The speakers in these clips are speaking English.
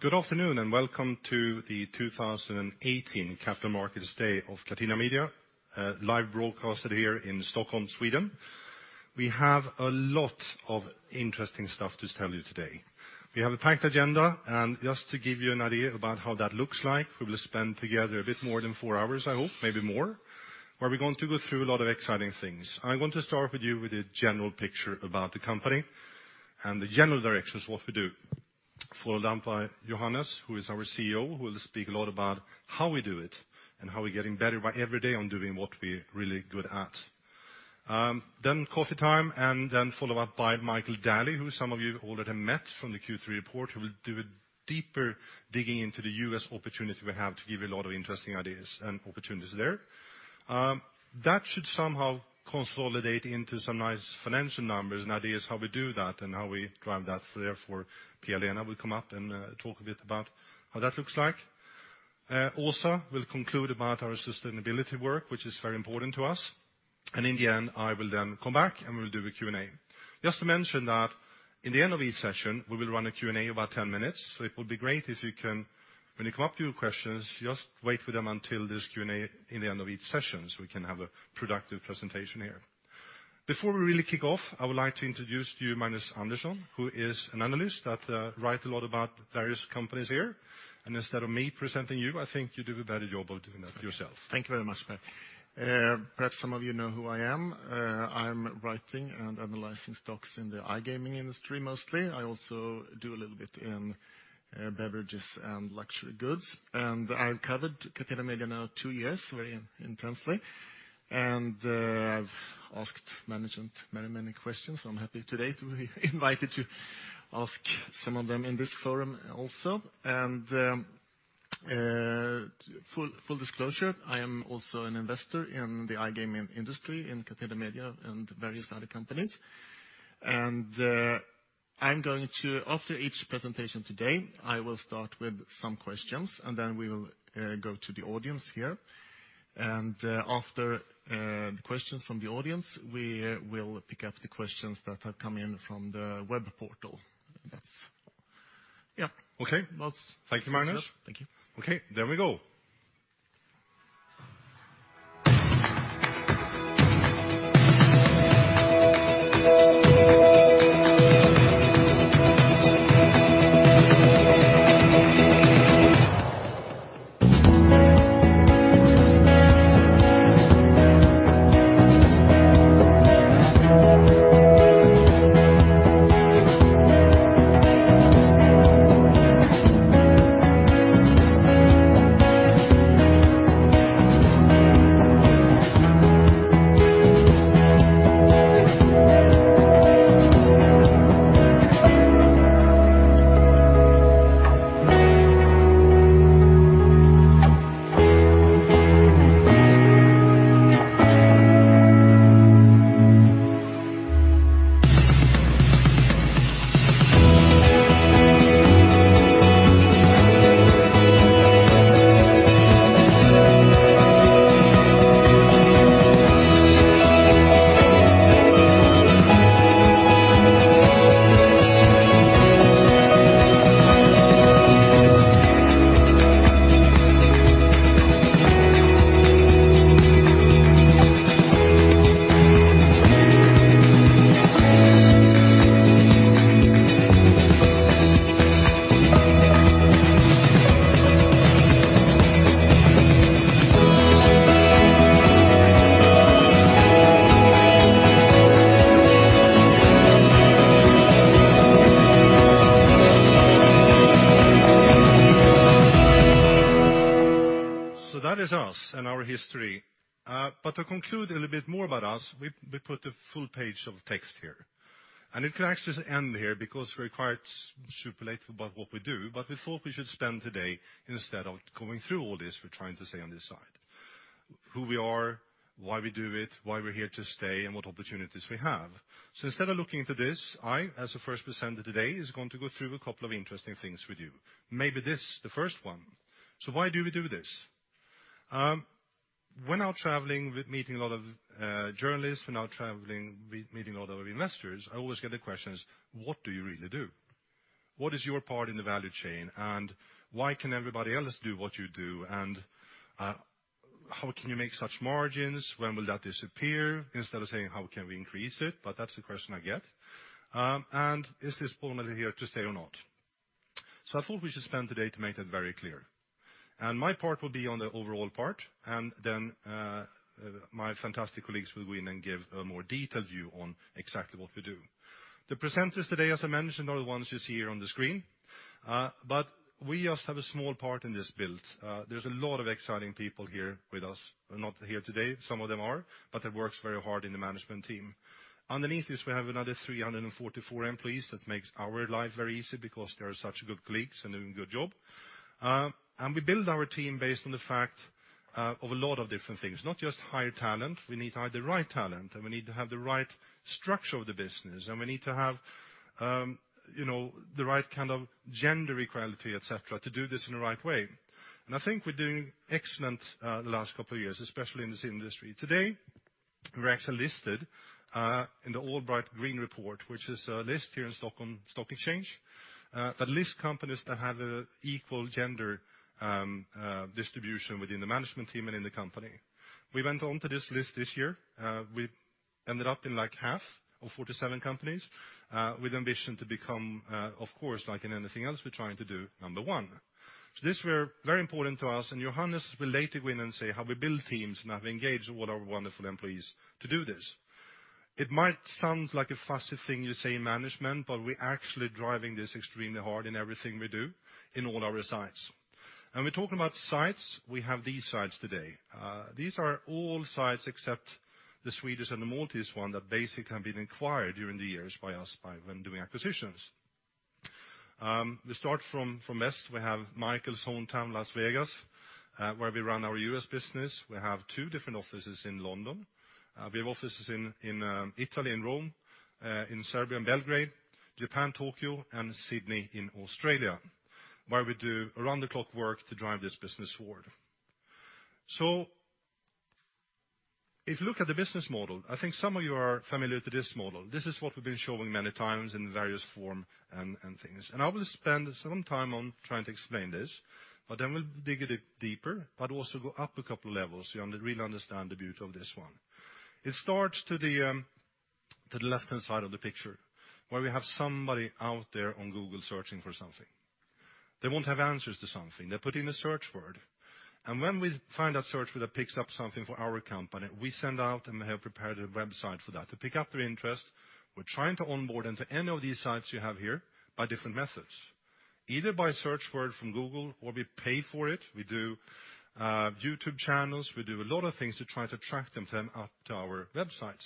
Good afternoon. Welcome to the 2018 Capital Markets Day of Catena Media, live broadcasted here in Stockholm, Sweden. We have a lot of interesting stuff to tell you today. We have a packed agenda, just to give you an idea about how that looks like, we will spend together a bit more than four hours, I hope, maybe more, where we're going to go through a lot of exciting things. I'm going to start with you with a general picture about the company and the general directions, what we do. Followed down by Johannes, who is our CEO, who will speak a lot about how we do it and how we're getting better by every day on doing what we're really good at. Coffee time, followed up by Michael Daly, who some of you already met from the Q3 report, who will do a deeper digging into the U.S. opportunity we have to give you a lot of interesting ideas and opportunities there. That should somehow consolidate into some nice financial numbers and ideas how we do that and how we drive that. Therefore, Pia-Lena will come up and talk a bit about how that looks like. Also, we'll conclude about our sustainability work, which is very important to us. In the end, I will then come back, and we'll do a Q&A. Just to mention that, in the end of each session, we will run a Q&A about 10 minutes, so it will be great if you can, when you come up to your questions, just wait for them until this Q&A in the end of each session, so we can have a productive presentation here. Before we really kick off, I would like to introduce to you Magnus Andersson, who is an analyst that write a lot about various companies here. Instead of me presenting you, I think you do a better job of doing that yourself. Thank you very much, Per. Perhaps some of you know who I am. I'm writing and analyzing stocks in the iGaming industry mostly. I also do a little bit in beverages and luxury goods. I've covered Catena Media now two years very intensely. I've asked management many, many questions. I'm happy today to be invited to ask some of them in this forum also. Full disclosure, I am also an investor in the iGaming industry in Catena Media and various other companies. I'm going to, after each presentation today, I will start with some questions. We will go to the audience here. After the questions from the audience, we will pick up the questions that have come in from the web portal. Yes. Yeah. Okay. That's- Thank you, Magnus. Yeah. Thank you. That is us and our history. To conclude a little bit more about us, we put a full page of text here. It could actually just end here because we're quite super late about what we do, but we thought we should spend today, instead of going through all this, we're trying to stay on this side. Who we are, why we do it, why we're here to stay, and what opportunities we have. Instead of looking into this, I, as the first presenter today, is going to go through a couple of interesting things with you. Maybe this, the first one. Why do we do this? When out traveling with meeting a lot of journalists, when out traveling meeting a lot of investors, I always get the questions: What do you really do? What is your part in the value chain, and why can everybody else do what you do? How can you make such margins? When will that disappear? Instead of saying, "How can we increase it?" That's the question I get. Is this permanently here to stay or not? I thought we should spend today to make that very clear. My part will be on the overall part, and then my fantastic colleagues will weigh in and give a more detailed view on exactly what we do. The presenters today, as I mentioned, are the ones you see here on the screen. We just have a small part in this build. There's a lot of exciting people here with us, not here today. Some of them are, but that works very hard in the management team. Underneath this, we have another 344 employees that makes our life very easy because they are such good colleagues and doing a good job. We build our team based on the fact of a lot of different things, not just hire talent. We need to hire the right talent, and we need to have the right structure of the business, and we need to have the right kind of gender equality, et cetera, to do this in the right way. I think we're doing excellent the last couple of years, especially in this industry. Today, we're actually listed in the Allbright Green Report, which is a list here in Stockholm Stock Exchange, that lists companies that have an equal gender distribution within the management team and in the company. We went onto this list this year. We ended up in half of 47 companies with ambition to become, of course, like in anything else we're trying to do, number one. This were very important to us, Johannes will later go in and say how we build teams and have engaged all our wonderful employees to do this. It might sound like a fancy thing to say in management, but we're actually driving this extremely hard in everything we do in all our sites. We're talking about sites. We have these sites today. These are all sites except the Swedish and the Maltese one that basically have been acquired during the years by us when doing acquisitions. We start from west. We have Michael's hometown, Las Vegas, where we run our U.S. business. We have two different offices in London. We have offices in Italy, in Rome, in Serbia, in Belgrade, Japan, Tokyo, and Sydney in Australia, where we do around-the-clock work to drive this business forward. If you look at the business model, I think some of you are familiar to this model. This is what we've been showing many times in various form and things. I will spend some time on trying to explain this, but then we'll dig a bit deeper, but also go up a couple levels so you really understand the beauty of this one. It starts to the left-hand side of the picture, where we have somebody out there on Google searching for something. They want to have answers to something. They put in a search word. When we find a search word that picks up something for our company, we send out and have prepared a website for that to pick up their interest. We're trying to onboard into any of these sites you have here by different methods, either by search word from Google or we pay for it. We do YouTube channels. We do a lot of things to try to attract them to our websites.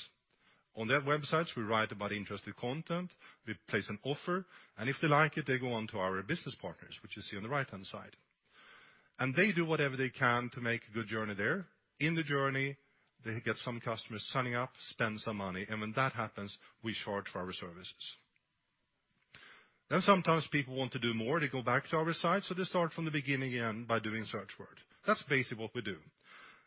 On that websites, we write about interesting content. We place an offer, if they like it, they go on to our business partners, which you see on the right-hand side. They do whatever they can to make a good journey there. In the journey, they get some customers signing up, spend some money, and when that happens, we charge for our services. Sometimes people want to do more. They go back to our site, they start from the beginning again by doing search word. That's basically what we do.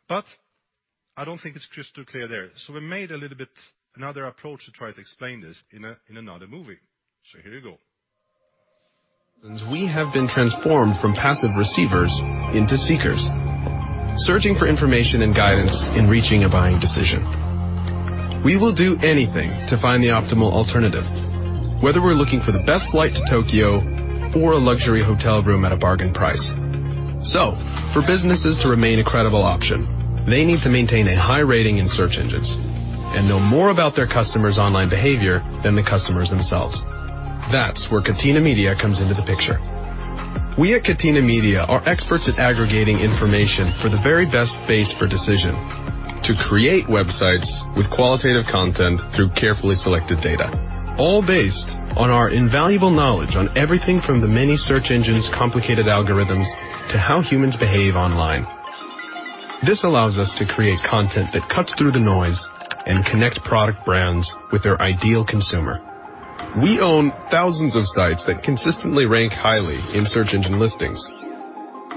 I don't think it's crystal clear there. We made a little bit another approach to try to explain this in another movie. Here you go. We have been transformed from passive receivers into seekers, searching for information and guidance in reaching a buying decision. We will do anything to find the optimal alternative, whether we're looking for the best flight to Tokyo or a luxury hotel room at a bargain price. For businesses to remain a credible option, they need to maintain a high rating in search engines and know more about their customers' online behavior than the customers themselves. That's where Catena Media comes into the picture. We at Catena Media are experts at aggregating information for the very best base for decision to create websites with qualitative content through carefully selected data, all based on our invaluable knowledge on everything from the many search engines' complicated algorithms to how humans behave online. This allows us to create content that cuts through the noise and connects product brands with their ideal consumer. We own thousands of sites that consistently rank highly in search engine listings.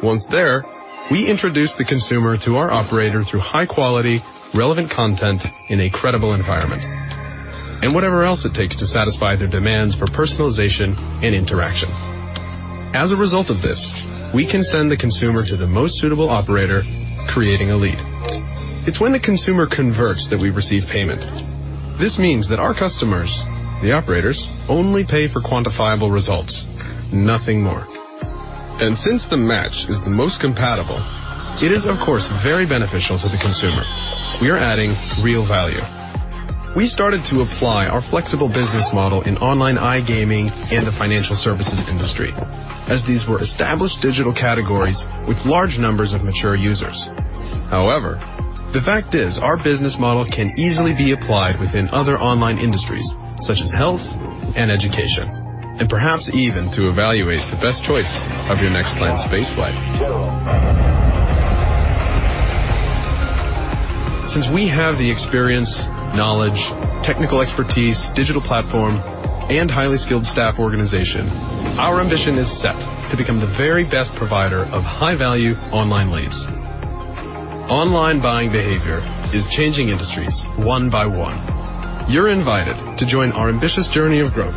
Once there, we introduce the consumer to our operator through high-quality, relevant content in a credible environment and whatever else it takes to satisfy their demands for personalization and interaction. As a result of this, we can send the consumer to the most suitable operator, creating a lead. It's when the consumer converts that we receive payment. This means that our customers, the operators, only pay for quantifiable results, nothing more. Since the match is the most compatible, it is of course very beneficial to the consumer. We are adding real value. We started to apply our flexible business model in online iGaming and the financial services industry, as these were established digital categories with large numbers of mature users. However, the fact is our business model can easily be applied within other online industries such as health and education, and perhaps even to evaluate the best choice of your next planned space flight. Since we have the experience, knowledge, technical expertise, digital platform, and highly skilled staff organization, our ambition is set to become the very best provider of high-value online leads. Online buying behavior is changing industries one by one. You're invited to join our ambitious journey of growth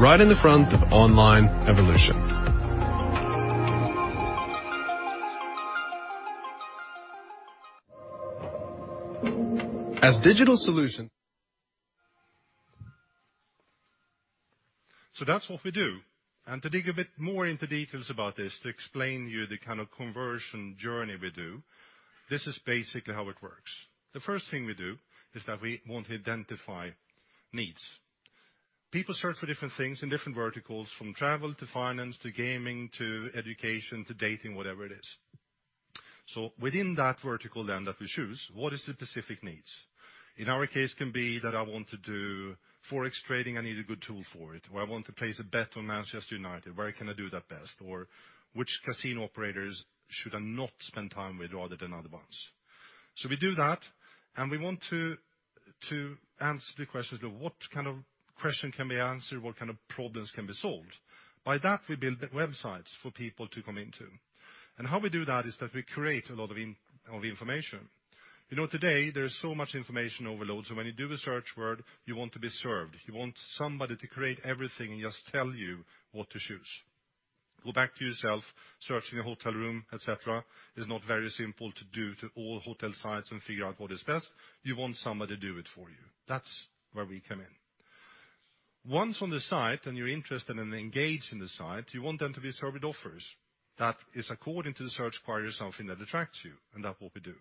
right in the front of online evolution. As digital solutions That's what we do. To dig a bit more into details about this, to explain you the kind of conversion journey we do, this is basically how it works. The first thing we do is that we want to identify needs. People search for different things in different verticals, from travel to finance, to gaming, to education, to dating, whatever it is. Within that vertical then that we choose, what is the specific needs? In our case can be that I want to do Forex trading, I need a good tool for it, or I want to place a bet on Manchester United. Where can I do that best? Which casino operators should I not spend time with rather than other ones? We do that, we want to answer the questions of what kind of question can be answered, what kind of problems can be solved? By that, we build websites for people to come into. How we do that is that we create a lot of information. Today, there is so much information overload, so when you do a search word, you want to be served. You want somebody to create everything and just tell you what to choose. Go back to yourself, searching a hotel room, et cetera, is not very simple to do to all hotel sites and figure out what is best. You want somebody to do it for you. That's where we come in. Once on the site, you're interested and engaged in the site, you want them to be served with offers. That is according to the search query or something that attracts you, that's what we do.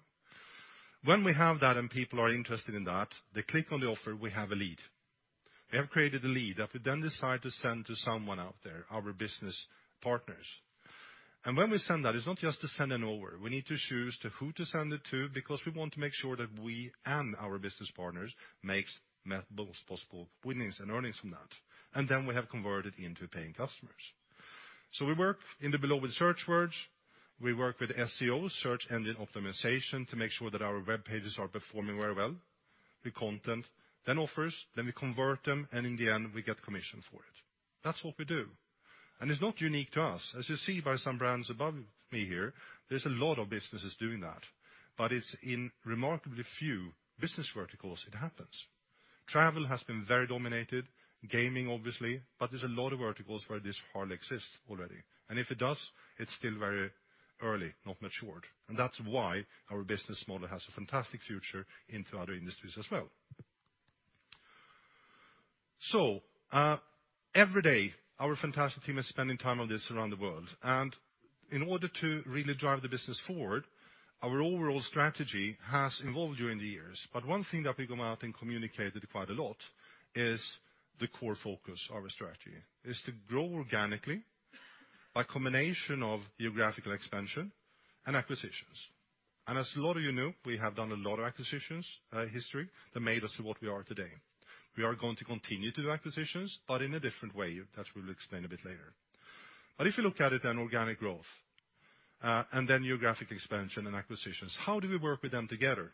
When we have that, people are interested in that, they click on the offer, we have a lead. We have created a lead that we then decide to send to someone out there, our business partners. When we send that, it's not just to send on over. We need to choose to who to send it to because we want to make sure that we and our business partners makes measurable possible winnings and earnings from that. Then we have converted into paying customers. We work in the below with search words. We work with SEO, search engine optimization, to make sure that our web pages are performing very well, the content. Offers, then we convert them, and in the end, we get commission for it. That's what we do. It's not unique to us. As you see by some brands above me here, there's a lot of businesses doing that, but it's in remarkably few business verticals it happens. Travel has been very dominated, gaming, obviously, but there's a lot of verticals where this hardly exists already. If it does, it's still very early, not matured. That's why our business model has a fantastic future into other industries as well. Every day, our fantastic team is spending time on this around the world. In order to really drive the business forward, our overall strategy has evolved during the years. One thing that we come out and communicated quite a lot is the core focus of our strategy. It's to grow organically by combination of geographical expansion and acquisitions. As a lot of you know, we have done a lot of acquisitions, history, that made us what we are today. We are going to continue to do acquisitions, but in a different way, as we will explain a bit later. If you look at it, an organic growth, and then geographic expansion and acquisitions, how do we work with them together?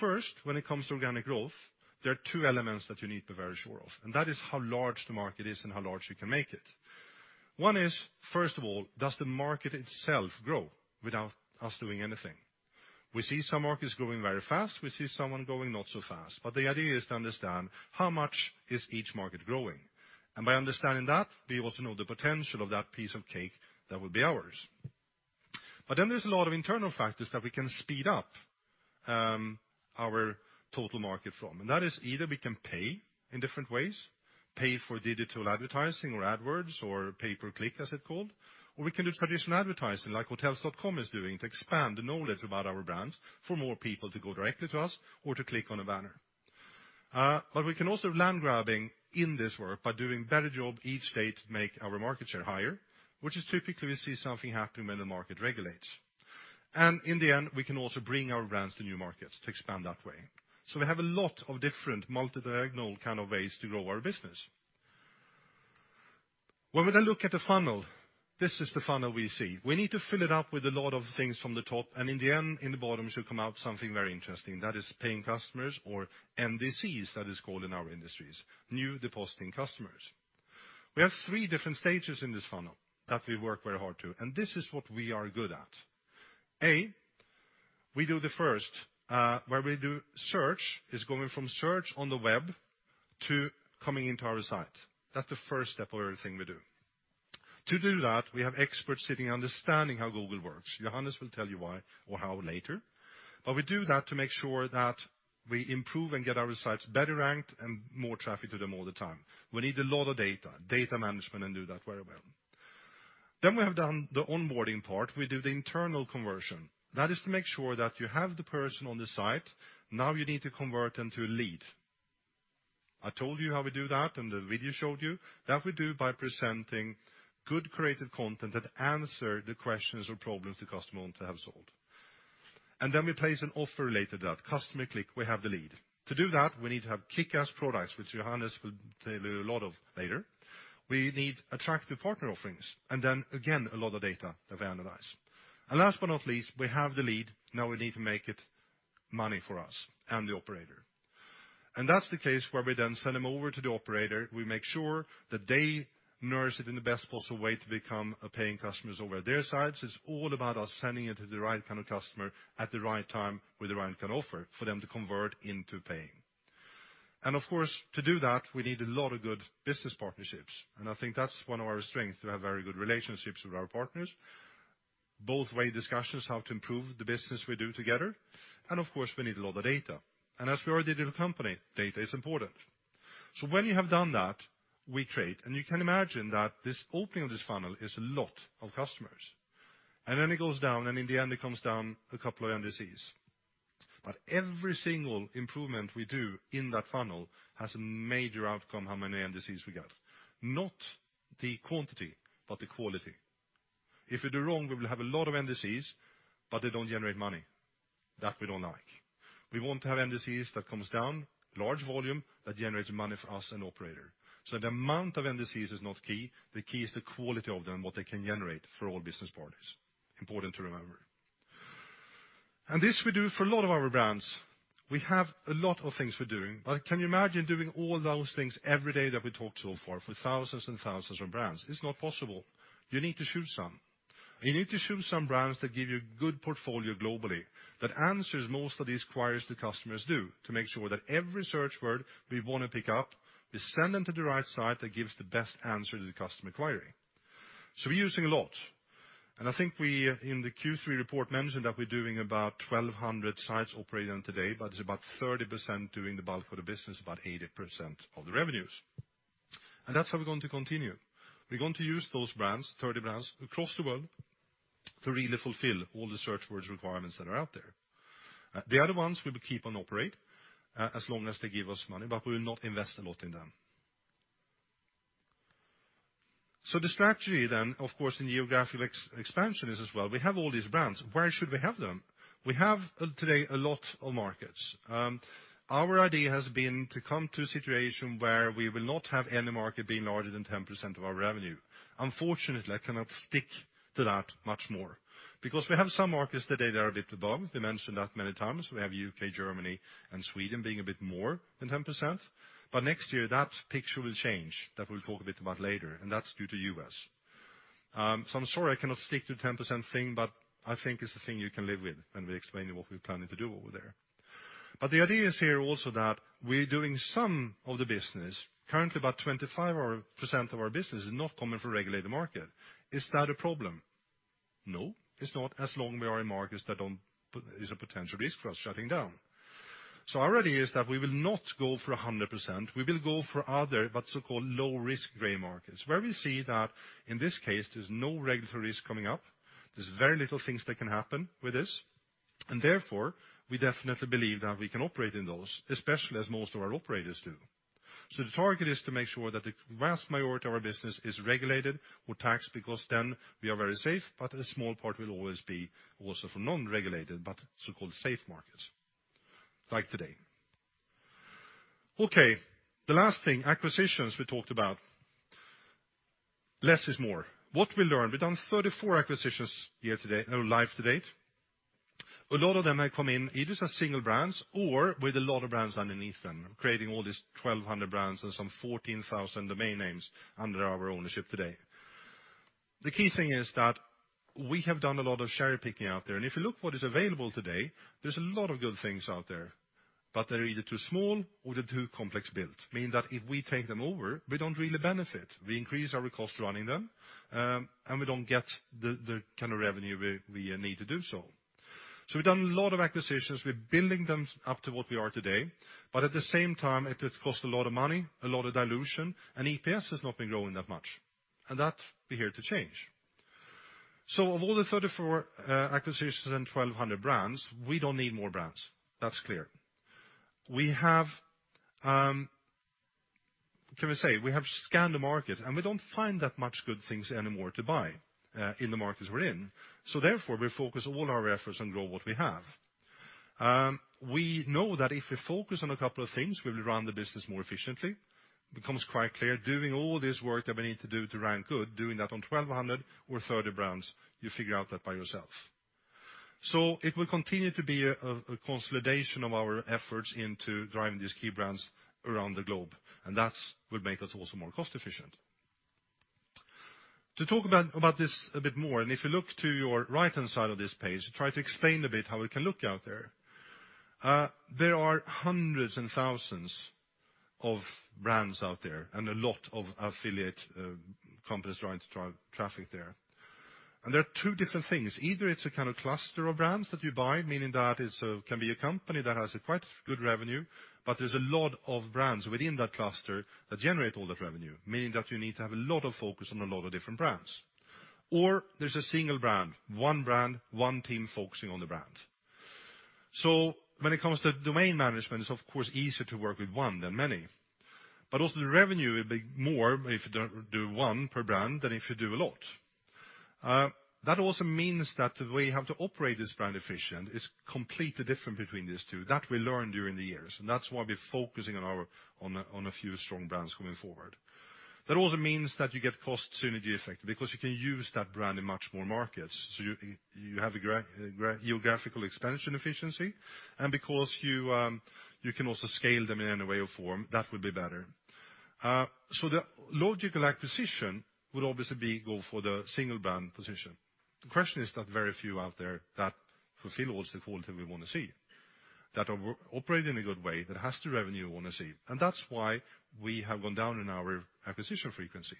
First, when it comes to organic growth, there are two elements that you need to be very sure of, and that is how large the market is and how large you can make it. One is first of all, does the market itself grow without us doing anything? We see some markets growing very fast, we see some growing not so fast, but the idea is to understand how much is each market growing. By understanding that, we also know the potential of that piece of cake that will be ours. There is a lot of internal factors that we can speed up our total market from. That is either we can pay in different ways, pay for digital advertising or AdWords or pay per click, as it is called. We can do traditional advertising like Hotels.com is doing to expand the knowledge about our brands for more people to go directly to us or to click on a banner. We can also land grabbing in this work by doing better job each day to make our market share higher, which is typically we see something happen when the market regulates. In the end, we can also bring our brands to new markets to expand that way. We have a lot of different multi diagonal ways to grow our business. When we now look at the funnel, this is the funnel we see. We need to fill it up with a lot of things from the top, and in the end, in the bottom should come out something very interesting. That is paying customers or NDCs, that is called in our industries, new depositing customers. We have 3 different stages in this funnel that we work very hard to, and this is what we are good at. A, we do the first, where we do search is going from search on the web to coming into our site. That is the first step of everything we do. To do that, we have experts sitting understanding how Google works. Johannes will tell you why or how later. We do that to make sure that we improve and get our sites better ranked and more traffic to them all the time. We need a lot of data management, and do that very well. We have done the onboarding part. We do the internal conversion. That is to make sure that you have the person on the site. Now you need to convert them to a lead. I told you how we do that, and the video showed you. That we do by presenting good created content that answer the questions or problems the customer want to have solved. Then we place an offer related to that. Customer click, we have the lead. To do that, we need to have kickass products, which Johannes will tell you a lot of later. We need attractive partner offerings, then again, a lot of data that we analyze. Last but not least, we have the lead. Now we need to make it money for us and the operator. That's the case where we then send them over to the operator. We make sure that they nurse it in the best possible way to become a paying customers over their sites. It's all about us sending it to the right kind of customer at the right time with the right kind of offer for them to convert into paying. Of course, to do that, we need a lot of good business partnerships, I think that's one of our strengths. We have very good relationships with our partners, both way discussions how to improve the business we do together, of course, we need a lot of data. As we are a digital company, data is important. When you have done that, we trade. You can imagine that this opening of this funnel is a lot of customers. Then it goes down, and in the end, it comes down a couple of NDCs. Every single improvement we do in that funnel has a major outcome how many NDCs we get. Not the quantity, but the quality. If we do wrong, we will have a lot of NDCs, but they don't generate money. That we don't like. We want to have NDCs that comes down, large volume, that generates money for us and operator. The amount of NDCs is not key. The key is the quality of them, what they can generate for all business partners. Important to remember. This we do for a lot of our brands. We have a lot of things we're doing. Can you imagine doing all those things every day that we talked so far for thousands and thousands of brands? It's not possible. You need to choose some. You need to choose some brands that give you a good portfolio globally, that answers most of these queries that customers do to make sure that every search word we want to pick up, we send them to the right site that gives the best answer to the customer query. We're using a lot, I think we, in the Q3 report, mentioned that we're doing about 1,200 sites operating today, but it's about 30% doing the bulk of the business, about 80% of the revenues. That's how we're going to continue. We're going to use those brands, 30 brands across the world, to really fulfill all the search words requirements that are out there. The other ones we will keep on operate, as long as they give us money, but we will not invest a lot in them. The strategy then, of course, in geographic expansion is as well, we have all these brands. Where should we have them? We have today a lot of markets. Our idea has been to come to a situation where we will not have any market being larger than 10% of our revenue. Unfortunately, I cannot stick to that much more because we have some markets today that are a bit above. We mentioned that many times. We have U.K., Germany, and Sweden being a bit more than 10%. Next year that picture will change. That we'll talk a bit about later, and that's due to U.S. I'm sorry, I cannot stick to the 10% thing, but I think it's a thing you can live with when we explain what we're planning to do over there. The idea is here also that we're doing some of the business. Currently, about 25% of our business is not coming from regulated market. Is that a problem? No, it's not as long we are in markets that don't There's a potential risk for us shutting down. Our idea is that we will not go for 100%. We will go for other, but so-called low-risk gray markets, where we see that, in this case, there's no regulatory risk coming up. There's very little things that can happen with this, and therefore, we definitely believe that we can operate in those, especially as most of our operators do. The target is to make sure that the vast majority of our business is regulated or taxed, because then we are very safe, but a small part will always be also from non-regulated, but so-called safe markets, like today. Okay, the last thing, acquisitions we talked about. Less is more. What we learned, we've done 34 acquisitions live to date. A lot of them have come in, either as single brands or with a lot of brands underneath them, creating all these 1,200 brands and some 14,000 domain names under our ownership today. The key thing is that we have done a lot of cherry-picking out there. If you look what is available today, there's a lot of good things out there, but they're either too small or they're too complex built, meaning that if we take them over, we don't really benefit. We increase our cost running them, and we don't get the kind of revenue we need to do so. We've done a lot of acquisitions. We're building them up to what we are today, but at the same time, it did cost a lot of money, a lot of dilution, and EPS has not been growing that much. That be here to change. Of all the 34 acquisitions and 1,200 brands, we don't need more brands. That's clear. Can we say, we have scanned the market and we don't find that much good things anymore to buy, in the markets we're in. Therefore, we focus all our efforts on grow what we have. We know that if we focus on a couple of things, we will run the business more efficiently. Becomes quite clear, doing all this work that we need to do to rank good, doing that on 1,200 or 30 brands, you figure out that by yourself. It will continue to be a consolidation of our efforts into driving these key brands around the globe, and that will make us also more cost-efficient. To talk about this a bit more, and if you look to your right-hand side of this page, try to explain a bit how we can look out there. There are hundreds and thousands of brands out there and a lot of affiliate companies trying to drive traffic there. There are two different things. Either it's a kind of cluster of brands that you buy, meaning that it can be a company that has a quite good revenue, but there's a lot of brands within that cluster that generate all that revenue, meaning that you need to have a lot of focus on a lot of different brands. Or there's a single brand, one brand, one team focusing on the brand. When it comes to domain management, it's of course easier to work with one than many. Also the revenue will be more if you do one per brand than if you do a lot. That also means that the way you have to operate this brand efficient is completely different between these two, that we learned during the years, and that's why we're focusing on a few strong brands coming forward. That also means that you get cost synergy effect because you can use that brand in much more markets. You have a geographical expansion efficiency, and because you can also scale them in any way or form, that would be better. The logical acquisition would obviously be go for the single brand position. The question is that very few out there that fulfill all the quality we want to see, that operate in a good way, that has the revenue we want to see. That's why we have gone down in our acquisition frequency.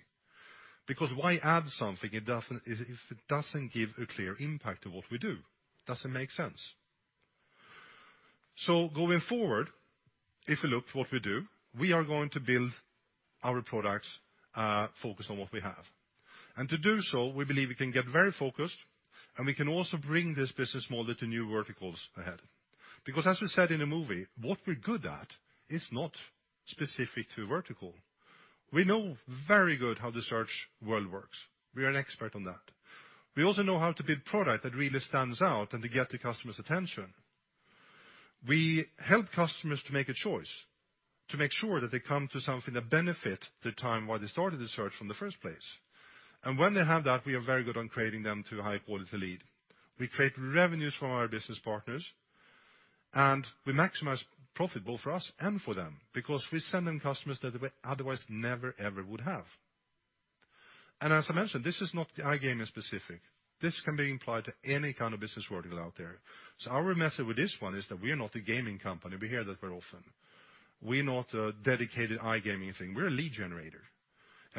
Why add something if it doesn't give a clear impact to what we do? Doesn't make sense. Going forward, if we look what we do, we are going to build our products focused on what we have. To do so, we believe we can get very focused and we can also bring this business model to new verticals ahead. As we said in the movie, what we're good at is not specific to vertical. We know very good how the search world works. We are an expert on that. We also know how to build product that really stands out and to get the customer's attention. We help customers to make a choice, to make sure that they come to something that benefit the time why they started the search in the first place. When they have that, we are very good on creating them to a high-quality lead. We create revenues from our business partners, and we maximize profit both for us and for them, because we send them customers that they would otherwise never, ever would have. As I mentioned, this is not iGaming specific. This can be applied to any kind of business vertical out there. Our message with this one is that we are not a gaming company. We hear that very often. We're not a dedicated iGaming thing. We're a lead generator.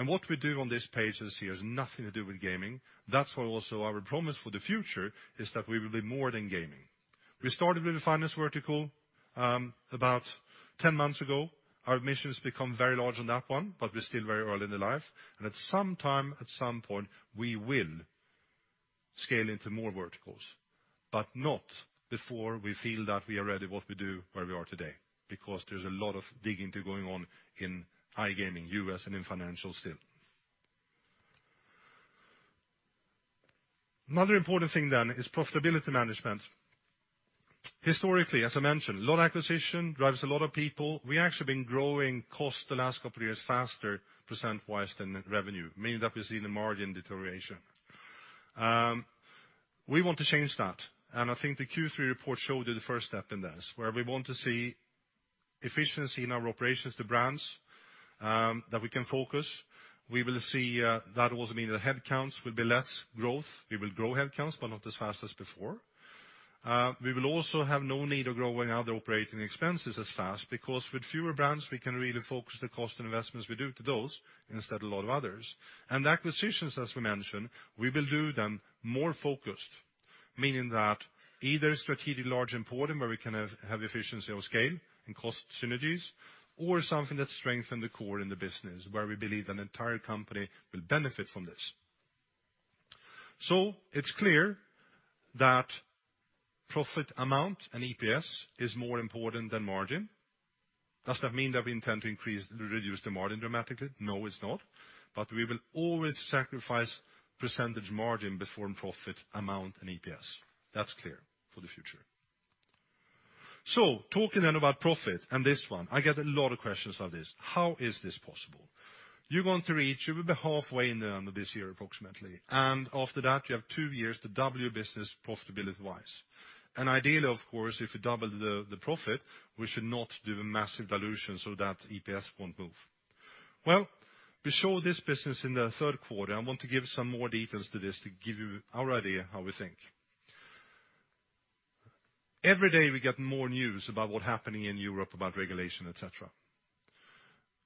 What we do on this page you see has nothing to do with gaming. That's why also our promise for the future is that we will be more than gaming. We started with the financial vertical, about 10 months ago. Our mission has become very large on that one, but we're still very early in the life. At some time, at some point, we will scale into more verticals, but not before we feel that we are ready, what we do, where we are today, because there's a lot of digging to going on in iGaming, U.S., and in financial still. Important thing then is profitability management. Historically, as I mentioned, a lot acquisition drives a lot of people. We actually been growing cost the last couple of years faster percent-wise than revenue, meaning that we're seeing a margin deterioration. We want to change that, and I think the Q3 report showed the first step in this, where we want to see efficiency in our operations, the brands, that we can focus. We will see, that also mean the headcounts will be less growth. We will grow headcounts, but not as fast as before. We will also have no need of growing other operating expenses as fast because with fewer brands, we can really focus the cost and investments we do to those instead of a lot of others. Acquisitions, as we mentioned, we will do them more focused, meaning that either strategic large important where we can have efficiency of scale and cost synergies or something that strengthen the core in the business where we believe an entire company will benefit from this. It's clear that profit amount and EPS is more important than margin. Does that mean that we intend to reduce the margin dramatically? No, it's not. But we will always sacrifice percentage margin before profit amount and EPS. That's clear for the future. Talking then about profit and this one, I get a lot of questions on this. How is this possible? You will be halfway in the end of this year, approximately. After that, you have two years to double your business profitability-wise. Ideally, of course, if you double the profit, we should not do a massive dilution so that EPS won't move. We show this business in the third quarter. I want to give some more details to this to give you our idea how we think. Every day, we get more news about what happening in Europe about regulation, et cetera.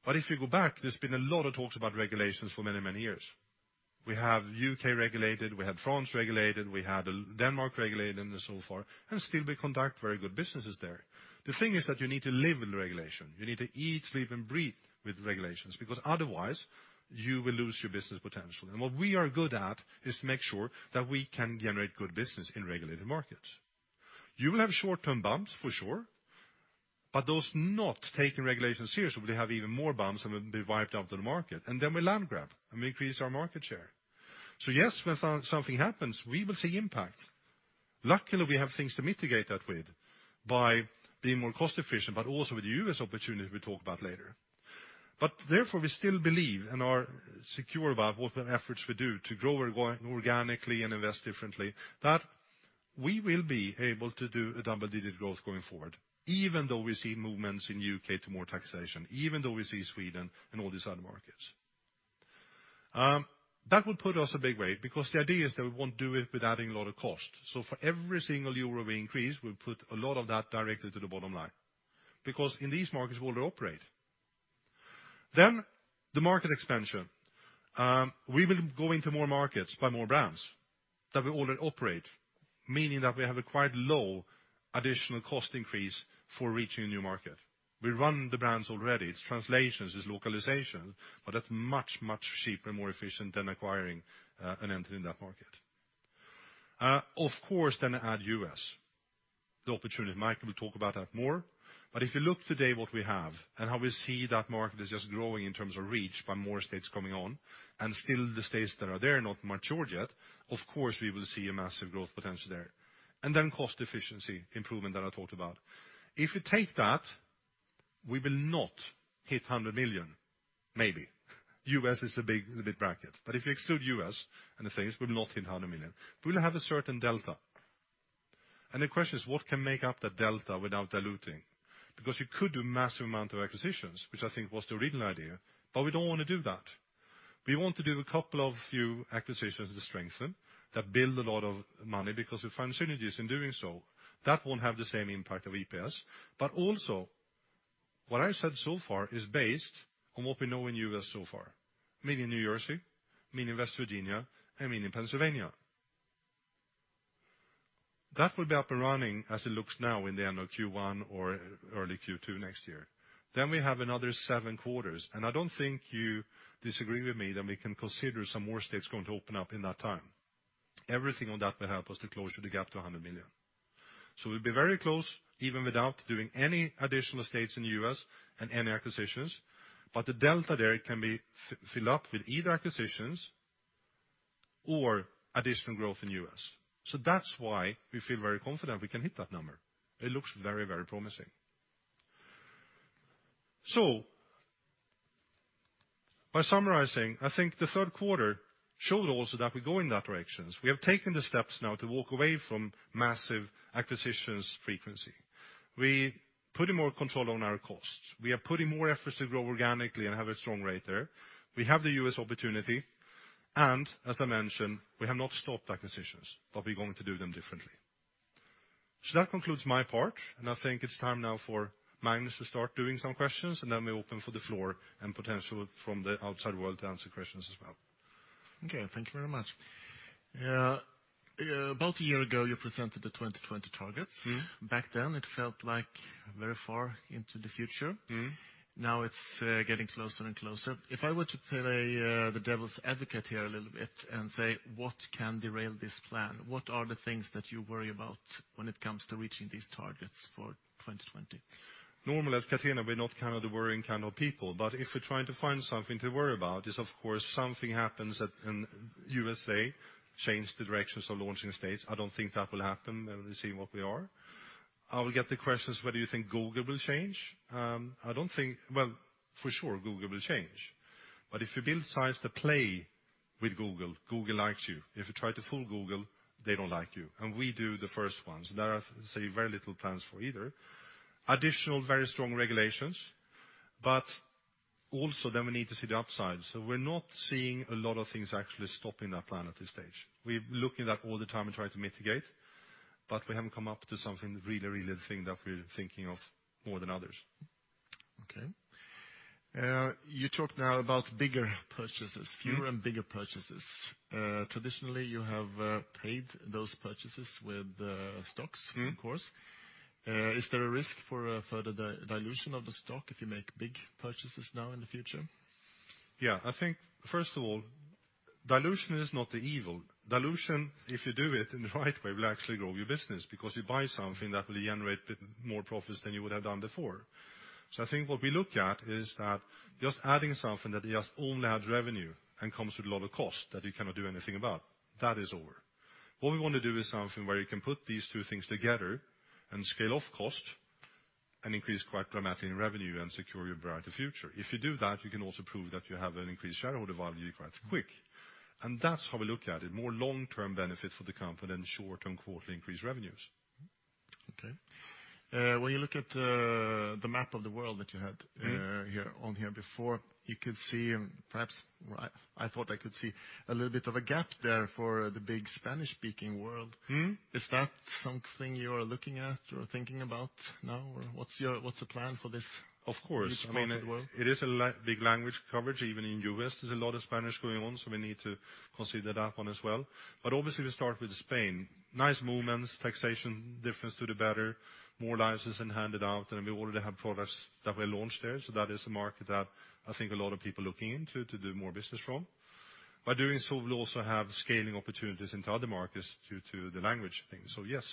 But if you go back, there's been a lot of talks about regulations for many, many years. We have U.K. regulated, we had France regulated, we had Denmark regulated and so forth, and still we conduct very good businesses there. The thing is that you need to live in regulation. You need to eat, sleep, and breathe with regulations because otherwise, you will lose your business potential. What we are good at is to make sure that we can generate good business in regulated markets. You will have short-term bumps for sure, but those not taking regulation seriously will have even more bumps and will be wiped off the market. Then we land grab and we increase our market share. Yes, when something happens, we will see impact. Luckily, we have things to mitigate that with by being more cost-efficient, but also with the U.S. opportunity we talk about later. Therefore, we still believe and are secure about what the efforts we do to grow organically and invest differently, that we will be able to do a double-digit growth going forward, even though we see movements in U.K. to more taxation, even though we see Sweden and all these other markets. That would put us a big way because the idea is that we won't do it without adding a lot of cost. For every single EUR we increase, we'll put a lot of that directly to the bottom line because in these markets, we already operate. The market expansion. We will go into more markets by more brands that we already operate, meaning that we have a quite low additional cost increase for reaching a new market. We run the brands already. It's translations, it's localization, but that's much, much cheaper and more efficient than acquiring, and entering that market. Add U.S., the opportunity. Mike will talk about that more. If you look today what we have and how we see that market is just growing in terms of reach by more states coming on and still the states that are there not matured yet, we will see a massive growth potential there. Cost efficiency improvement that I talked about. If you take that, we will not hit 100 million, maybe. U.S. is a big bracket. If you exclude U.S. and the things, we will not hit 100 million. We will have a certain delta. The question is, what can make up that delta without diluting? We could do massive amount of acquisitions, which I think was the original idea, we do not want to do that. We want to do a couple of few acquisitions to strengthen, that build a lot of money because we find synergies in doing so. That will not have the same impact of EPS. What I have said so far is based on what we know in U.S. so far, meaning New Jersey, meaning West Virginia, and meaning Pennsylvania. That will be up and running as it looks now in the end of Q1 or early Q2 next year. We have another seven quarters, I do not think you disagree with me that we can consider some more states going to open up in that time. Everything on that will help us to close the gap to 100 million. We will be very close even without doing any additional states in U.S. and any acquisitions, the delta there can be filled up with either acquisitions or additional growth in U.S. That's why we feel very confident we can hit that number. It looks very promising. By summarizing, I think the third quarter showed also that we are going that direction. We have taken the steps now to walk away from massive acquisitions frequency. We are putting more control on our costs. We are putting more efforts to grow organically and have a strong rate there. We have the U.S. opportunity, as I mentioned, we have not stopped acquisitions, we are going to do them differently. That concludes my part, and I think it's time now for Magnus to start doing some questions, and then we open for the floor and potentially from the outside world to answer questions as well. Okay. Thank you very much. About a year ago, you presented the 2020 targets. Back then, it felt like very far into the future. Now it's getting closer and closer. If I were to play the devil's advocate here a little bit and say, what can derail this plan? What are the things that you worry about when it comes to reaching these targets for 2020? Normally at Catena, we're not the worrying kind of people, but if we're trying to find something to worry about, it's of course something happens in the U.S., change the directions of launching states. I don't think that will happen when they see what we are. I will get the questions, whether you think Google will change. Well, for sure Google will change. If you build size to play with Google likes you. If you try to fool Google, they don't like you. We do the first ones. There are, say, very little plans for either. Additional, very strong regulations, but also then we need to see the upside. We're not seeing a lot of things actually stopping that plan at this stage. We're looking it up all the time and trying to mitigate, but we haven't come up to something, really the thing that we're thinking of more than others. Okay. You talked now about bigger purchases. Fewer and bigger purchases. Traditionally, you have paid those purchases with stocks. Of course. Is there a risk for further dilution of the stock if you make big purchases now in the future? I think, first of all, dilution is not the evil. Dilution, if you do it in the right way, will actually grow your business because you buy something that will generate more profits than you would have done before. I think what we look at is that just adding something that just only adds revenue and comes with a lot of cost that you cannot do anything about, that is over. What we want to do is something where you can put these two things together and scale off cost and increase quite dramatically in revenue and secure your brighter future. If you do that, you can also prove that you have an increased shareholder value quite quick. That's how we look at it, more long-term benefits for the company than short-term quarterly increased revenues. Okay. When you look at the map of the world that you had- on here before, you could see, perhaps, I thought I could see a little bit of a gap there for the big Spanish-speaking world. Is that something you're looking at or thinking about now, or what's the plan for Of course part of the world? It is a big language coverage even in U.S. There's a lot of Spanish going on. We need to consider that one as well. Obviously, we start with Spain. Nice movements, taxation difference to the better, more licenses than handed out, and we already have products that we launched there. That is a market that I think a lot of people are looking into to do more business from. By doing so, we'll also have scaling opportunities into other markets due to the language thing. Yes,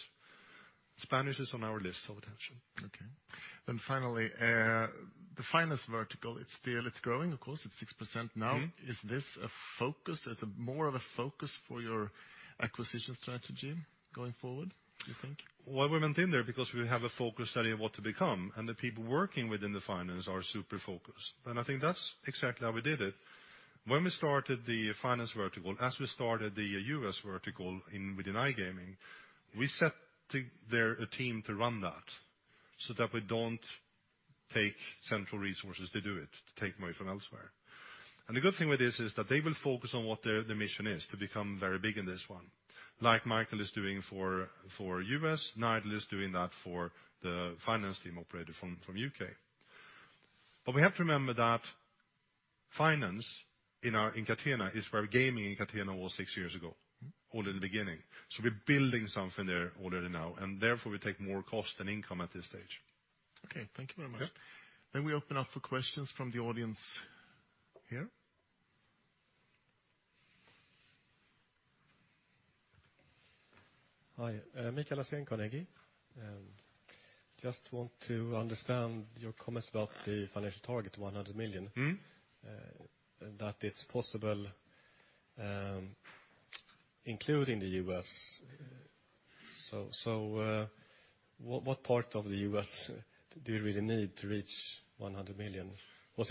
Spanish is on our list of attention. Okay. Finally, the Finance vertical, it's growing, of course, it's 6% now. Is this a focus? Is it more of a focus for your acquisition strategy going forward, do you think? Why we went in there, because we have a focus area of what to become, and the people working within the Finance are super focused. I think that's exactly how we did it. When we started the Finance vertical, as we started the U.S. vertical within iGaming, we set there a team to run that so that we don't take central resources to do it, to take money from elsewhere. The good thing with this is that they will focus on what their mission is, to become very big in this one. Like Michael is doing for U.S., Nigel is doing that for the Finance team operating from U.K. We have to remember that Finance in Catena is where gaming in Catena was six years ago- or in the beginning. We're building something there already now, and therefore, we take more cost than income at this stage. Okay. Thank you very much. Yeah. We open up for questions from the audience here. Hi. Mikael Ossian, Carnegie. I just want to understand your comments about the financial target, 100 million. That it's possible including the U.S. What part of the U.S. do you really need to reach 100 million? Yeah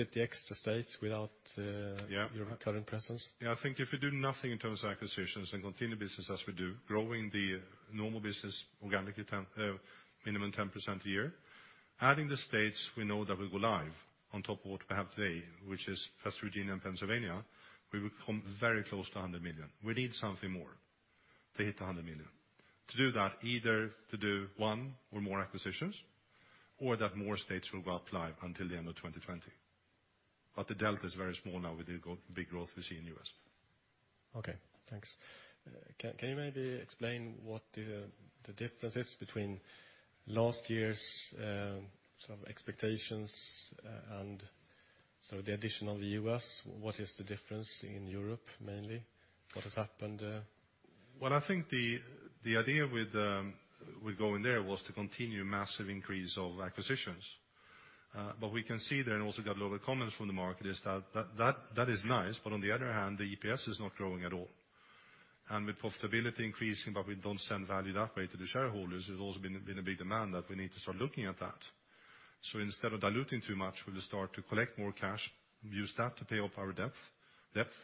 your current presence? I think if we do nothing in terms of acquisitions and continue business as we do, growing the normal business organically, minimum 10% a year, adding the states we know that will go live on top of what we have today, which is West Virginia and Pennsylvania, we will come very close to 100 million. We need something more to hit 100 million. To do that, either to do one or more acquisitions or that more states will go live until the end of 2020. The delta is very small now with the big growth we see in U.S. Okay, thanks. Can you maybe explain what the difference is between last year's sort of expectations and the addition of the U.S., what is the difference in Europe mainly? What has happened there? I think the idea with going there was to continue massive increase of acquisitions. We can see there and also got a lot of comments from the market is that is nice, but on the other hand, the EPS is not growing at all. With profitability increasing, but we don't send value that way to the shareholders, it's also been a big demand that we need to start looking at that. Instead of diluting too much, we'll start to collect more cash, use that to pay off our debt,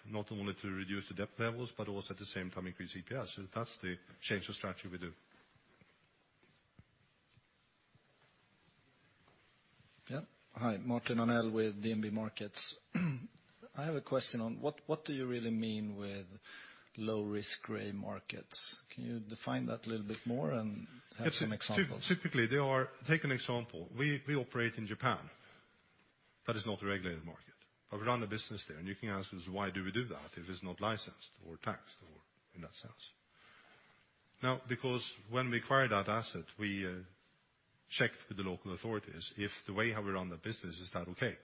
not only to reduce the debt levels, but also at the same time increase EPS. That's the change of strategy we do. Yeah. Hi. Martin Arnell with DNB Markets. I have a question on what do you really mean with low-risk gray markets? Can you define that a little bit more and have some examples? Typically, take an example. We operate in Japan. We run a business there and you can ask us why do we do that if it's not licensed or taxed or in that sense. Because when we acquired that asset, we checked with the local authorities if the way how we run the business, is that okay?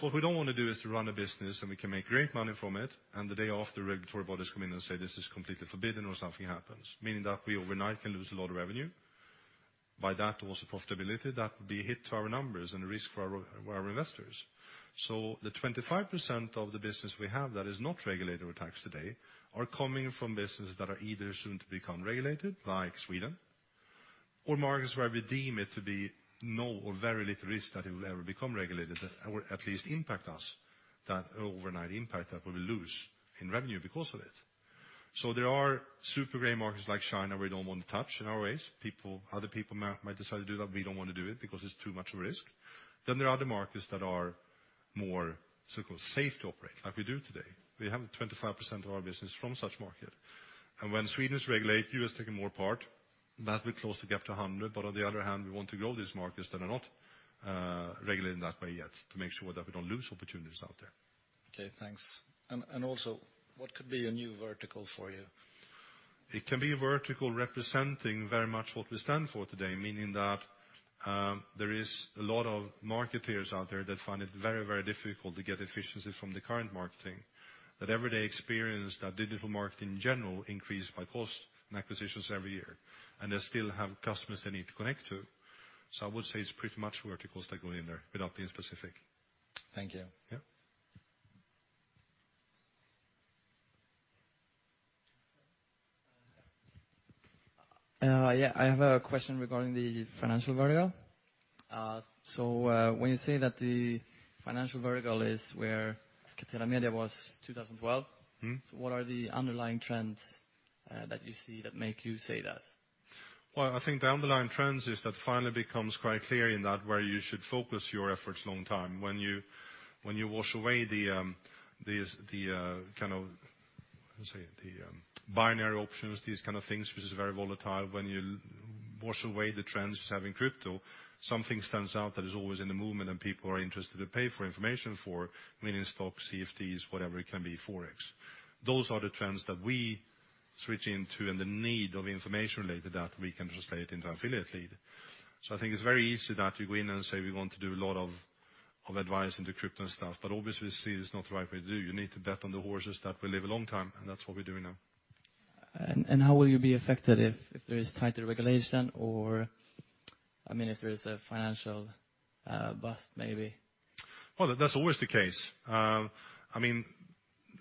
What we don't want to do is to run a business and we can make great money from it, and the day after regulatory bodies come in and say this is completely forbidden or something happens, meaning that we overnight can lose a lot of revenue. By that also profitability, that would be hit to our numbers and a risk for our investors. The 25% of the business we have that is not regulated or taxed today are coming from businesses that are either soon to become regulated like Sweden or markets where we deem it to be no or very little risk that it will ever become regulated or at least impact us, that overnight impact that we will lose in revenue because of it. There are super gray markets like China we don't want to touch in our ways. Other people might decide to do that. We don't want to do it because it's too much risk. There are the markets that are more so-called safe to operate like we do today. We have 25% of our business from such market. When Sweden is regulated, U.S. taking more part, that will close the gap to 100. On the other hand, we want to grow these markets that are not regulated in that way yet to make sure that we don't lose opportunities out there. Okay, thanks. Also, what could be a new vertical for you? It can be a vertical representing very much what we stand for today, meaning that there is a lot of marketers out there that find it very difficult to get efficiencies from the current marketing, that everyday experience that digital marketing in general increase by cost and acquisitions every year. They still have customers they need to connect to. I would say it's pretty much verticals that go in there without being specific. Thank you. Yeah. Yeah, I have a question regarding the financial vertical. When you say that the financial vertical is where Catena Media was 2012- What are the underlying trends that you see that make you say that? Well, I think the underlying trends is that finally becomes quite clear in that where you should focus your efforts long time. When you wash away the binary options, these kind of things, which is very volatile. When you wash away the trends having crypto, something stands out that is always in the movement and people are interested to pay for information for, meaning stocks, CFDs, whatever it can be, Forex. Those are the trends that we switch into and the need of information related that we can translate into affiliate lead. I think it's very easy that we go in and say we want to do a lot of advice into crypto stuff, but obviously see it's not the right way to do. You need to bet on the horses that will live a long time, and that's what we're doing now. How will you be affected if there is tighter regulation or if there is a financial bust maybe? Well, that's always the case.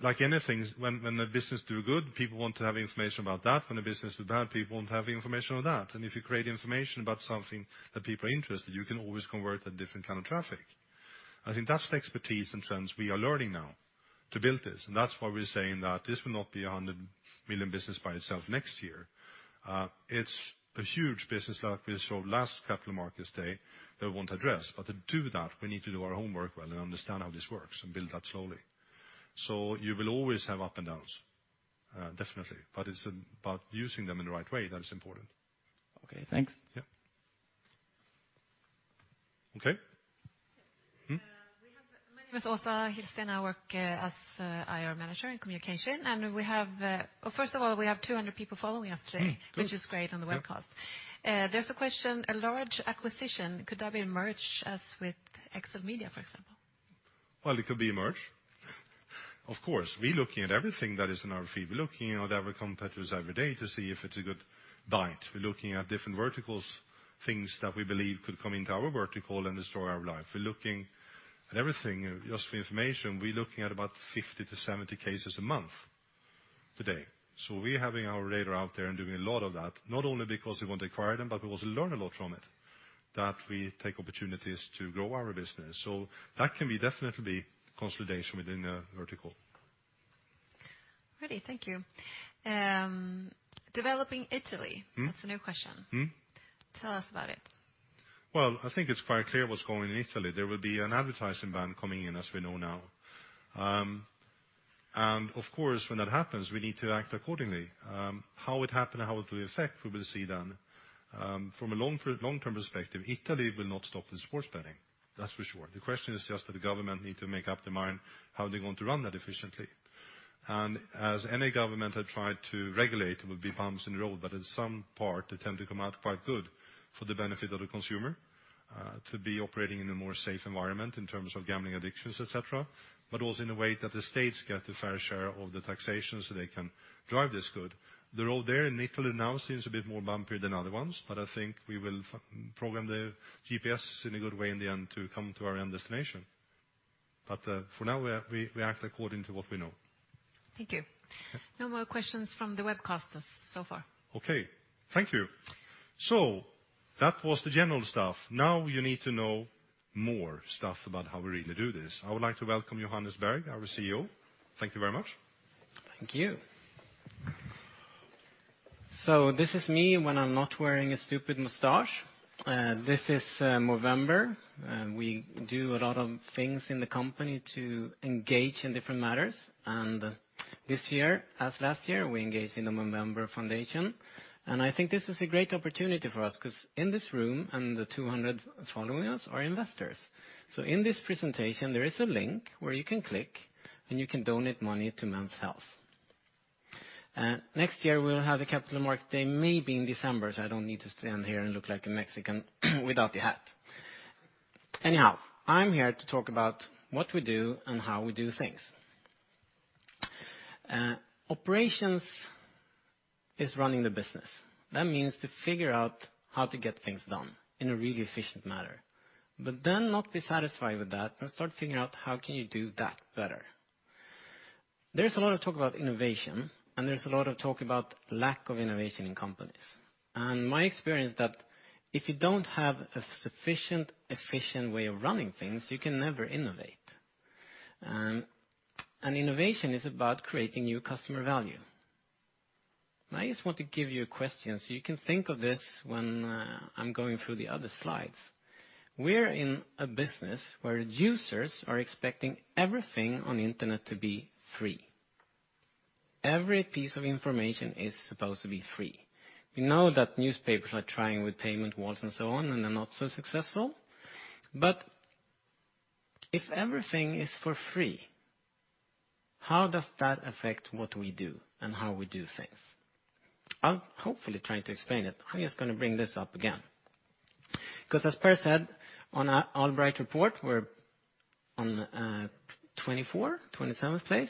Like anything, when the business do good, people want to have information about that. When the business is bad, people won't have the information on that. If you create information about something that people are interested, you can always convert a different kind of traffic. I think that's the expertise and trends we are learning now to build this and that's why we're saying that this will not be a 100 million business by itself next year. It's a huge business like we saw last capital markets day that won't address. To do that, we need to do our homework well and understand how this works and build that slowly. You will always have up and downs, definitely. It's about using them in the right way that is important. Okay, thanks. Yeah. Okay. My name is Åsa Hillsten. I work as IR manager in communication. First of all, we have 200 people following us today- Good which is great on the webcast. There's a question, a large acquisition, could that be a merge as with XLMedia, for example? Well, it could be a merge. Of course, we're looking at everything that is in our field. We're looking at our competitors every day to see if it's a good buy. We're looking at different verticals, things that we believe could come into our vertical and destroy our life. We're looking at everything. Just for your information, we're looking at about 50 to 70 cases a month today. We're having our radar out there and doing a lot of that, not only because we want to acquire them, but we also learn a lot from it, that we take opportunities to grow our business. That can be definitely consolidation within a vertical. Ready. Thank you. Developing Italy. That's a new question. Tell us about it. Well, I think it's quite clear what's going in Italy. There will be an advertising ban coming in, as we know now. Of course, when that happens, we need to act accordingly. How it happens and how it will affect, we will see then. From a long-term perspective, Italy will not stop the sports betting. That's for sure. The question is just that the government needs to make up their mind how they're going to run that efficiently. As any government had tried to regulate, there will be bumps in the road, but in some part they tend to come out quite good for the benefit of the consumer, to be operating in a more safe environment in terms of gambling addictions, et cetera, but also in a way that the states get a fair share of the taxation so they can drive this good. The road there in Italy now seems a bit more bumpy than other ones, but I think we will program the GPS in a good way in the end to come to our end destination. For now, we act according to what we know. Thank you. No more questions from the webcasters so far. Okay, thank you. That was the general stuff. Now you need to know more stuff about how we really do this. I would like to welcome Johannes Bergh, our CEO. Thank you very much. Thank you. This is me when I'm not wearing a stupid mustache. This is Movember. We do a lot of things in the company to engage in different matters. This year, as last year, we engaged in the Movember Foundation. I think this is a great opportunity for us because in this room and the 200 following us are investors. In this presentation, there is a link where you can click, and you can donate money to men's health. Next year, we'll have a capital market day maybe in December, so I don't need to stand here and look like a Mexican without the hat. Anyhow, I'm here to talk about what we do and how we do things. Operations is running the business. That means to figure out how to get things done in a really efficient manner, then not be satisfied with that, but start figuring out how can you do that better. There's a lot of talk about innovation. There's a lot of talk about lack of innovation in companies. My experience that if you don't have a sufficient, efficient way of running things, you can never innovate. Innovation is about creating new customer value. Now, I just want to give you a question so you can think of this when I'm going through the other slides. We're in a business where users are expecting everything on the internet to be free. Every piece of information is supposed to be free. We know that newspapers are trying with payment walls and so on. They're not so successful. If everything is for free, how does that affect what we do and how we do things? I'll hopefully try to explain it. I'm just going to bring this up again. As Per said, on our AllBright report, we're on 24, 27th place.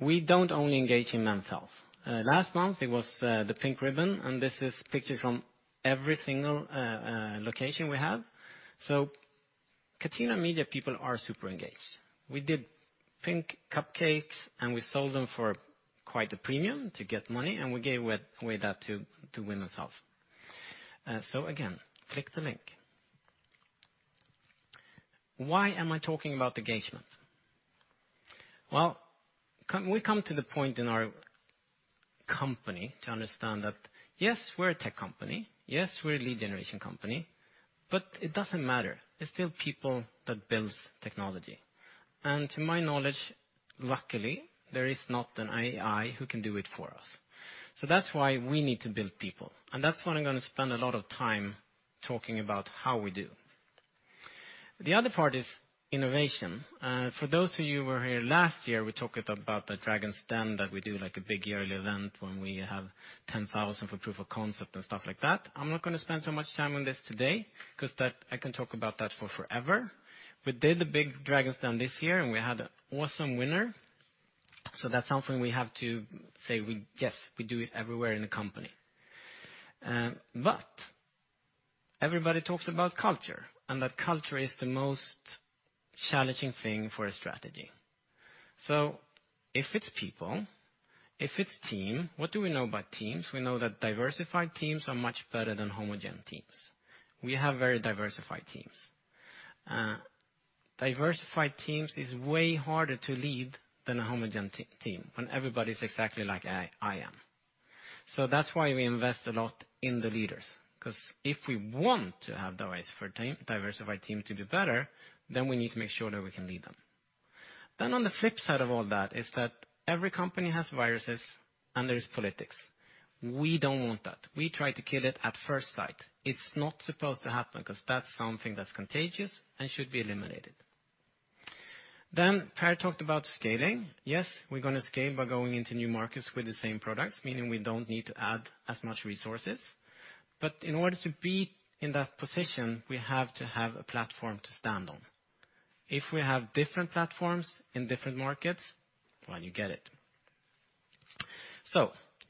We don't only engage in men's health. Last month it was the pink ribbon. This is pictures from every single location we have. Catena Media people are super engaged. We did pink cupcakes. We sold them for quite a premium to get money. We gave away that to women's health. Again, click the link. Why am I talking about engagement? Well, we come to the point in our company to understand that, yes, we're a tech company, yes, we're a lead generation company, but it doesn't matter. It's still people that build technology. To my knowledge, luckily, there is not an AI who can do it for us. That's why we need to build people. That's what I'm going to spend a lot of time talking about how we do. The other part is innovation. For those of you who were here last year, we talked about the Dragon's Den that we do, like a big yearly event when we have 10,000 for proof of concept and stuff like that. I'm not going to spend so much time on this today because I can talk about that forever. We did the big Dragon's Den this year. We had an awesome winner. That's something we have to say, yes, we do it everywhere in the company. Everybody talks about culture. That culture is the most challenging thing for a strategy. If it's people, if it's team, what do we know about teams? We know that diversified teams are much better than homogeneous teams. We have very diversified teams. Diversified teams is way harder to lead than a homogeneous team, when everybody's exactly like I am. That's why we invest a lot in the leaders because if we want to have diversified team to do better, then we need to make sure that we can lead them. On the flip side of all that is that every company has viruses, and there is politics. We don't want that. We try to kill it at first sight. It's not supposed to happen because that's something that's contagious and should be eliminated. Per talked about scaling. Yes, we're going to scale by going into new markets with the same products, meaning we don't need to add as much resources. In order to be in that position, we have to have a platform to stand on. If we have different platforms in different markets, well, you get it.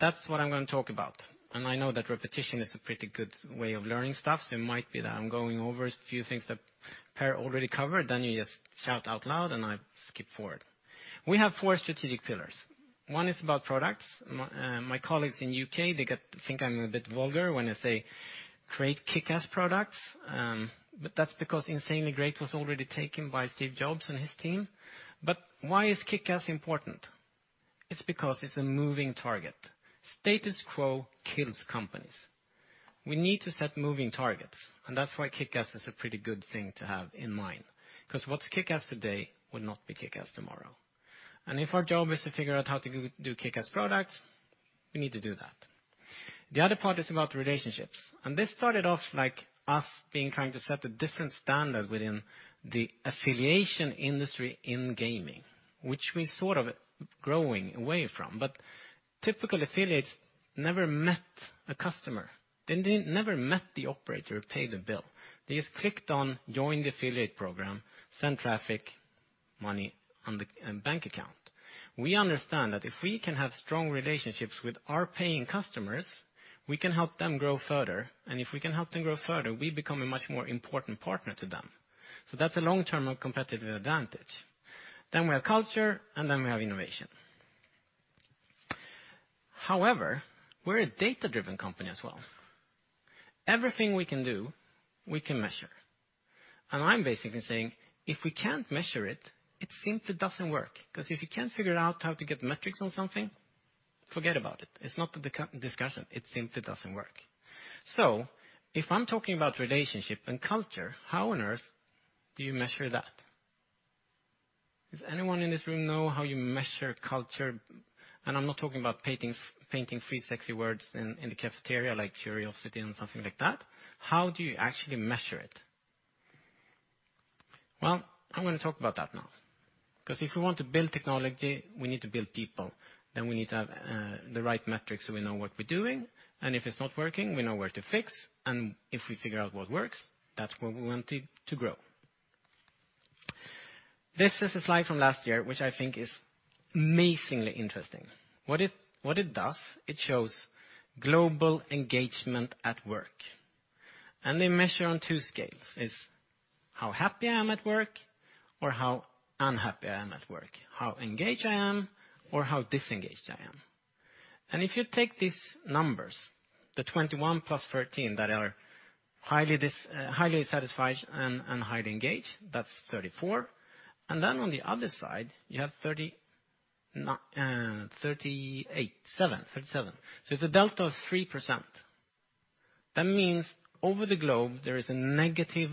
That's what I'm going to talk about. I know that repetition is a pretty good way of learning stuff. It might be that I'm going over a few things that Per already covered. You just shout out loud, and I skip forward. We have four strategic pillars. One is about products. My colleagues in U.K., they think I'm a bit vulgar when I say create kickass products. That's because insanely great was already taken by Steve Jobs and his team. Why is kickass important? It's because it's a moving target. Status quo kills companies. We need to set moving targets, and that's why kickass is a pretty good thing to have in mind because what's kickass today will not be kickass tomorrow. If our job is to figure out how to do kickass products, we need to do that. The other part is about relationships, and this started off like us being trying to set a different standard within the affiliation industry in gaming, which we sort of growing away from. Typical affiliates never met a customer. They never met the operator who paid the bill. They just clicked on join the affiliate program, send traffic, money in bank account. We understand that if we can have strong relationships with our paying customers, we can help them grow further. If we can help them grow further, we become a much more important partner to them. That's a long-term competitive advantage. We have culture, then we have innovation. However, we're a data-driven company as well. Everything we can do, we can measure. I'm basically saying, if we can't measure it simply doesn't work. Because if you can't figure out how to get metrics on something, forget about it. It's not a discussion. It simply doesn't work. If I'm talking about relationship and culture, how on earth do you measure that? Does anyone in this room know how you measure culture? I'm not talking about painting three sexy words in the cafeteria, like curiosity and something like that. How do you actually measure it? I'm going to talk about that now. Because if we want to build technology, we need to build people, then we need to have the right metrics so we know what we're doing, and if it's not working, we know where to fix, and if we figure out what works, that's where we want it to grow. This is a slide from last year, which I think is amazingly interesting. What it does, it shows global engagement at work. They measure on two scales. It's how happy I am at work or how unhappy I am at work, how engaged I am or how disengaged I am. If you take these numbers, the 21 plus 13 that are highly satisfied and highly engaged, that's 34. Then on the other side, you have 37. It's a delta of 3%. That means over the globe, there is a negative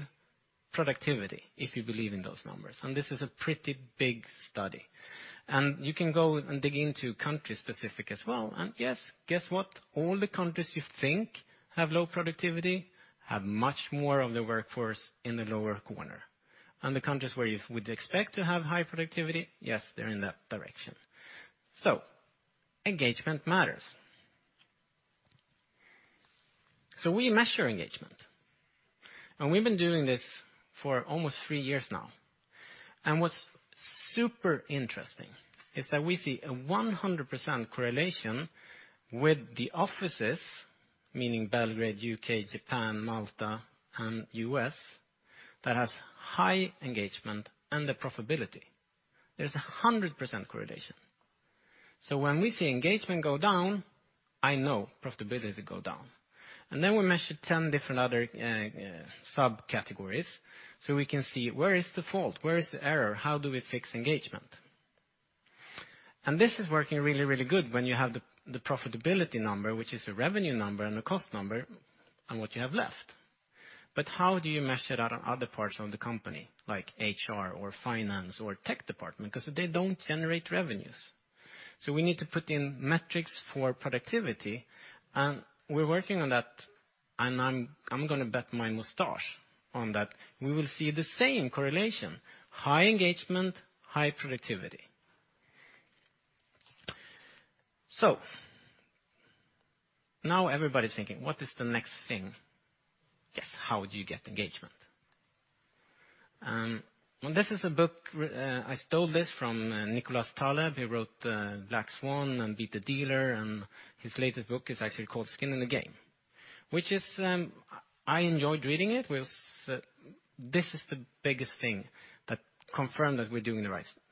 productivity if you believe in those numbers, and this is a pretty big study. You can go and dig into country specific as well, and yes, guess what? All the countries you think have low productivity have much more of the workforce in the lower corner. The countries where you would expect to have high productivity, yes, they're in that direction. Engagement matters. We measure engagement. We've been doing this for almost three years now. What's super interesting is that we see a 100% correlation with the offices, meaning Belgrade, U.K., Japan, Malta, and U.S., that has high engagement and the profitability. There's 100% correlation. When we see engagement go down, I know profitability go down. Then we measure 10 different other subcategories, so we can see where is the fault, where is the error, how do we fix engagement. This is working really good when you have the profitability number, which is a revenue number and a cost number, and what you have left. How do you measure other parts of the company, like HR or finance or tech department? Because they don't generate revenues. We need to put in metrics for productivity, and we're working on that, and I'm going to bet my mustache on that. We will see the same correlation, high engagement, high productivity. Now everybody's thinking, what is the next thing? Yes, how do you get engagement? This is a book, I stole this from Nicholas Taleb, he wrote, "The Black Swan" and "Beat the Dealer," and his latest book is actually called "Skin in the Game." I enjoyed reading it. This is the biggest thing that confirmed that we're doing the right thing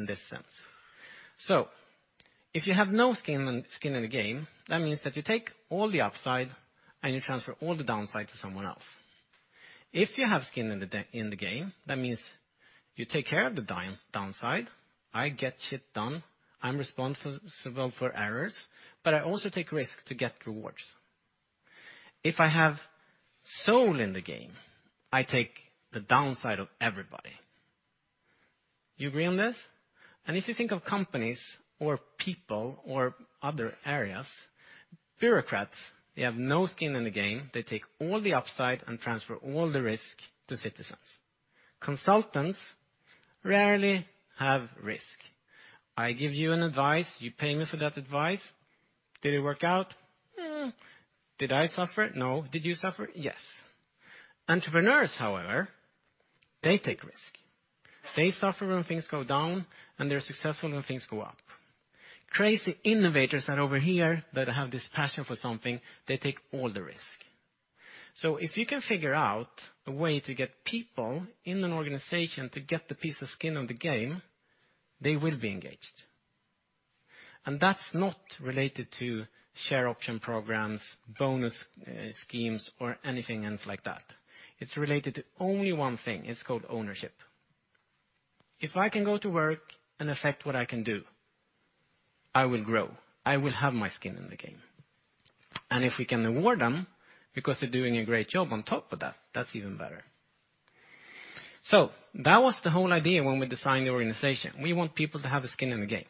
in this sense. If you have no skin in the game, that means that you take all the upside and you transfer all the downside to someone else. If you have skin in the game, that means you take care of the downside. I get this done. I'm responsible for errors, but I also take risks to get rewards. If I have soul in the game, I take the downside of everybody. You agree on this? If you think of companies or people or other areas, bureaucrats, they have no skin in the game. They take all the upside and transfer all the risk to citizens. Consultants rarely have risk. I give you an advice, you pay me for that advice. Did it work out? Eh. Did I suffer? No. Did you suffer? Yes. Entrepreneurs, however, they take risk. They suffer when things go down, and they are successful when things go up. Crazy innovators that are over here that have this passion for something, they take all the risk. If you can figure out a way to get people in an organization to get the piece of skin in the game, they will be engaged. That is not related to share option programs, bonus schemes, or anything like that. It is related to only one thing. It is called ownership. If I can go to work and affect what I can do, I will grow. I will have my skin in the game. If we can reward them because they are doing a great job on top of that is even better. That was the whole idea when we designed the organization. We want people to have a skin in the game.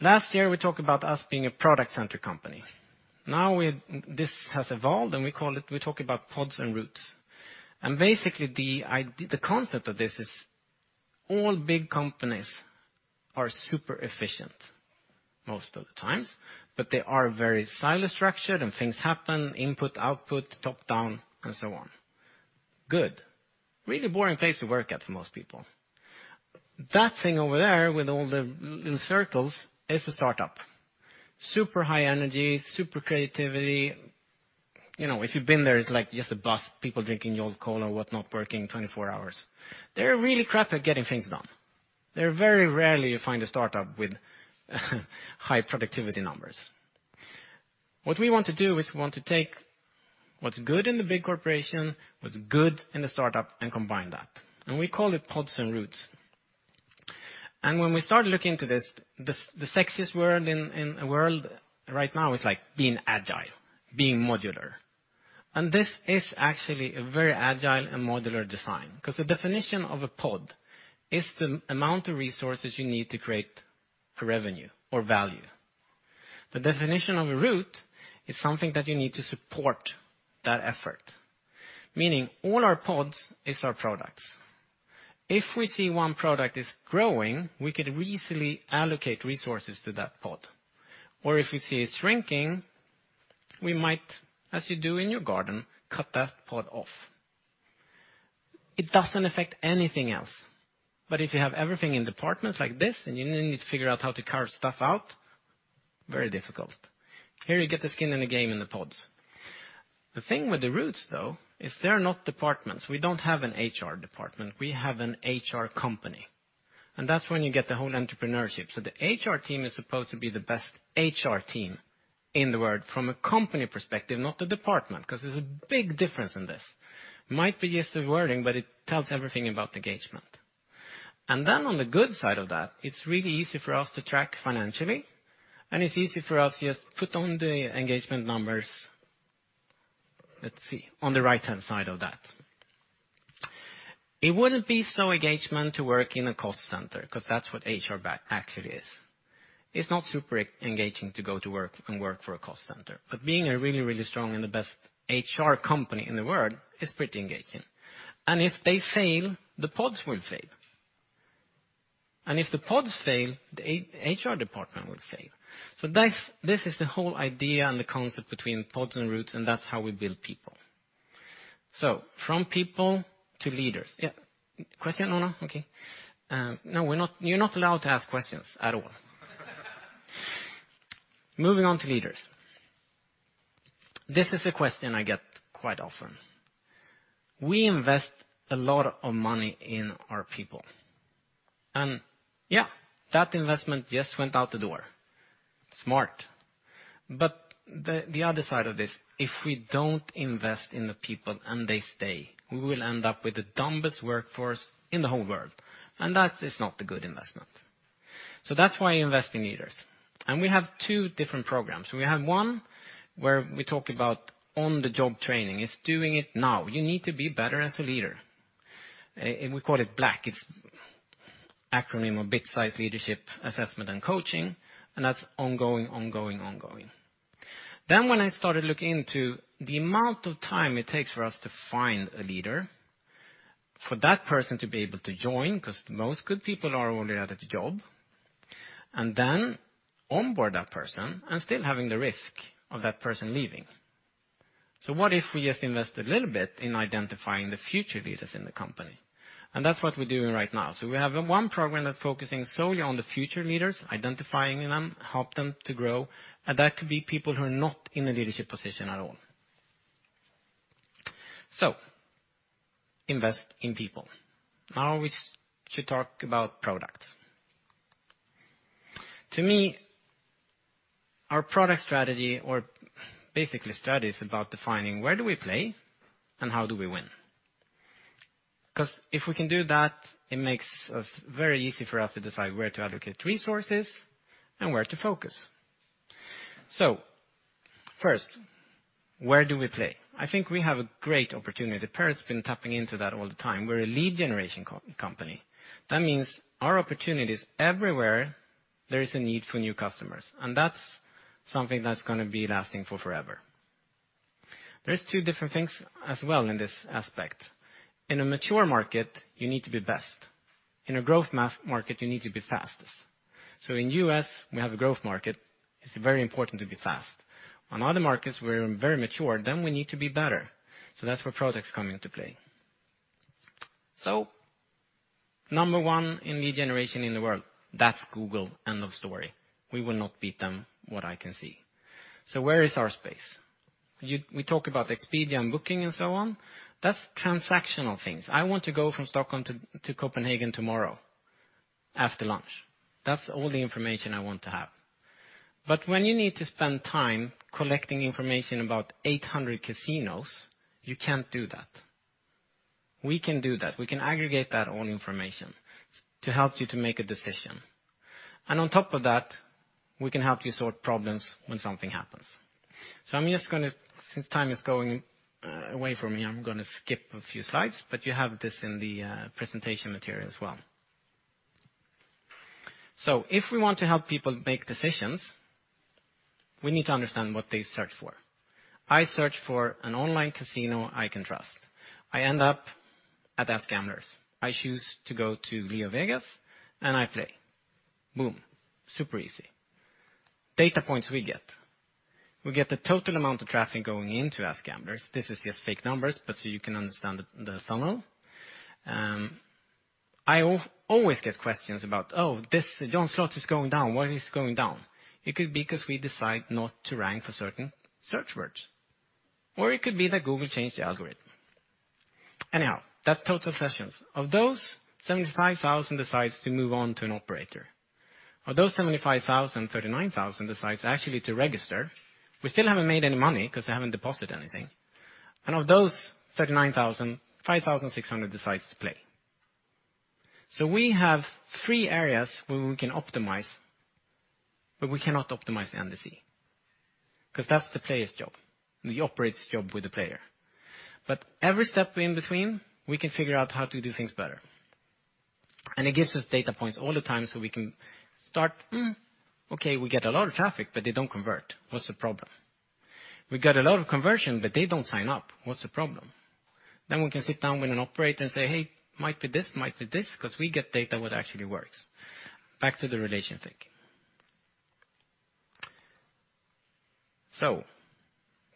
Last year, we talked about us being a product-centric company. This has evolved, and we talk about Pods and Roots. Basically, the concept of this is all big companies are super efficient most of the times, but they are very silo structured and things happen, input, output, top-down, and so on. Good. Really boring place to work at for most people. That thing over there with all the little circles is a startup. Super high energy, super creativity. If you have been there, it is like just a bus. People drinking your cola or whatnot, working 24 hours. They are really crap at getting things done. They are very rarely you find a startup with high productivity numbers. What we want to do is we want to take what is good in the big corporation, what is good in the startup, and combine that. We call it Pods and Roots. When we start looking into this, the sexiest word in a world right now is being agile, being modular. This is actually a very agile and modular design because the definition of a pod is the amount of resources you need to create a revenue or value. The definition of a root is something that you need to support that effort. Meaning all our pods is our products. If we see one product is growing, we could easily allocate resources to that pod. Or if we see it is shrinking, we might, as you do in your garden, cut that pod off. It does not affect anything else. If you have everything in departments like this and you need to figure out how to carve stuff out, very difficult. Here you get the skin in the game and the Pods. The thing with the Roots, though, is they are not departments. We do not have an HR department. We have an HR company, and that is when you get the whole entrepreneurship. The HR team is supposed to be the best HR team in the world from a company perspective, not the department, because there is a big difference in this. Might be just a wording, but it tells everything about engagement. Then on the good side of that, it is really easy for us to track financially, and it is easy for us just put on the engagement numbers. Let us see. On the right-hand side of that. It wouldn't be so engaging to work in a cost center, because that's what HR actually is. It's not super engaging to go to work and work for a cost center. Being a really, really strong and the best HR company in the world is pretty engaging. If they fail, the Pods will fail. If the Pods fail, the HR department will fail. This is the whole idea and the concept between Pods and Roots, and that's how we build people. From people to leaders. Question, Ona? Okay. No, you're not allowed to ask questions at all. Moving on to leaders. This is a question I get quite often. We invest a lot of money in our people, that investment just went out the door. Smart. The other side of this, if we don't invest in the people and they stay, we will end up with the dumbest workforce in the whole world, and that is not a good investment. That's why invest in leaders. We have two different programs. We have one where we talk about on-the-job training. It's doing it now. You need to be better as a leader. We call it BLAC. It's an acronym for Big Size Leadership Assessment and Coaching, that's ongoing, ongoing. When I started looking into the amount of time it takes for us to find a leader, for that person to be able to join, because most good people are already at a job, and then onboard that person and still having the risk of that person leaving. What if we just invest a little bit in identifying the future leaders in the company? That's what we're doing right now. We have one program that's focusing solely on the future leaders, identifying them, help them to grow, and that could be people who are not in a leadership position at all. Invest in people. Now we should talk about products. To me, our product strategy or basically strategy is about defining where do we play and how do we win. If we can do that, it makes us very easy for us to decide where to allocate resources and where to focus. First, where do we play? I think we have a great opportunity. Per's been tapping into that all the time. We're a lead generation company. That means our opportunity is everywhere there is a need for new customers, that's something that's going to be lasting for forever. There are two different things as well in this aspect. In a mature market, you need to be best. In a growth market, you need to be fastest. In the U.S., we have a growth market, it's very important to be fast. On other markets, we're very mature, we need to be better. That's where products come into play. Number one in lead generation in the world, that's Google, end of story. We will not beat them, what I can see. Where is our space? We talk about Expedia and Booking and so on. That's transactional things. I want to go from Stockholm to Copenhagen tomorrow after lunch. That's all the information I want to have. When you need to spend time collecting information about 800 casinos, you can't do that. We can do that. We can aggregate that all information to help you to make a decision. On top of that, we can help you sort problems when something happens. Since time is going away from me, I'm going to skip a few slides, but you have this in the presentation material as well. If we want to help people make decisions, we need to understand what they search for. I search for an online casino I can trust. I end up at AskGamblers. I choose to go to Rio Vegas and I play. Boom. Super easy. Data points we get. We get the total amount of traffic going into AskGamblers. This is just fake numbers, but so you can understand the funnel. I always get questions about, "Oh, JohnSlots is going down. Why is it going down?" It could be because we decide not to rank for certain search words, or it could be that Google changed the algorithm. Anyhow, that's total sessions. Of those, 75,000 decides to move on to an operator. Of those 75,000, 39,000 decides actually to register. We still haven't made any money because they haven't deposited anything. Of those 39,000, 5,600 decides to play. We have three areas where we can optimize, but we cannot optimize the end Z, because that's the player's job, the operator's job with the player. Every step in between, we can figure out how to do things better. It gives us data points all the time so we can start, hmm, okay, we get a lot of traffic, but they don't convert. What's the problem? We get a lot of conversion, but they don't sign up. What's the problem? We can sit down with an operator and say, "Hey, might be this, might be this," because we get data what actually works. Back to the relation thing.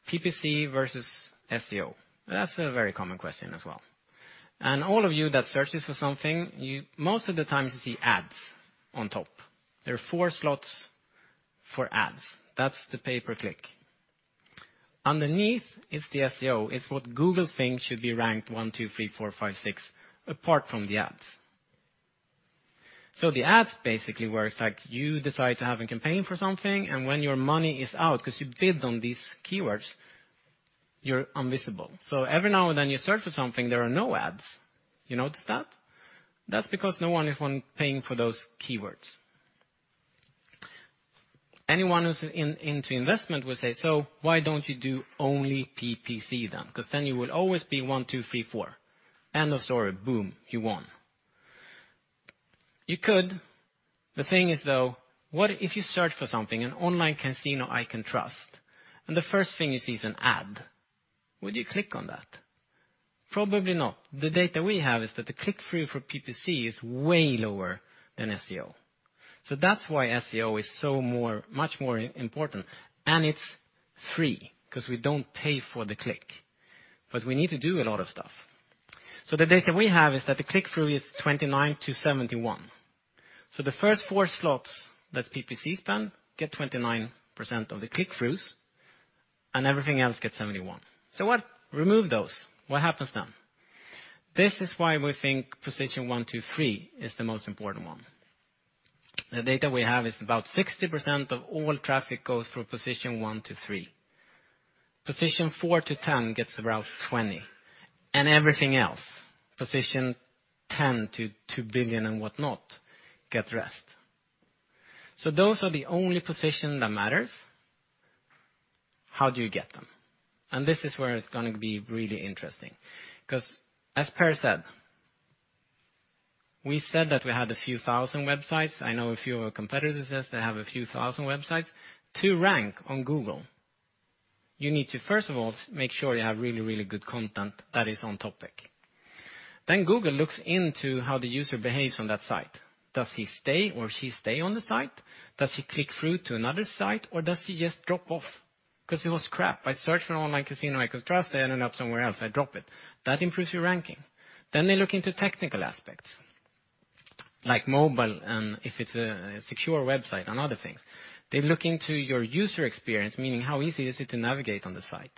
PPC versus SEO. That's a very common question as well. All of you that searches for something, most of the times you see ads on top. There are 4 slots for ads. That's the pay per click. Underneath is the SEO. It's what Google thinks should be ranked one, two, three, four, five, six, apart from the ads. The ads basically works like you decide to have a campaign for something, and when your money is out, because you bid on these keywords, you're invisible. Every now and then you search for something, there are no ads. You notice that? That's because no one is paying for those keywords. Anyone who's into investment will say, "Why don't you do only PPC then? Then you will always be one, two, three, four. End of story. Boom. You won." You could. The thing is, though, what if you search for something, an online casino I can trust, and the first thing you see is an ad. Would you click on that? Probably not. The data we have is that the click-through for PPC is way lower than SEO. That's why SEO is so much more important, and it's free because we don't pay for the click. We need to do a lot of stuff. The data we have is that the click-through is 29 to 71. The first 4 slots that PPC spend get 29% of the click-throughs, and everything else gets 71%. What? Remove those. What happens then? This is why we think position one, two, three is the most important one. The data we have is about 60% of all traffic goes through position one to three. Position four to 10 gets around 20. Everything else, position 10 to 2 billion and whatnot, get the rest. Those are the only position that matters. How do you get them? This is where it's going to be really interesting because as Per said, we said that we had a few thousand websites. I know a few of our competitors says they have a few thousand websites. To rank on Google, you need to, first of all, make sure you have really, really good content that is on topic. Google looks into how the user behaves on that site. Does he stay or she stay on the site? Does he click through to another site or does he just drop off because it was crap? I searched for an online casino I could trust, I ended up somewhere else, I drop it. That improves your ranking. They look into technical aspects like mobile and if it's a secure website and other things. They look into your user experience, meaning how easy is it to navigate on the site.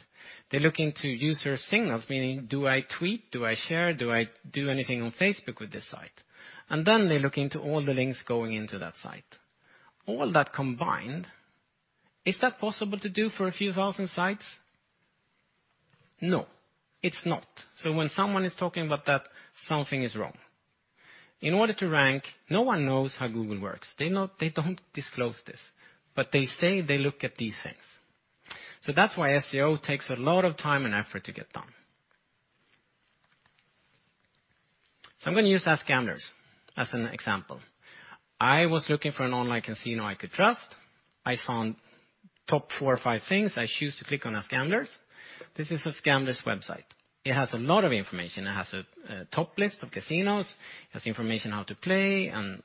They look into user signals, meaning do I tweet? Do I share? Do I do anything on Facebook with this site? They look into all the links going into that site. All that combined, is that possible to do for a few thousand sites? No, it's not. When someone is talking about that, something is wrong. In order to rank, no one knows how Google works. They don't disclose this, but they say they look at these things. That's why SEO takes a lot of time and effort to get done. I'm going to use AskGamblers as an example. I was looking for an online casino I could trust. I found top four or five things. I choose to click on AskGamblers. This is AskGamblers website. It has a lot of information. It has a top list of casinos, it has information how to play, and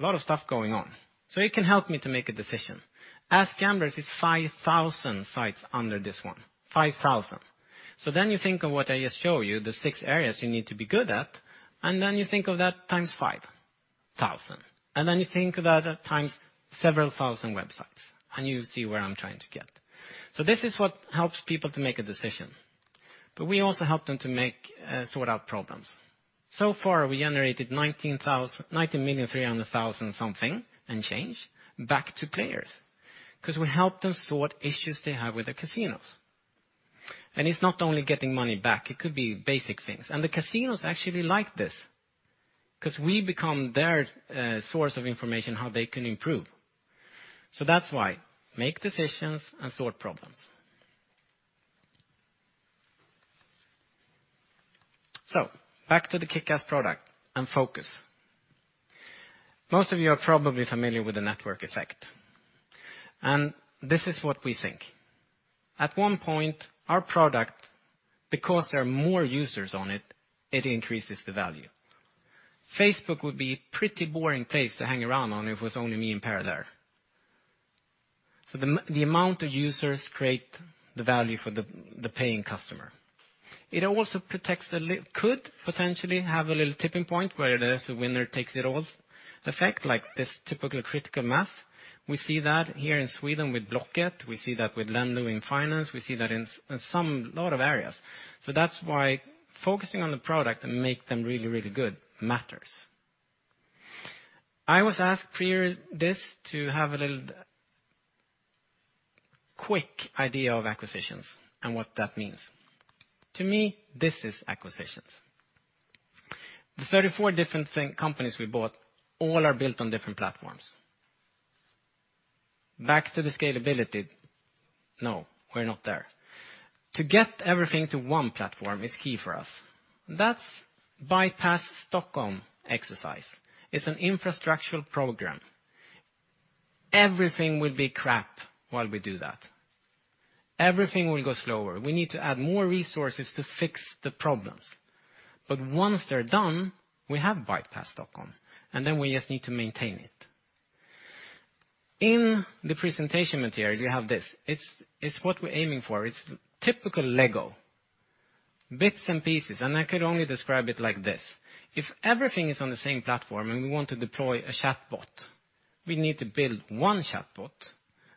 a lot of stuff going on. It can help me to make a decision. AskGamblers is 5,000 sites under this one. 5,000. You think of what I just showed you, the six areas you need to be good at, and then you think of that times 5,000. You think of that times several thousand websites, and you see where I'm trying to get. This is what helps people to make a decision. We also help them to sort out problems. We generated 19,300,000 something and change back to players because we help them sort issues they have with the casinos. It's not only getting money back, it could be basic things. The casinos actually like this because we become their source of information how they can improve. That's why make decisions and sort problems. Back to the kickass product and focus. Most of you are probably familiar with the network effect, and this is what we think. At one point, our product, because there are more users on it increases the value. Facebook would be pretty boring place to hang around on if it was only me and Per there. The amount of users create the value for the paying customer. It could potentially have a little tipping point where there is a winner takes it all effect, like this typical critical mass. We see that here in Sweden with Blocket, we see that with Lendo in finance, we see that in a lot of areas. That's why focusing on the product and make them really good matters. I was asked prior this to have a little quick idea of acquisitions and what that means. To me, this is acquisitions. The 34 different companies we bought all are built on different platforms. Back to the scalability. No, we're not there. To get everything to one platform is key for us. That's Stockholm Bypass exercise. It's an infrastructural program. Everything will be crap while we do that. Everything will go slower. We need to add more resources to fix the problems. Once they're done, we have Stockholm Bypass, and then we just need to maintain it. In the presentation material, you have this. It's what we're aiming for. It's typical Lego, bits and pieces, and I could only describe it like this. If everything is on the same platform and we want to deploy a chatbot, we need to build one chatbot,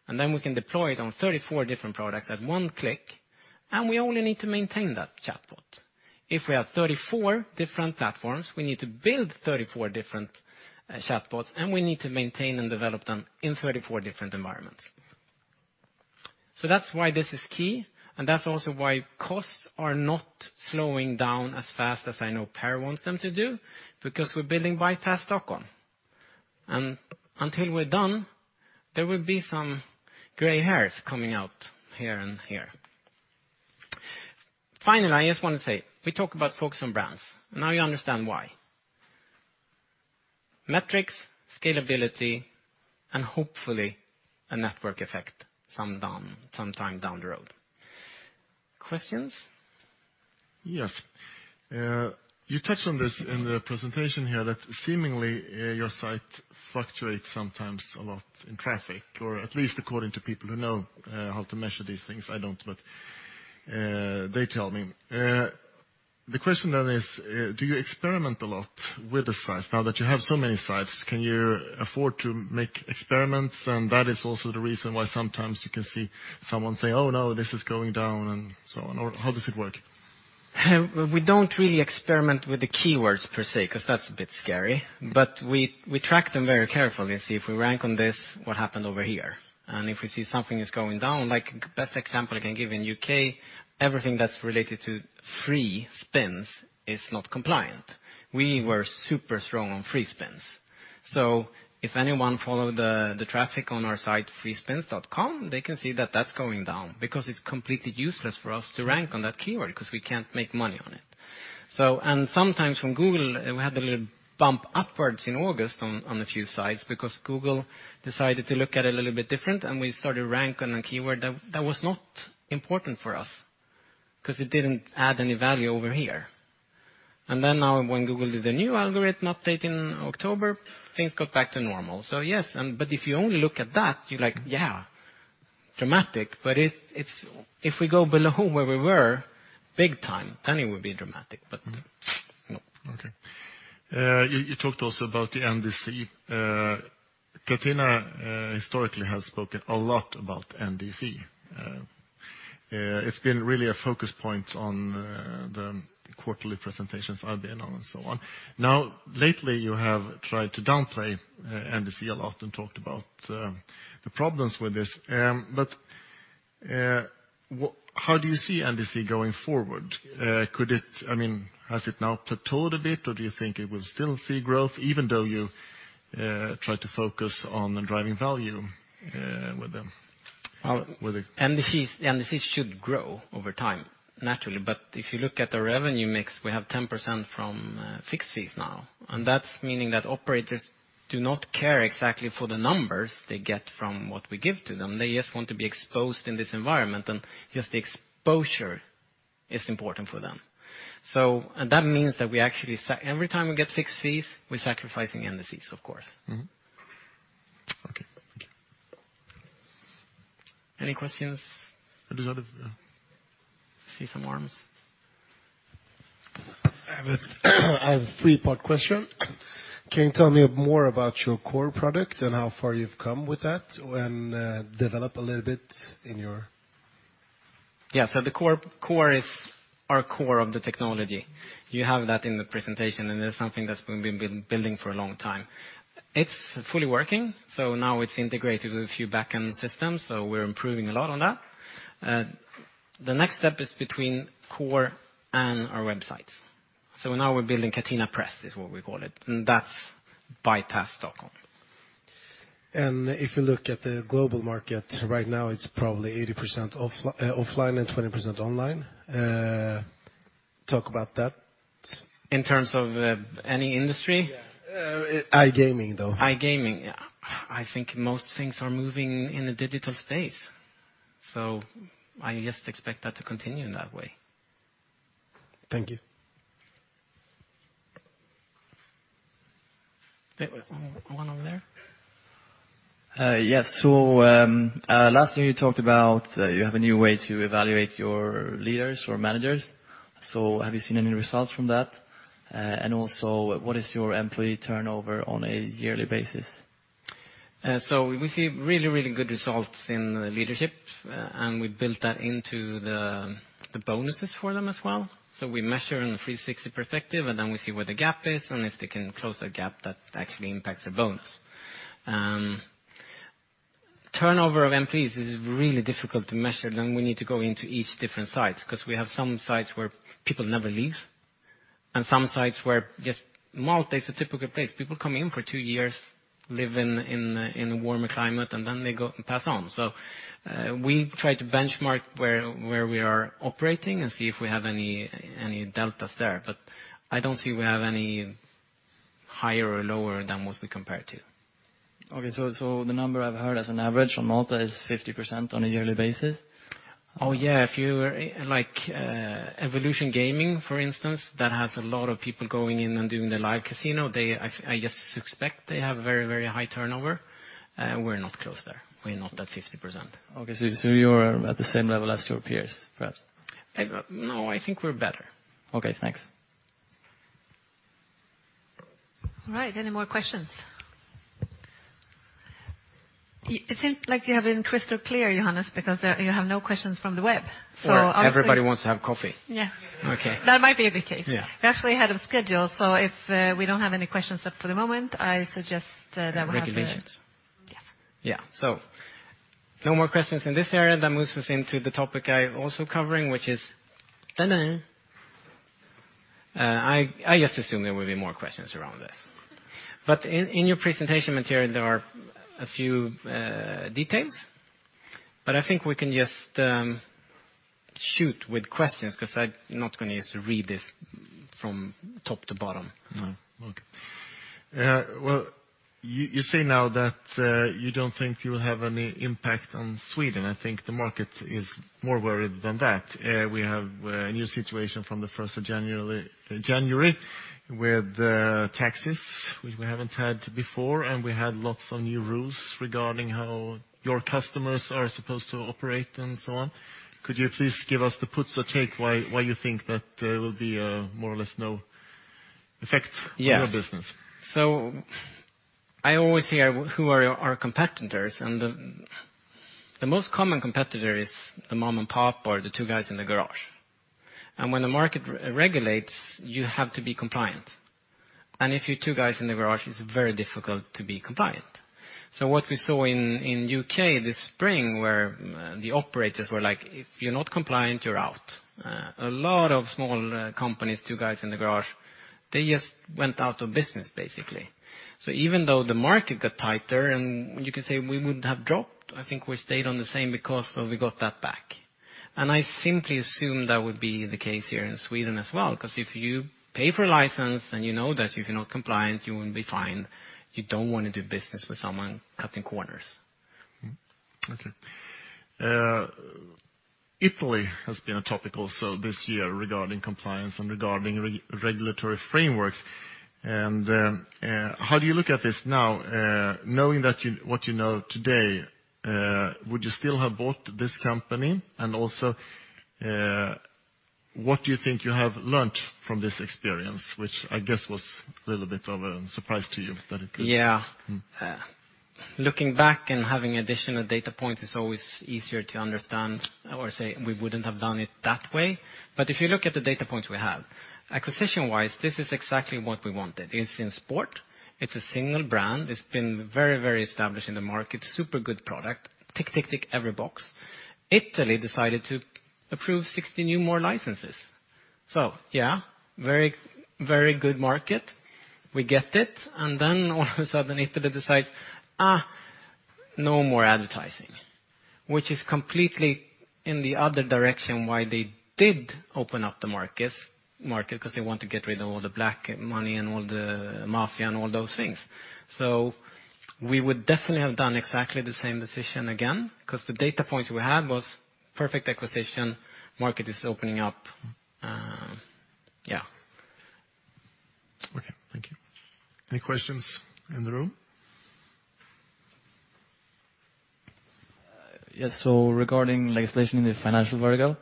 and then we can deploy it on 34 different products at one click, and we only need to maintain that chatbot. If we have 34 different platforms, we need to build 34 different chatbots, and we need to maintain and develop them in 34 different environments. That's why this is key, and that's also why costs are not slowing down as fast as I know Per wants them to do, because we're building Stockholm Bypass. Until we're done, there will be some gray hairs coming out here and here. Finally, I just want to say, we talk about focusing on brands, now you understand why. Metrics, scalability, and hopefully a network effect sometime down the road. Questions? Yes. You touched on this in the presentation here that seemingly your site fluctuates sometimes a lot in traffic, or at least according to people who know how to measure these things. I don't, but they tell me. The question then is, do you experiment a lot with the sites? Now that you have so many sites, can you afford to make experiments? That is also the reason why sometimes you can see someone say, "Oh, no, this is going down," and so on. How does it work? We don't really experiment with the keywords per se, because that's a bit scary, but we track them very carefully and see if we rank on this, what happened over here. If we see something is going down, like best example I can give in U.K., everything that's related to free spins is not compliant. We were super strong on free spins. If anyone followed the traffic on our site, freespins.com, they can see that that's going down because it's completely useless for us to rank on that keyword because we can't make money on it. Sometimes from Google, we had a little bump upwards in August on a few sites because Google decided to look at it a little bit different, and we started rank on a keyword that was not important for us because it didn't add any value over here. Okay. Now when Google did the new algorithm update in October, things got back to normal. Yes, but if you only look at that, you're like, yeah, dramatic. If we go below where we were big time, then it would be dramatic, but no. Okay. You talked also about the NDC. Catena historically has spoken a lot about NDC. It's been really a focus point on the quarterly presentations, Albino and so on. Now, lately, you have tried to downplay NDC a lot and talked about the problems with this. How do you see NDC going forward? Has it now plateaued a bit, or do you think it will still see growth even though you try to focus on driving value with them? NDCs should grow over time, naturally. If you look at the revenue mix, we have 10% from fixed fees now, that's meaning that operators do not care exactly for the numbers they get from what we give to them. They just want to be exposed in this environment, just the exposure is important for them. That means that every time we get fixed fees, we're sacrificing NDCs, of course. Okay. Thank you. Any questions? There's a lot of- See some arms. I have a three-part question. Can you tell me more about your core product and how far you've come with that, and develop a little bit in your Yeah. The core is our core of the technology. You have that in the presentation, it's something that's been building for a long time. It's fully working, now it's integrated with a few back-end systems, so we're improving a lot on that. The next step is between core and our websites. Now we're building Catena Press, is what we call it, that's Stockholm Bypass. If you look at the global market right now, it's probably 80% offline and 20% online. Talk about that. In terms of any industry? Yeah. iGaming, though. iGaming. I think most things are moving in a digital space, so I just expect that to continue in that way. Thank you. One over there. Yes. Last thing you talked about, you have a new way to evaluate your leaders or managers. Have you seen any results from that? Also, what is your employee turnover on a yearly basis? We see really, really good results in leadership, and we built that into the bonuses for them as well. We measure in the 360 perspective, and then we see where the gap is, and if they can close that gap, that actually impacts their bonus. Turnover of employees is really difficult to measure, and we need to go into each different sites because we have some sites where people never leave, and some sites where Malta is a typical place. People come in for two years, live in a warmer climate, and then they go and pass on. We try to benchmark where we are operating and see if we have any deltas there. I don't see we have any higher or lower than what we compare it to. Okay, the number I've heard as an average on Malta is 50% on a yearly basis. Yeah. If you were like Evolution Gaming, for instance, that has a lot of people going in and doing the live casino, I just suspect they have very, very high turnover. We're not close there. We're not at 50%. Okay, so you're at the same level as your peers, perhaps. No, I think we're better. Okay, thanks. All right, any more questions? It seems like you have been crystal clear, Johannes, because you have no questions from the web. Everybody wants to have coffee. Yeah. Okay. That might be the case. Yeah. We're actually ahead of schedule. If we don't have any questions up for the moment, I suggest that we have. Regulations. Yeah. Yeah. No more questions in this area. That moves us into the topic I'm also covering, which is. I just assume there will be more questions around this. In your presentation material, there are a few details, but I think we can just shoot with questions because I'm not going to just read this from top to bottom. No. Okay. Well, you say now that you don't think you will have any impact on Sweden. I think the market is more worried than that. We have a new situation from the 1st of January with taxes, which we haven't had before, and we had lots of new rules regarding how your customers are supposed to operate and so on. Could you please give us the puts and takes why you think that there will be more or less no effect Yeah on your business? I always hear who are our competitors, and the most common competitor is the mom-and-pop or the two guys in the garage. When the market regulates, you have to be compliant. If you're two guys in the garage, it's very difficult to be compliant. What we saw in U.K. this spring where the operators were like, "If you're not compliant, you're out." A lot of small companies, two guys in the garage, they just went out of business, basically. Even though the market got tighter, and you could say we wouldn't have dropped, I think we stayed on the same because we got that back. I simply assume that would be the case here in Sweden as well, because if you pay for a license and you know that if you're not compliant, you won't be fined, you don't want to do business with someone cutting corners. Okay. Italy has been a topic also this year regarding compliance and regarding regulatory frameworks. How do you look at this now? Knowing what you know today, would you still have bought this company? Also, what do you think you have learned from this experience, which I guess was a little bit of a surprise to you that it could. Yeah. Looking back and having additional data points is always easier to understand or say we wouldn't have done it that way. If you look at the data points we have, acquisition-wise, this is exactly what we wanted. It's in sport, it's a single brand, it's been very, very established in the market, super good product. Tick, tick, every box. Italy decided to approve 60 new more licenses. Yeah, very good market. We get it, then all of a sudden Italy decides, "No more advertising." Which is completely in the other direction why they did open up the market because they want to get rid of all the black money and all the mafia and all those things. We would definitely have done exactly the same decision again, because the data points we had was perfect acquisition, market is opening up. Yeah. Okay. Thank you. Any questions in the room? Yes. Regarding legislation in the financial vertical,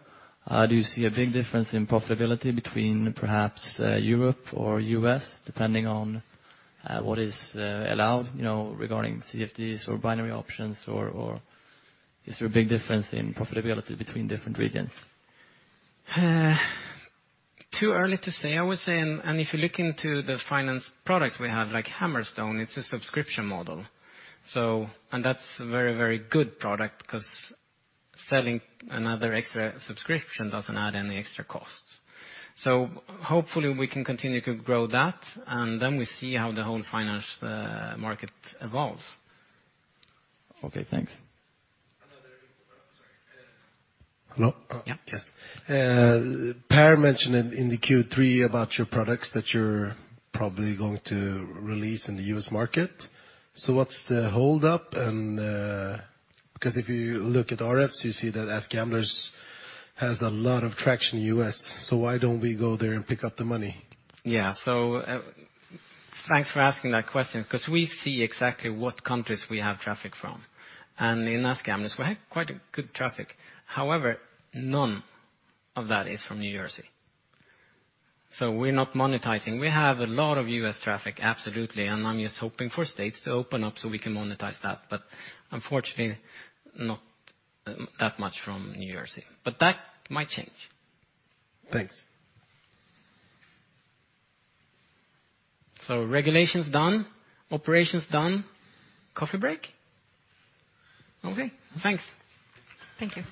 do you see a big difference in profitability between perhaps Europe or U.S., depending on what is allowed regarding CFDs or binary options, or is there a big difference in profitability between different regions? Too early to say. I would say, if you look into the finance products we have, like Hammerstone, it's a subscription model. That's a very, very good product because selling another extra subscription doesn't add any extra costs. Hopefully we can continue to grow that, we see how the whole finance market evolves. Okay, thanks. Another. Sorry. Hello? Yeah. Yes. Per mentioned in the Q3 about your products that you're probably going to release in the U.S. market. What's the hold-up? If you look at RF, you see that AskGamblers has a lot of traction in the U.S., why don't we go there and pick up the money? Yeah. Thanks for asking that question, we see exactly what countries we have traffic from. In AskGamblers, we have quite a good traffic. However, none of that is from New Jersey. We're not monetizing. We have a lot of U.S. traffic, absolutely, I'm just hoping for states to open up so we can monetize that. Unfortunately, not that much from New Jersey. That might change. Thanks. Regulation's done, operation's done. Coffee break? Okay, thanks. Thank you.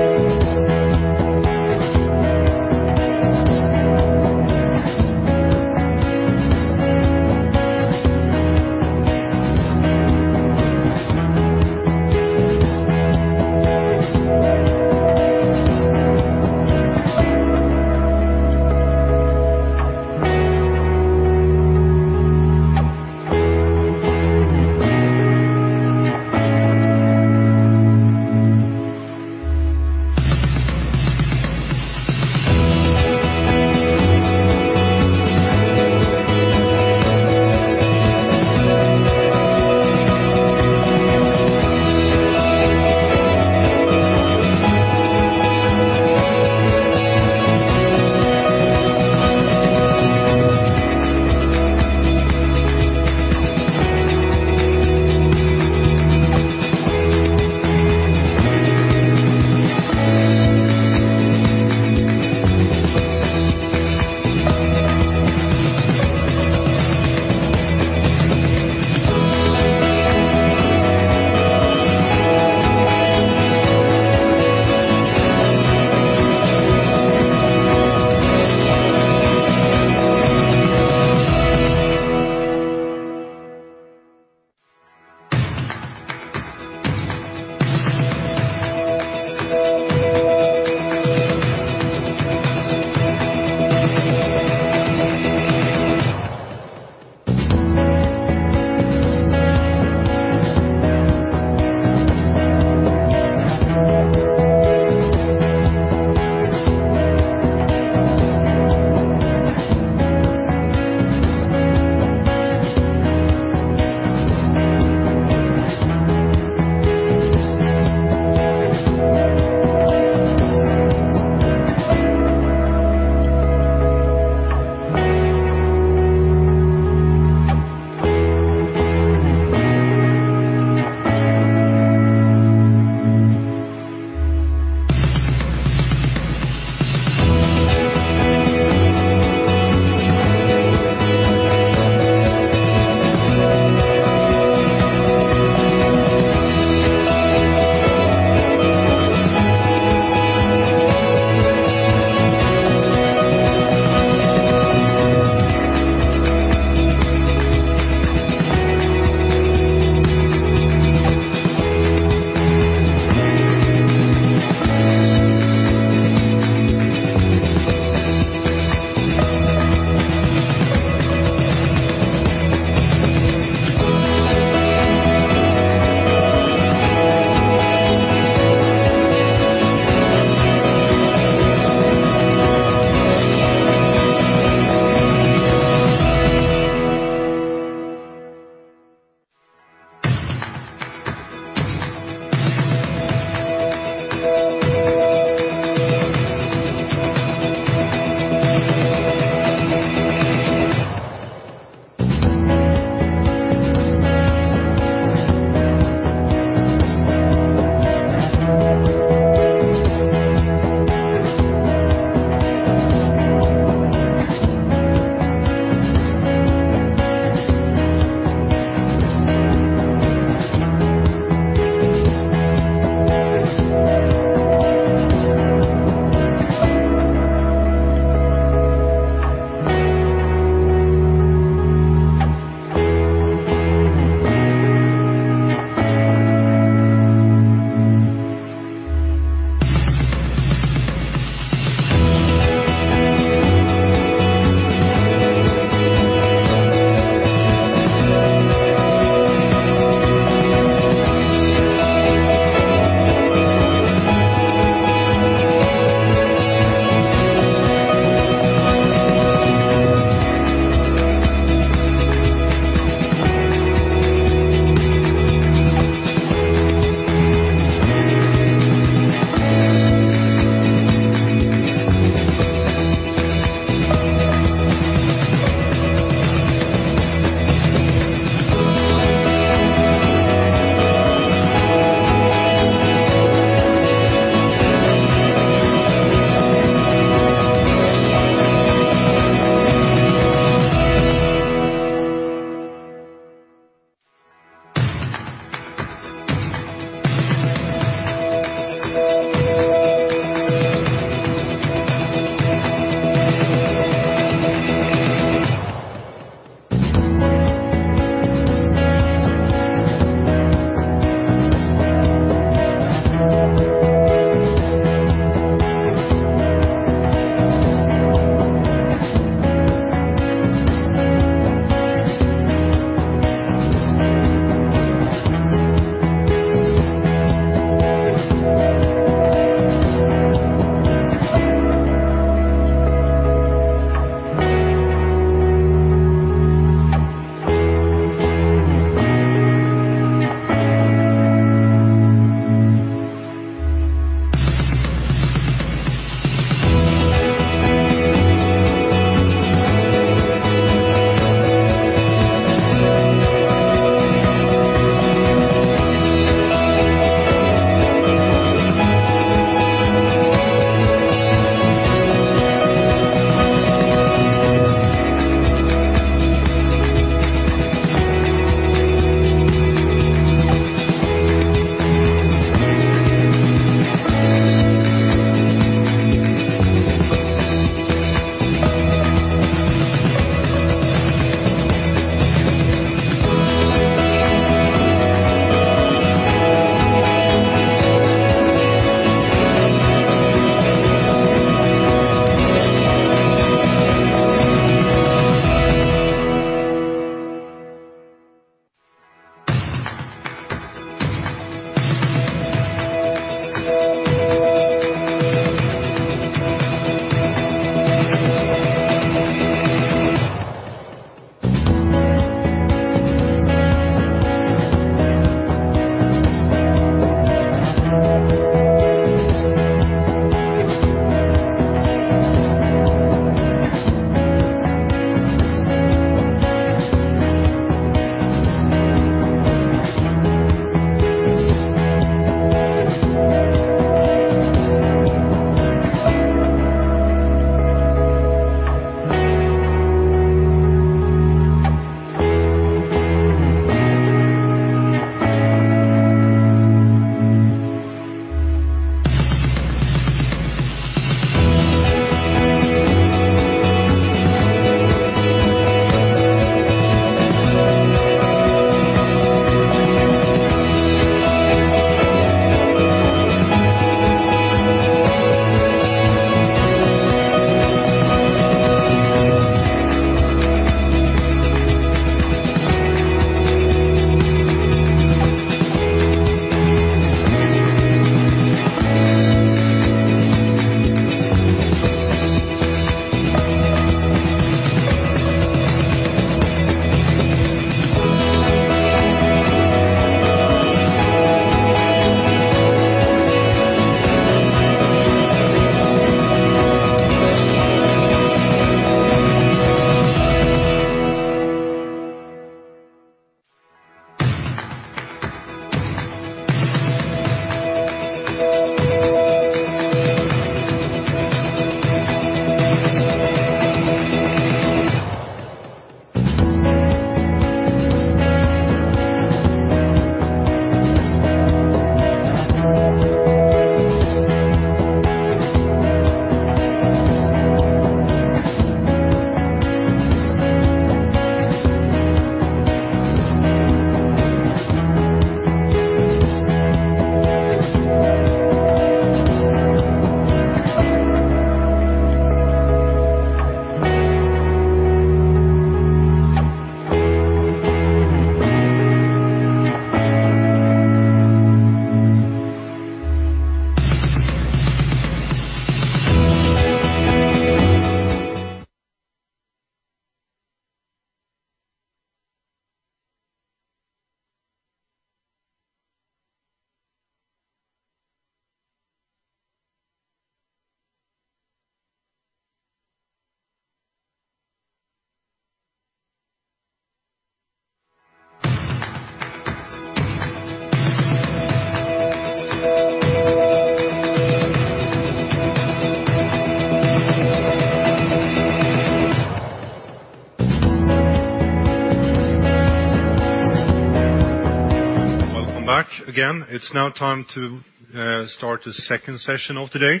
Welcome back again. It's now time to start the second session of the day.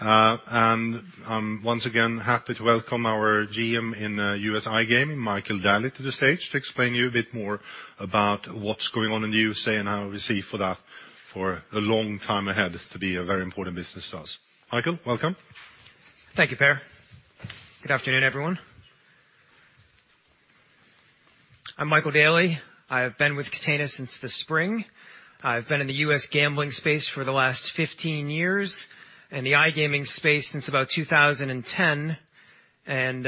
I'm once again happy to welcome our GM in U.S. iGaming, Michael Daly, to the stage to explain to you a bit more about what's going on in the USA and how we see for that for a long time ahead to be a very important business to us. Michael, welcome. Thank you, Per. Good afternoon, everyone. I'm Michael Daly. I have been with Catena since the spring. I've been in the U.S. gambling space for the last 15 years and the iGaming space since about 2010 and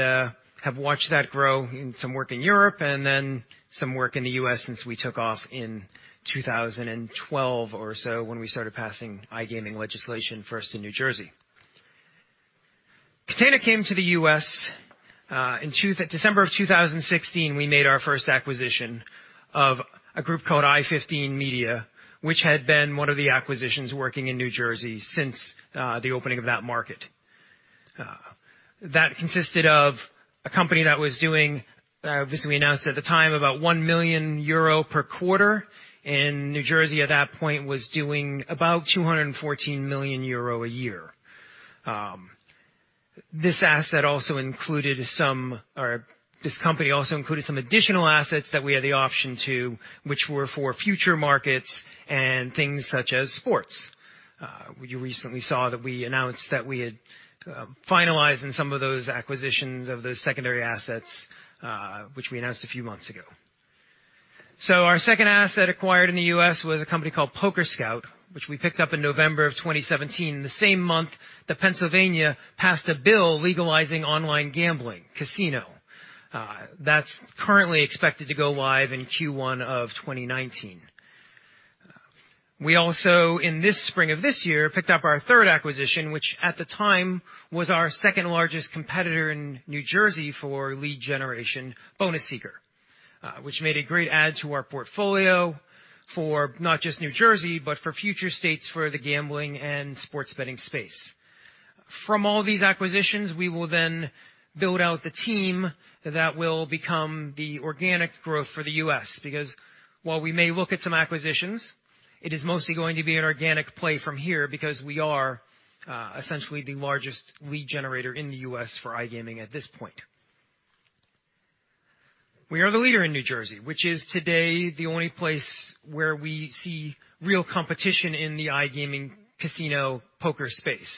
have watched that grow in some work in Europe and then some work in the U.S. since we took off in 2012 or so when we started passing iGaming legislation first in New Jersey. Catena came to the U.S. in December of 2016. We made our first acquisition of a group called i15 Media, which had been one of the acquisitions working in New Jersey since the opening of that market. That consisted of a company that was doing, this we announced at the time, about 1 million euro per quarter, and New Jersey at that point was doing about 214 million euro a year. This company also included some additional assets that we had the option to, which were for future markets and things such as sports. You recently saw that we announced that we had finalized in some of those acquisitions of those secondary assets, which we announced a few months ago. Our second asset acquired in the U.S. was a company called PokerScout, which we picked up in November of 2017, the same month that Pennsylvania passed a bill legalizing online gambling, casino. That is currently expected to go live in Q1 of 2019. We also, in the spring of this year, picked up our third acquisition, which at the time was our second-largest competitor in New Jersey for lead generation, Bonus Seeker, which made a great add to our portfolio for not just New Jersey, but for future states for the gambling and sports betting space. From all these acquisitions, we will then build out the team that will become the organic growth for the U.S. because, while we may look at some acquisitions, it is mostly going to be an organic play from here because we are essentially the largest lead generator in the U.S. for iGaming at this point. We are the leader in New Jersey, which is today the only place where we see real competition in the iGaming casino poker space.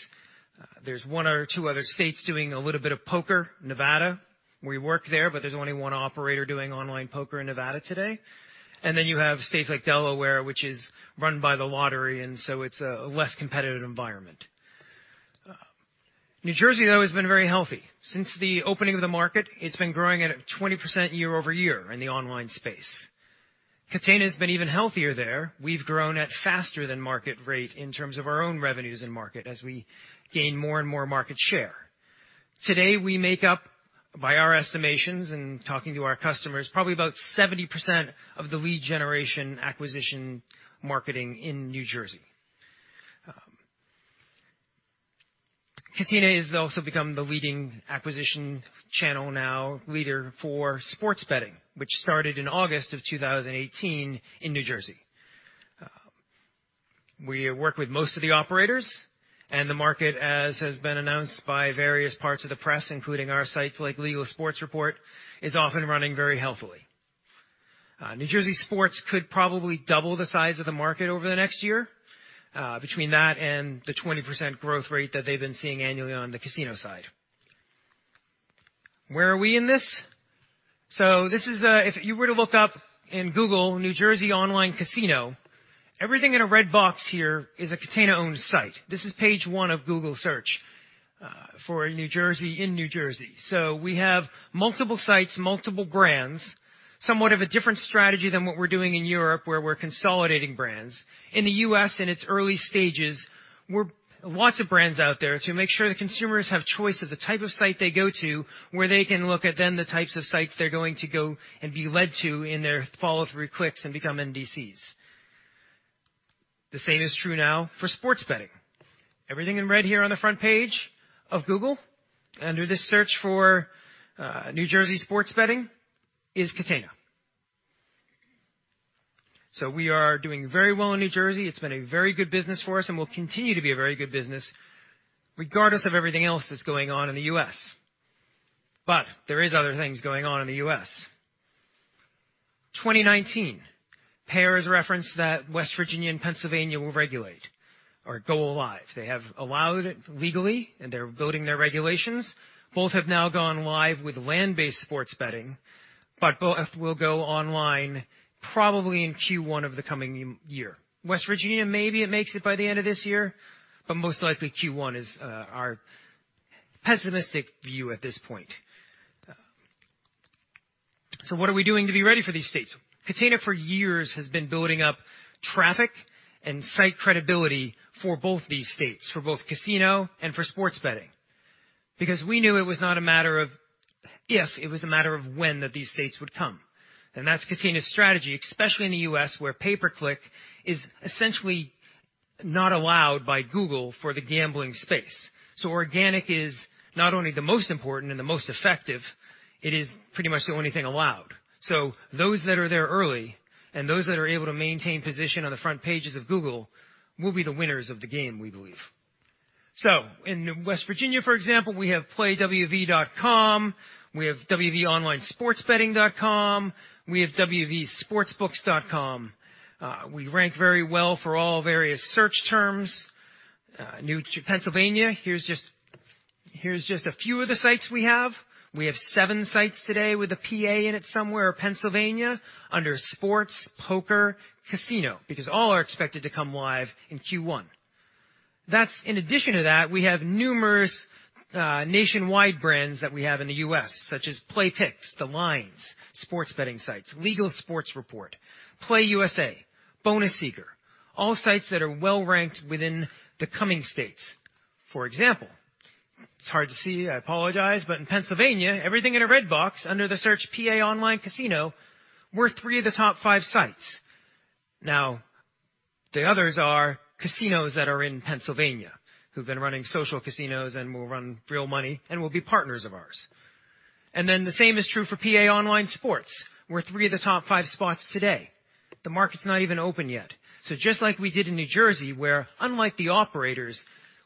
There is one or two other states doing a little bit of poker. Nevada, we work there, but there is only one operator doing online poker in Nevada today. You have states like Delaware, which is run by the lottery, and so it is a less competitive environment. New Jersey, though, has been very healthy. Since the opening of the market, it has been growing at a 20% year-over-year in the online space. Catena has been even healthier there. We have grown at faster than market rate in terms of our own revenues in market as we gain more and more market share. Today, we make up by our estimations and talking to our customers, probably about 70% of the lead generation acquisition marketing in New Jersey. Catena has also become the leading acquisition channel now leader for sports betting, which started in August of 2018 in New Jersey. We work with most of the operators and the market as has been announced by various parts of the press, including our sites like Legal Sports Report, is off and running very healthily. New Jersey sports could probably double the size of the market over the next year, between that and the 20% growth rate that they have been seeing annually on the casino side. Where are we in this? If you were to look up in Google, New Jersey online casino, everything in a red box here is a Catena-owned site. This is page one of Google search for New Jersey in New Jersey. We have multiple sites, multiple brands, somewhat of a different strategy than what we are doing in Europe, where we are consolidating brands. In the U.S., in its early stages, lots of brands out there to make sure the consumers have choice of the type of site they go to, where they can look at then the types of sites they are going to go and be led to in their follow-through clicks and become NDCs. The same is true now for sports betting. Everything in red here on the front page of Google under this search for New Jersey sports betting is Catena. We are doing very well in New Jersey. It has been a very good business for us and will continue to be a very good business regardless of everything else that is going on in the U.S. There is other things going on in the U.S. 2019, Per reference that West Virginia and Pennsylvania will regulate or go live. They have allowed it legally and they are voting their regulations. Both have now gone live with land-based sports betting, but both will go online probably in Q1 of the coming year. West Virginia, maybe it makes it by the end of this year, but most likely Q1 is our pessimistic view at this point. What are we doing to be ready for these states? Catena, for years, has been building up traffic and site credibility for both these states, for both casino and for sports betting. We knew it was not a matter of if, it was a matter of when that these states would come. That is Catena's strategy, especially in the U.S., where pay per click is essentially not allowed by Google for the gambling space. Organic is not only the most important and the most effective, it is pretty much the only thing allowed. Those that are there early and those that are able to maintain position on the front pages of Google will be the winners of the game, we believe. In West Virginia, for example, we have playwv.com, we have wvonlinesportsbetting.com, we have wvsportsbooks.com. We rank very well for all various search terms. New to Pennsylvania, here is just a few of the sites we have. We have seven sites today with a PA in it somewhere, Pennsylvania, under sports, poker, casino, because all are expected to come live in Q1. In addition to that, we have numerous nationwide brands that we have in the U.S., such as PlayPicks, TheLines, sports betting sites, Legal Sports Report, PlayUSA, Bonus Seeker, all sites that are well ranked within the coming states. For example, it is hard to see, I apologize, in Pennsylvania, everything in a red box under the search PA Online Casino were three of the top five sites. The others are casinos that are in Pennsylvania who have been running social casinos and will run real money and will be partners of ours. The same is true for PA Online Sports, we are three of the top five spots today. The market is not even open yet. Just like we did in New Jersey, where, unlike the operators,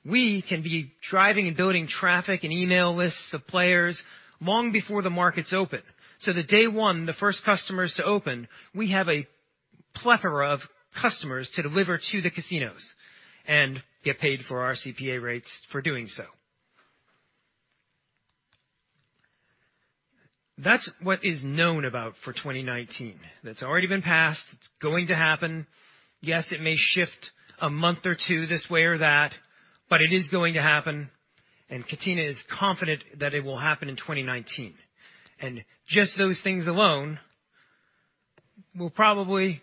we can be driving and building traffic and email lists of players long before the markets open. The day one, the first customers to open, we have a plethora of customers to deliver to the casinos and get paid for our CPA rates for doing so. That is what is known about for 2019. That has already been passed. It is going to happen. Yes, it may shift a month or two this way or that, but it is going to happen, and Catena is confident that it will happen in 2019. Just those things alone will probably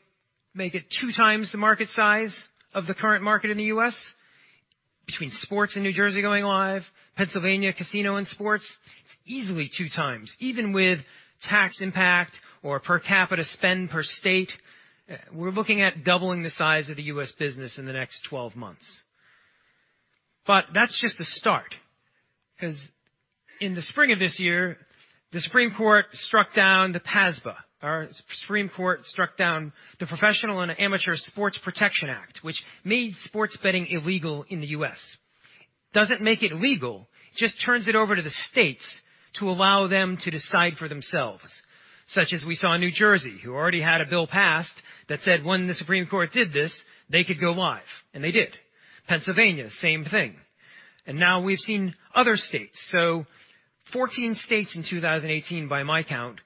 make it two times the market size of the current market in the U.S. Between sports and New Jersey going live, Pennsylvania Casino and sports, easily two times. Even with tax impact or per capita spend per state, we're looking at doubling the size of the U.S. business in the next 12 months. That's just the start, because in the spring of this year, the Supreme Court struck down the PASPA, or Supreme Court struck down the Professional and Amateur Sports Protection Act, which made sports betting illegal in the U.S. Doesn't make it legal, just turns it over to the states to allow them to decide for themselves, such as we saw in New Jersey, who already had a bill passed that said when the Supreme Court did this, they could go live, and they did. Pennsylvania, same thing. Now we've seen other states. 14 states in 2018, by my count,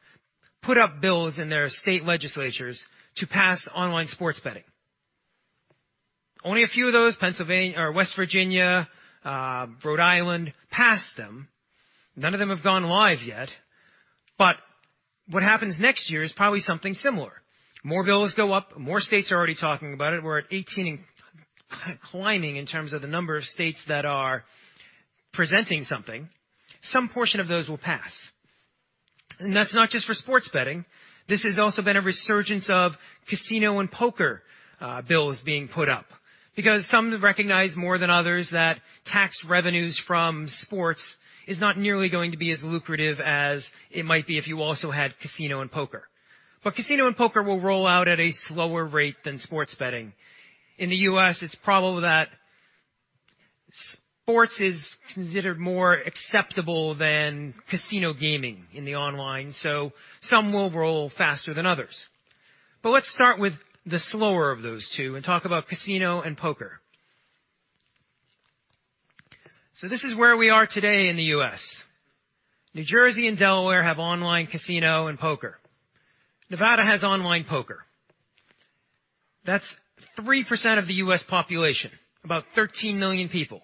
put up bills in their state legislatures to pass online sports betting. Only a few of those, West Virginia, Rhode Island, passed them. None of them have gone live yet. What happens next year is probably something similar. More bills go up, more states are already talking about it. We're at 18 and climbing in terms of the number of states that are presenting something. Some portion of those will pass. That's not just for sports betting. This has also been a resurgence of casino and poker bills being put up because some recognize more than others that tax revenues from sports is not nearly going to be as lucrative as it might be if you also had casino and poker. But casino and poker will roll out at a slower rate than sports betting. In the U.S., it's probably that sports is considered more acceptable than casino gaming in the online, so some will roll faster than others. Let's start with the slower of those two and talk about casino and poker. This is where we are today in the U.S. New Jersey and Delaware have online casino and poker. Nevada has online poker. That's 3% of the U.S. population, about 13 million people.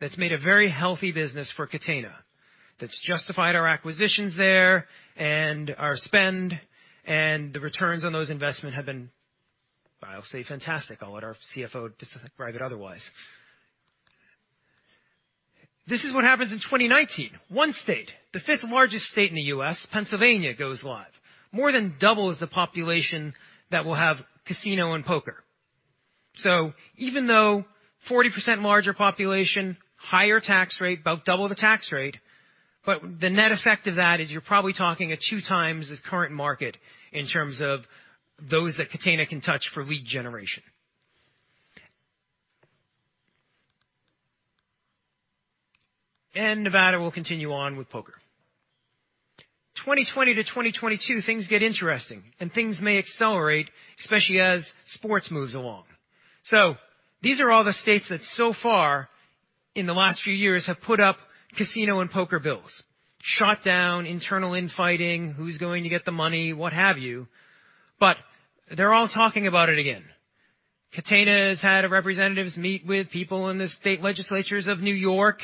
That's made a very healthy business for Catena. That's justified our acquisitions there and our spend and the returns on those investment have been, I'll say fantastic. I'll let our CFO disagree otherwise. This is what happens in 2019. One state, the fifth largest state in the U.S., Pennsylvania, goes live. More than doubles the population that will have casino and poker. Even though 40% larger population, higher tax rate, about double the tax rate, but the net effect of that is you're probably talking a two times as current market in terms of those that Catena can touch for lead generation. Nevada will continue on with poker. 2020 to 2022, things get interesting, and things may accelerate, especially as sports moves along. These are all the states that so far in the last few years have put up casino and poker bills, shut down, internal infighting, who's going to get the money, what have you. They're all talking about it again. Catena has had representatives meet with people in the state legislatures of New York,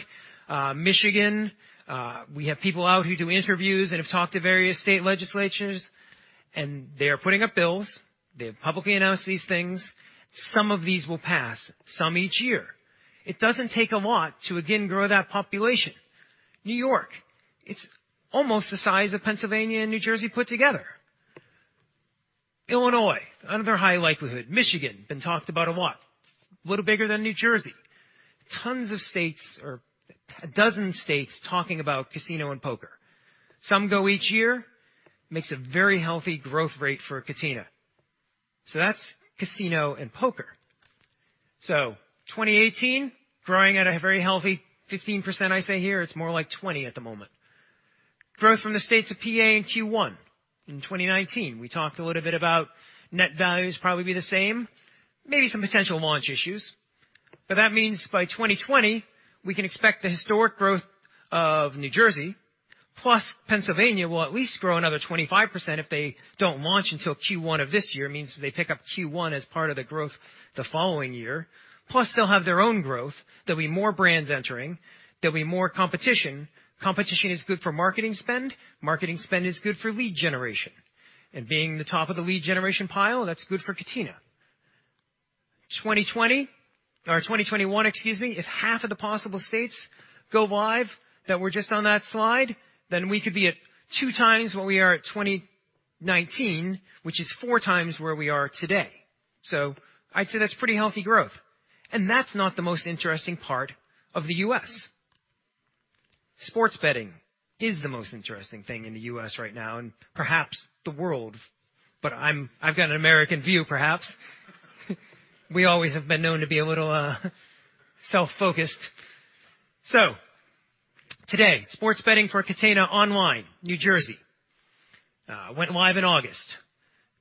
Michigan. We have people out who do interviews and have talked to various state legislatures, and they are putting up bills. They have publicly announced these things. Some of these will pass, some each year. It doesn't take a lot to again grow that population. New York, it's almost the size of Pennsylvania and New Jersey put together. Illinois, another high likelihood. Michigan, been talked about a lot, a little bigger than New Jersey. Tons of states or 12 states talking about casino and poker. Some go each year, makes a very healthy growth rate for Catena Media. That's casino and poker. 2018, growing at a very healthy 15%, I say here, it's more like 20% at the moment. Growth from the states of PA in Q1. In 2019, we talked a little bit about net values probably be the same, maybe some potential launch issues. That means by 2020, we can expect the historic growth of New Jersey, plus Pennsylvania will at least grow another 25% if they don't launch until Q1 of this year, means they pick up Q1 as part of the growth the following year. Plus, they'll have their own growth. There'll be more brands entering. There'll be more competition. Competition is good for marketing spend, marketing spend is good for lead generation. Being the top of the lead generation pile, that's good for Catena Media. 2020 or 2021, excuse me, if half of the possible states go live that were just on that slide, then we could be at 2 times where we are at 2019, which is 4 times where we are today. I'd say that's pretty healthy growth. That's not the most interesting part of the U.S. Sports betting is the most interesting thing in the U.S. right now and perhaps the world, but I've got an American view, perhaps. We always have been known to be a little self-focused. Today, sports betting for Catena Online, New Jersey, went live in August.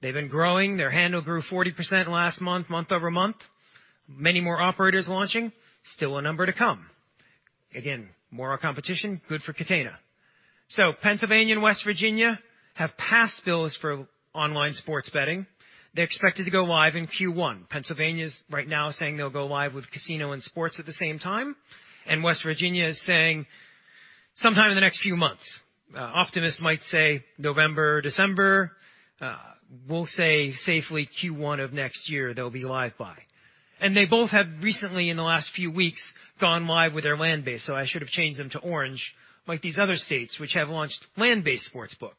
They've been growing. Their handle grew 40% last month-over-month. Many more operators launching, still a number to come. Again, more competition, good for Catena Media. Pennsylvania and West Virginia have passed bills for online sports betting. They're expected to go live in Q1. Pennsylvania's right now saying they'll go live with casino and sports at the same time, and West Virginia is saying sometime in the next few months. Optimists might say November, December. We'll say safely Q1 of next year, they'll be live by. They both have recently, in the last few weeks, gone live with their land-based. I should have changed them to orange, like these other states which have launched land-based sportsbook.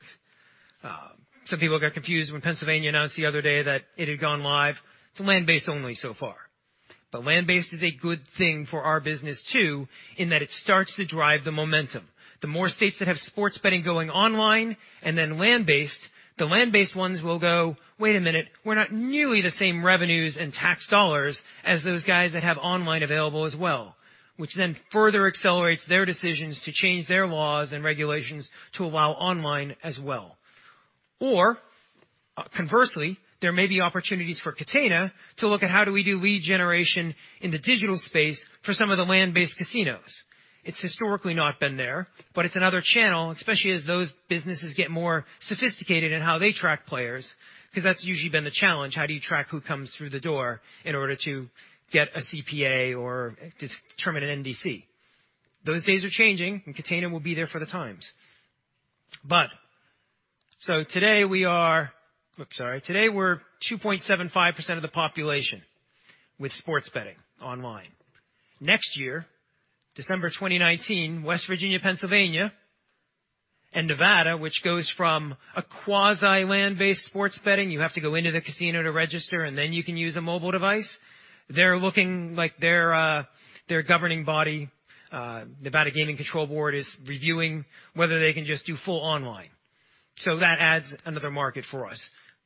Some people got confused when Pennsylvania announced the other day that it had gone live. It's land-based only so far. Land-based is a good thing for our business, too, in that it starts to drive the momentum. The more states that have sports betting going online and then land-based, the land-based ones will go, "Wait a minute, we're not nearly the same revenues and tax dollars as those guys that have online available as well," which then further accelerates their decisions to change their laws and regulations to allow online as well. Conversely, there may be opportunities for Catena to look at how do we do lead generation in the digital space for some of the land-based casinos. It has historically not been there, but it is another channel, especially as those businesses get more sophisticated in how they track players, because that is usually been the challenge. How do you track who comes through the door in order to get a CPA or determine an NDC? Those days are changing, and Catena will be there for the times. Today we are 2.75% of the population with sports betting online. Next year, December 2019, West Virginia, Pennsylvania, and Nevada, which goes from a quasi land-based sports betting, you have to go into the casino to register, and then you can use a mobile device. They are looking like their governing body, Nevada Gaming Control Board, is reviewing whether they can just do full online. That adds another market for us.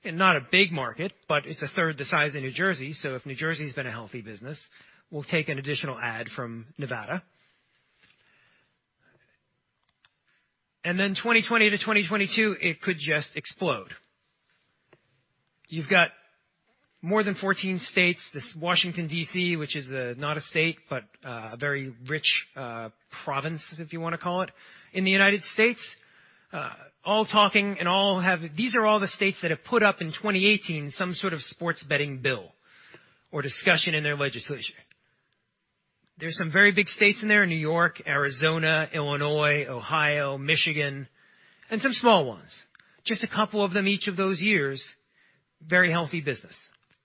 Not a big market, but it is a third the size of New Jersey. If New Jersey has been a healthy business, we will take an additional ad from Nevada. Then 2020 to 2022, it could just explode. You have more than 14 states, this Washington, D.C., which is not a state, but a very rich province, if you want to call it, in the United States, all talking and all have. These are all the states that have put up in 2018 some sort of sports betting bill or discussion in their legislature. There are some very big states in there, New York, Arizona, Illinois, Ohio, Michigan, and some small ones. Just a couple of them each of those years, very healthy business,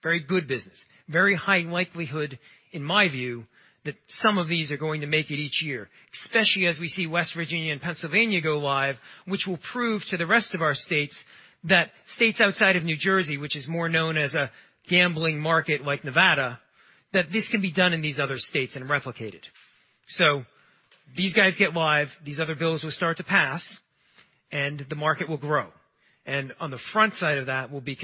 very good business. Very high likelihood, in my view, that some of these are going to make it each year, especially as we see West Virginia and Pennsylvania go live, which will prove to the rest of our states that states outside of New Jersey, which is more known as a gambling market like Nevada, that this can be done in these other states and replicated. These guys get live, these other bills will start to pass, and the market will grow. On the front side of that will be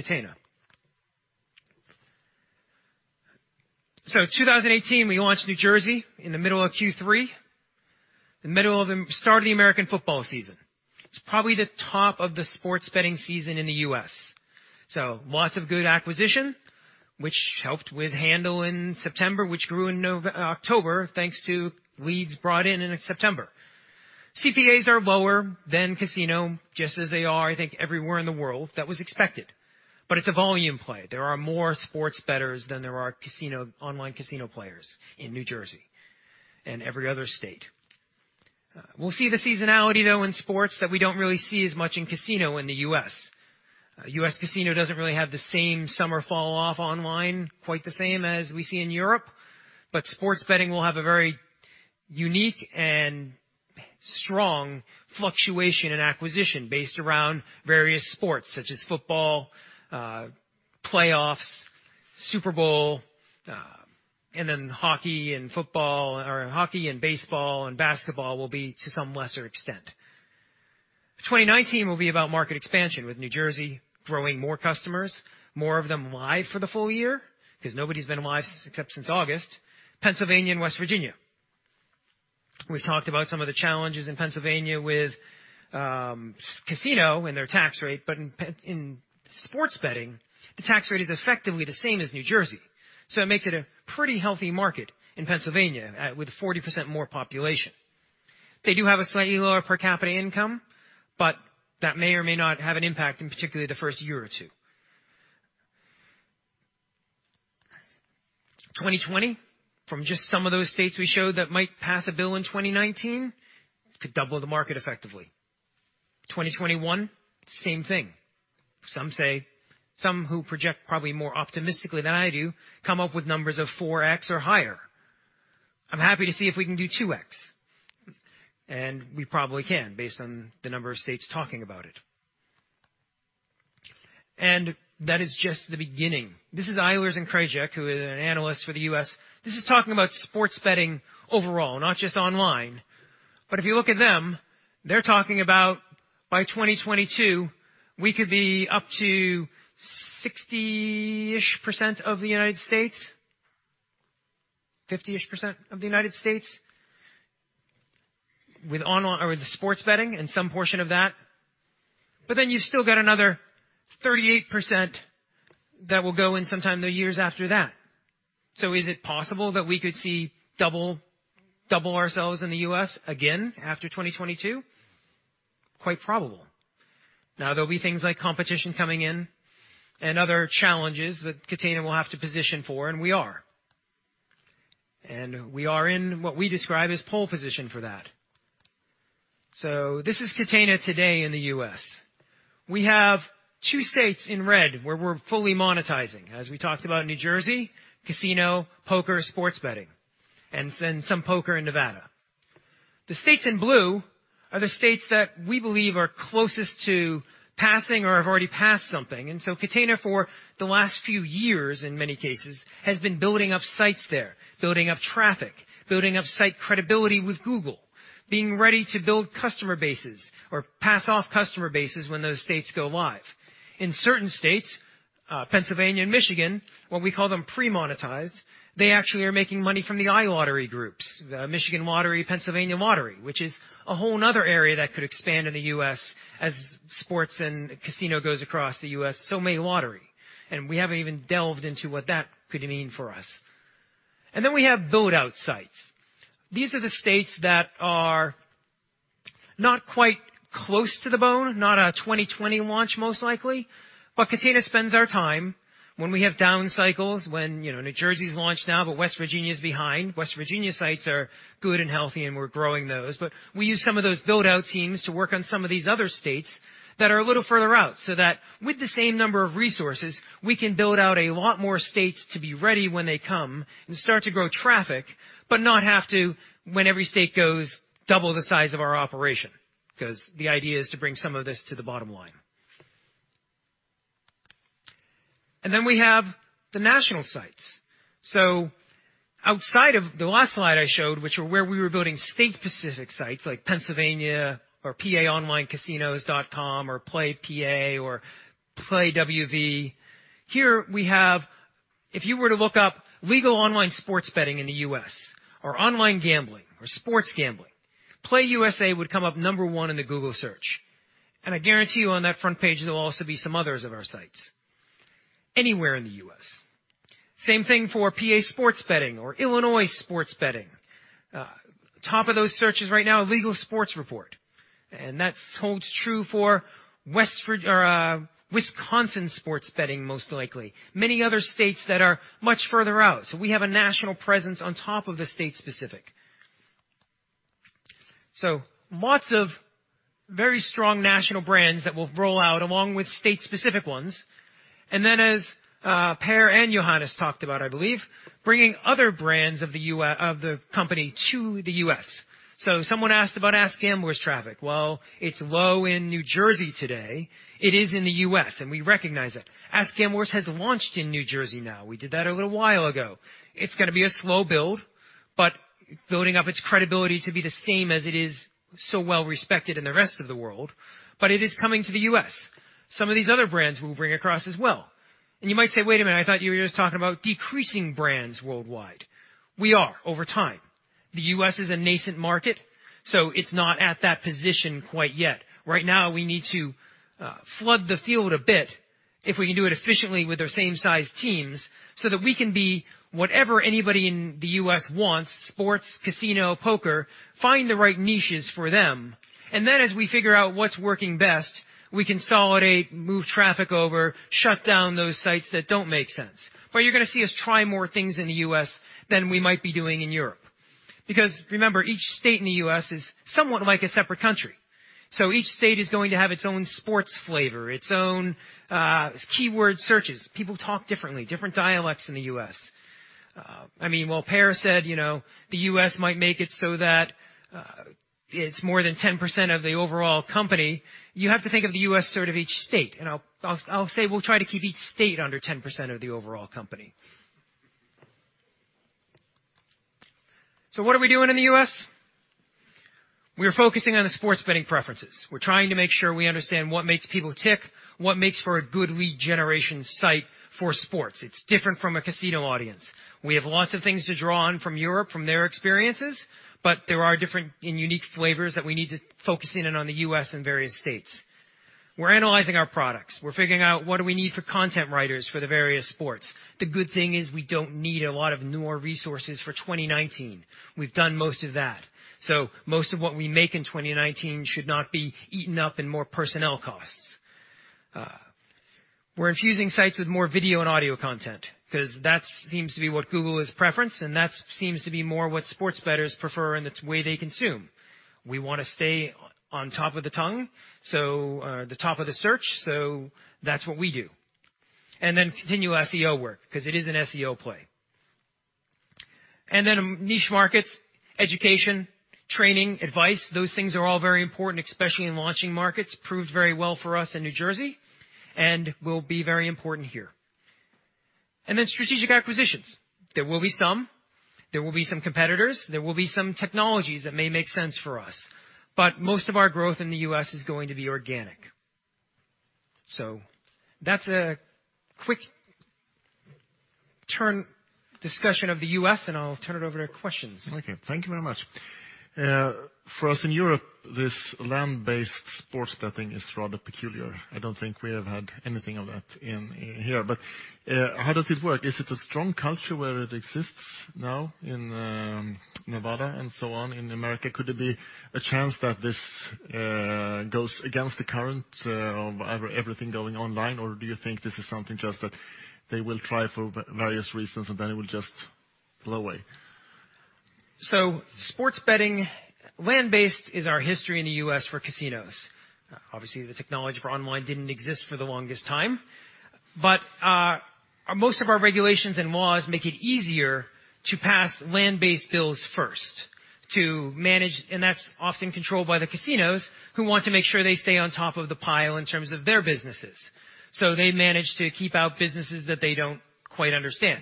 Catena. 2018, we launched New Jersey in the middle of Q3, the start of the American football season. It is probably the top of the sports betting season in the U.S. Lots of good acquisition, which helped with handle in September, which grew in October, thanks to leads brought in in September. CPAs are lower than casino, just as they are, I think, everywhere in the world, that was expected. But it is a volume play. There are more sports bettors than there are online casino players in New Jersey and every other state. We will see the seasonality, though, in sports that we do not really see as much in casino in the U.S. U.S. casino does not really have the same summer fall-off online quite the same as we see in Europe, but sports betting will have a very unique and strong fluctuation in acquisition based around various sports, such as football, playoffs, Super Bowl, and then hockey and baseball, and basketball will be to some lesser extent. 2019 will be about market expansion, with New Jersey growing more customers, more of them live for the full year because nobody has been live except since August. Pennsylvania and West Virginia. We have talked about some of the challenges in Pennsylvania with casino and their tax rate. In sports betting, the tax rate is effectively the same as New Jersey. It makes it a pretty healthy market in Pennsylvania, with 40% more population. They do have a slightly lower per capita income, but that may or may not have an impact in particularly the first year or two. 2020, from just some of those states we showed that might pass a bill in 2019, could double the market effectively. 2021, same thing. Some who project probably more optimistically than I do, come up with numbers of 4x or higher. I am happy to see if we can do 2x. We probably can, based on the number of states talking about it. That is just the beginning. This is Eilers & Krejcik Gaming, who is an analyst for the U.S. This is talking about sports betting overall, not just online. If you look at them, they are talking about by 2022, we could be up to 60-ish% of the U.S., 50-ish% of the U.S. with sports betting and some portion of that. You have still got another 38% that will go in some time in the years after that. Is it possible that we could see double ourselves in the U.S. again after 2022? Quite probable. There will be t hings like competition coming in and other challenges that Catena will have to position for, and we are. We are in what we describe as pole position for that. This is Catena today in the U.S. We have two states in red where we are fully monetizing. As we talked about New Jersey, casino, poker, sports betting, and then some poker in Nevada. The states in blue are the states that we believe are closest to passing or have already passed something. Catena for the last few years, in many cases, has been building up sites there, building up traffic, building up site credibility with Google, being ready to build customer bases or pass off customer bases when those states go live. In certain states, Pennsylvania and Michigan, we call them pre-monetized. They actually are making money from the iLottery groups, the Michigan Lottery, Pennsylvania Lottery, which is a whole other area that could expand in the U.S. as sport s and casino goes across the U.S., so may iLottery. We have not even delved into what that could mean for us. We have build-out sites. These are the states that are not quite close to the bone, not a 2020 launch, most likely. Catena spends our time when we have down cycles, when New Jersey has launched now, but West Virginia is behind. West Virginia sites are good and healthy, and we are growing those. We use some of those build-out teams to work on some of these other states that are a little further out, so that with the same number of resources, we can build out a lot more states to be ready when they come and start to grow traffic, but not have to, when every state goes double the size of our operation. Because the idea is to bring some of this to the bottom line. We have the national sites. Outside of the last slide I showed, which were where we were building state-specific sites like Pennsylvania or paonlinecasino.com or PlayPA or PlayWV, here we have, if you were to look up legal online sports betting in the U.S. or online gambling or sports gambling, PlayUSA would come up number one in the Google search. I guarantee you on that front page, there will also be some others of our sites anywhere in the U.S. Same thing for PA sports betting or Illinois sports betting. Top of those searches right now, Legal Sports Report, and that holds true for Wisconsin sports betting, most likely. Many other states that are much further out. We have a national presence on top of the state-specific. Lots of very strong national brands that we'll roll out along with state-specific ones. As Per and Johannes talked about, I believe, bringing other brands of the company to the U.S. Someone asked about AskGamblers traffic. Well, it's low in New Jersey today. It is in the U.S., and we recognize it. AskGamblers has launched in New Jersey now. We did that a little while ago. It's going to be a slow build, but building up its credibility to be the same as it is so well-respected in the rest of the world, but it is coming to the U.S. Some of these other brands we'll bring across as well. You might say, "Wait a minute, I thought you were just talking about decreasing brands worldwide." We are, over time. The U.S. is a nascent market, it's not at that position quite yet. Right now, we need to flood the field a bit, if we can do it efficiently with our same size teams, that we can be whatever anybody in the U.S. wants, sports, casino, poker, find the right niches for them. As we figure out what's working best, we consolidate, move traffic over, shut down those sites that don't make sense. You're going to see us try more things in the U.S. than we might be doing in Europe. Remember, each state in the U.S. is somewhat like a separate country. Each state is going to have its own sports flavor, its own keyword searches. People talk differently, different dialects in the U.S. While Per said the U.S. might make it so that it's more than 10% of the overall company, you have to think of the U.S. sort of each state. I'll say we'll try to keep each state under 10% of the overall company. What are we doing in the U.S.? We are focusing on the sports betting preferences. We're trying to make sure we understand what makes people tick, what makes for a good lead generation site for sports. It's different from a casino audience. We have lots of things to draw on from Europe, from their experiences, but there are different and unique flavors that we need to focus in on the U.S. and various states. We're analyzing our products. We're figuring out what do we need for content writers for the various sports. The good thing is we don't need a lot of newer resources for 2019. We've done most of that. Most of what we make in 2019 should not be eaten up in more personnel costs. We're infusing sites with more video and audio content, because that seems to be what Google is preference, and that seems to be more what sports bettors prefer and it's the way they consume. We want to stay on top of the tongue, the top of the search, that's what we do. Continue SEO work, because it is an SEO play. Niche markets, education, training, advice, those things are all very important, especially in launching markets. Proved very well for us in New Jersey, and will be very important here. Strategic acquisitions. There will be some. There will be some competitors. There will be some technologies that may make sense for us. Most of our growth in the U.S. is going to be organic. That's a quick turn discussion of the U.S., and I'll turn it over to questions. Okay, thank you very much. For us in Europe, this land-based sports betting is rather peculiar. I don't think we have had anything of that in here. How does it work? Is it a strong culture where it exists now in Nevada and so on in America? Could there be a chance that this goes against the current of everything going online? Do you think this is something just that they will try for various reasons, and then it will just blow away? Sports betting, land-based is our history in the U.S. for casinos. Obviously, the technology for online didn't exist for the longest time. Most of our regulations and laws make it easier to pass land-based bills first to manage, and that's often controlled by the casinos, who want to make sure they stay on top of the pile in terms of their businesses. They manage to keep out businesses that they don't quite understand.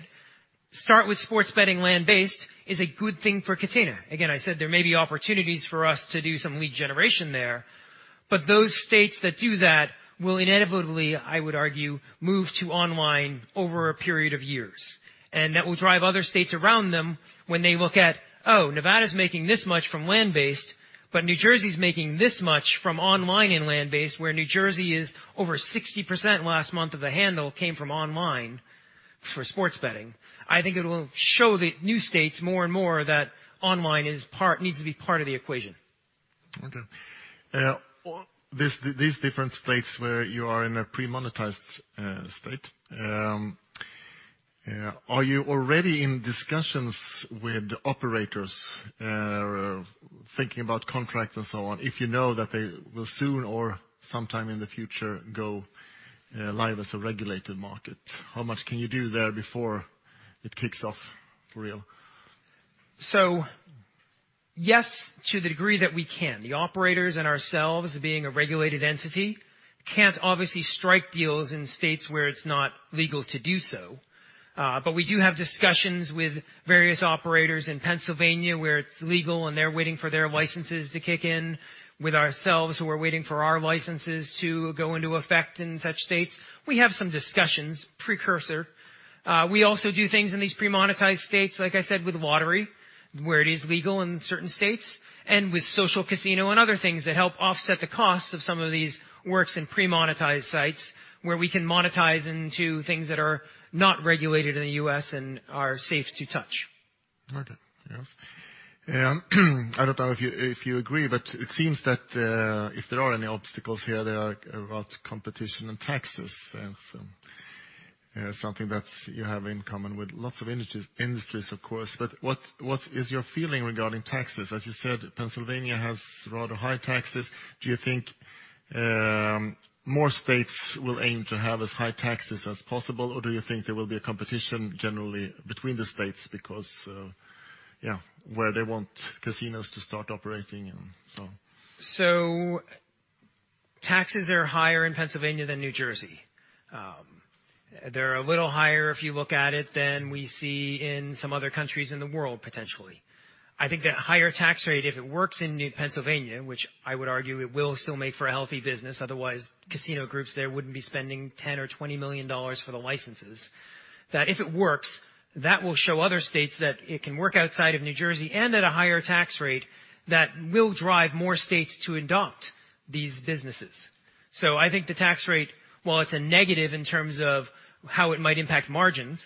Start with sports betting land-based is a good thing for Catena. Again, I said there may be opportunities for us to do some lead generation there, but those states that do that will inevitably, I would argue, move to online over a period of years. That will drive other states around them when they look at, oh, Nevada's making this much from land-based, New Jersey's making this much from online and land-based, where New Jersey is over 60% last month of the handle came from online for sports betting. I think it will show the new states more and more that online needs to be part of the equation. Okay. These different states where you are in a pre-monetized state, are you already in discussions with operators, or thinking about contracts and so on, if you know that they will soon or sometime in the future go live as a regulated market? How much can you do there before it kicks off for real? Yes, to the degree that we can. The operators and ourselves being a regulated entity can't obviously strike deals in states where it's not legal to do so. We do have discussions with various operators in Pennsylvania where it's legal and they're waiting for their licenses to kick in with ourselves who are waiting for our licenses to go into effect in such states. We have some discussions, precursor. We also do things in these pre-monetized states, like I said, with lottery, where it is legal in certain states, and with social casino and other things that help offset the cost of some of these works in pre-monetized sites, where we can monetize into things that are not regulated in the U.S. and are safe to touch. Okay. I don't know if you agree, it seems that if there are any obstacles here, they are about competition and taxes and something that you have in common with lots of industries, of course. What is your feeling regarding taxes? As you said, Pennsylvania has rather high taxes. Do you think more states will aim to have as high taxes as possible, or do you think there will be a competition generally between the states because where they want casinos to start operating and so on? Taxes are higher in Pennsylvania than New Jersey. They're a little higher if you look at it than we see in some other countries in the world, potentially. I think that higher tax rate, if it works in Pennsylvania, which I would argue it will still make for a healthy business, otherwise casino groups there wouldn't be spending 10 million or EUR 20 million for the licenses. That if it works, that will show other states that it can work outside of New Jersey and at a higher tax rate that will drive more states to adopt these businesses. I think the tax rate, while it's a negative in terms of how it might impact margins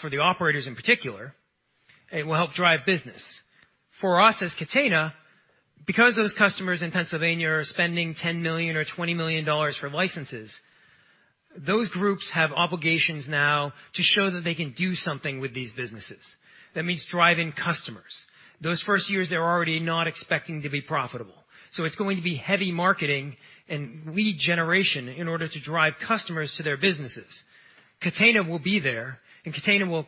for the operators in particular, it will help drive business. For us as Catena, because those customers in Pennsylvania are spending 10 million or EUR 20 million for licenses, those groups have obligations now to show that they can do something with these businesses. That means driving customers. Those first years, they are already not expecting to be profitable. It is going to be heavy marketing and lead generation in order to drive customers to their businesses. Catena will be there, and Catena will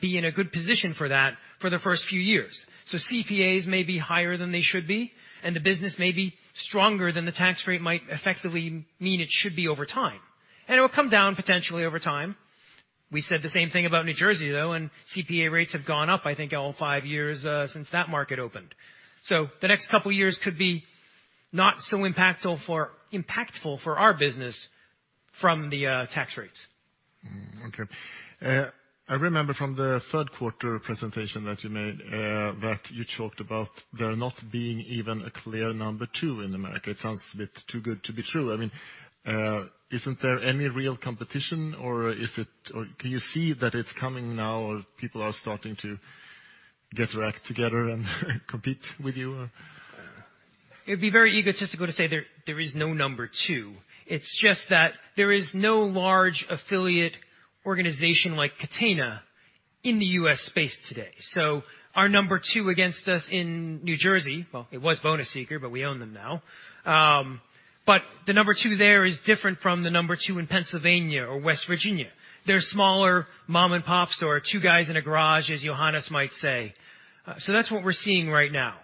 be in a good position for that for the first few years. CPAs may be higher than they should be, and the business may be stronger than the tax rate might effectively mean it should be over time. It will come down potentially over time. We said the same thing about New Jersey, though, and CPA rates have gone up, I think all five years since that market opened. The next couple of years could be not so impactful for our business from the tax rates. Okay. I remember from the third quarter presentation that you made, that you talked about there not being even a clear number two in America. It sounds a bit too good to be true. Isn't there any real competition, or can you see that it's coming now or people are starting to get their act together and compete with you? It'd be very egotistical to say there is no number two. It's just that there is no large affiliate organization like Catena in the U.S. space today. Our number two against us in New Jersey, well, it was BonusSeeker, but we own them now. The number two there is different from the number two in Pennsylvania or West Virginia. They're smaller mom and pops or two guys in a garage, as Johannes might say. That's what we're seeing right now.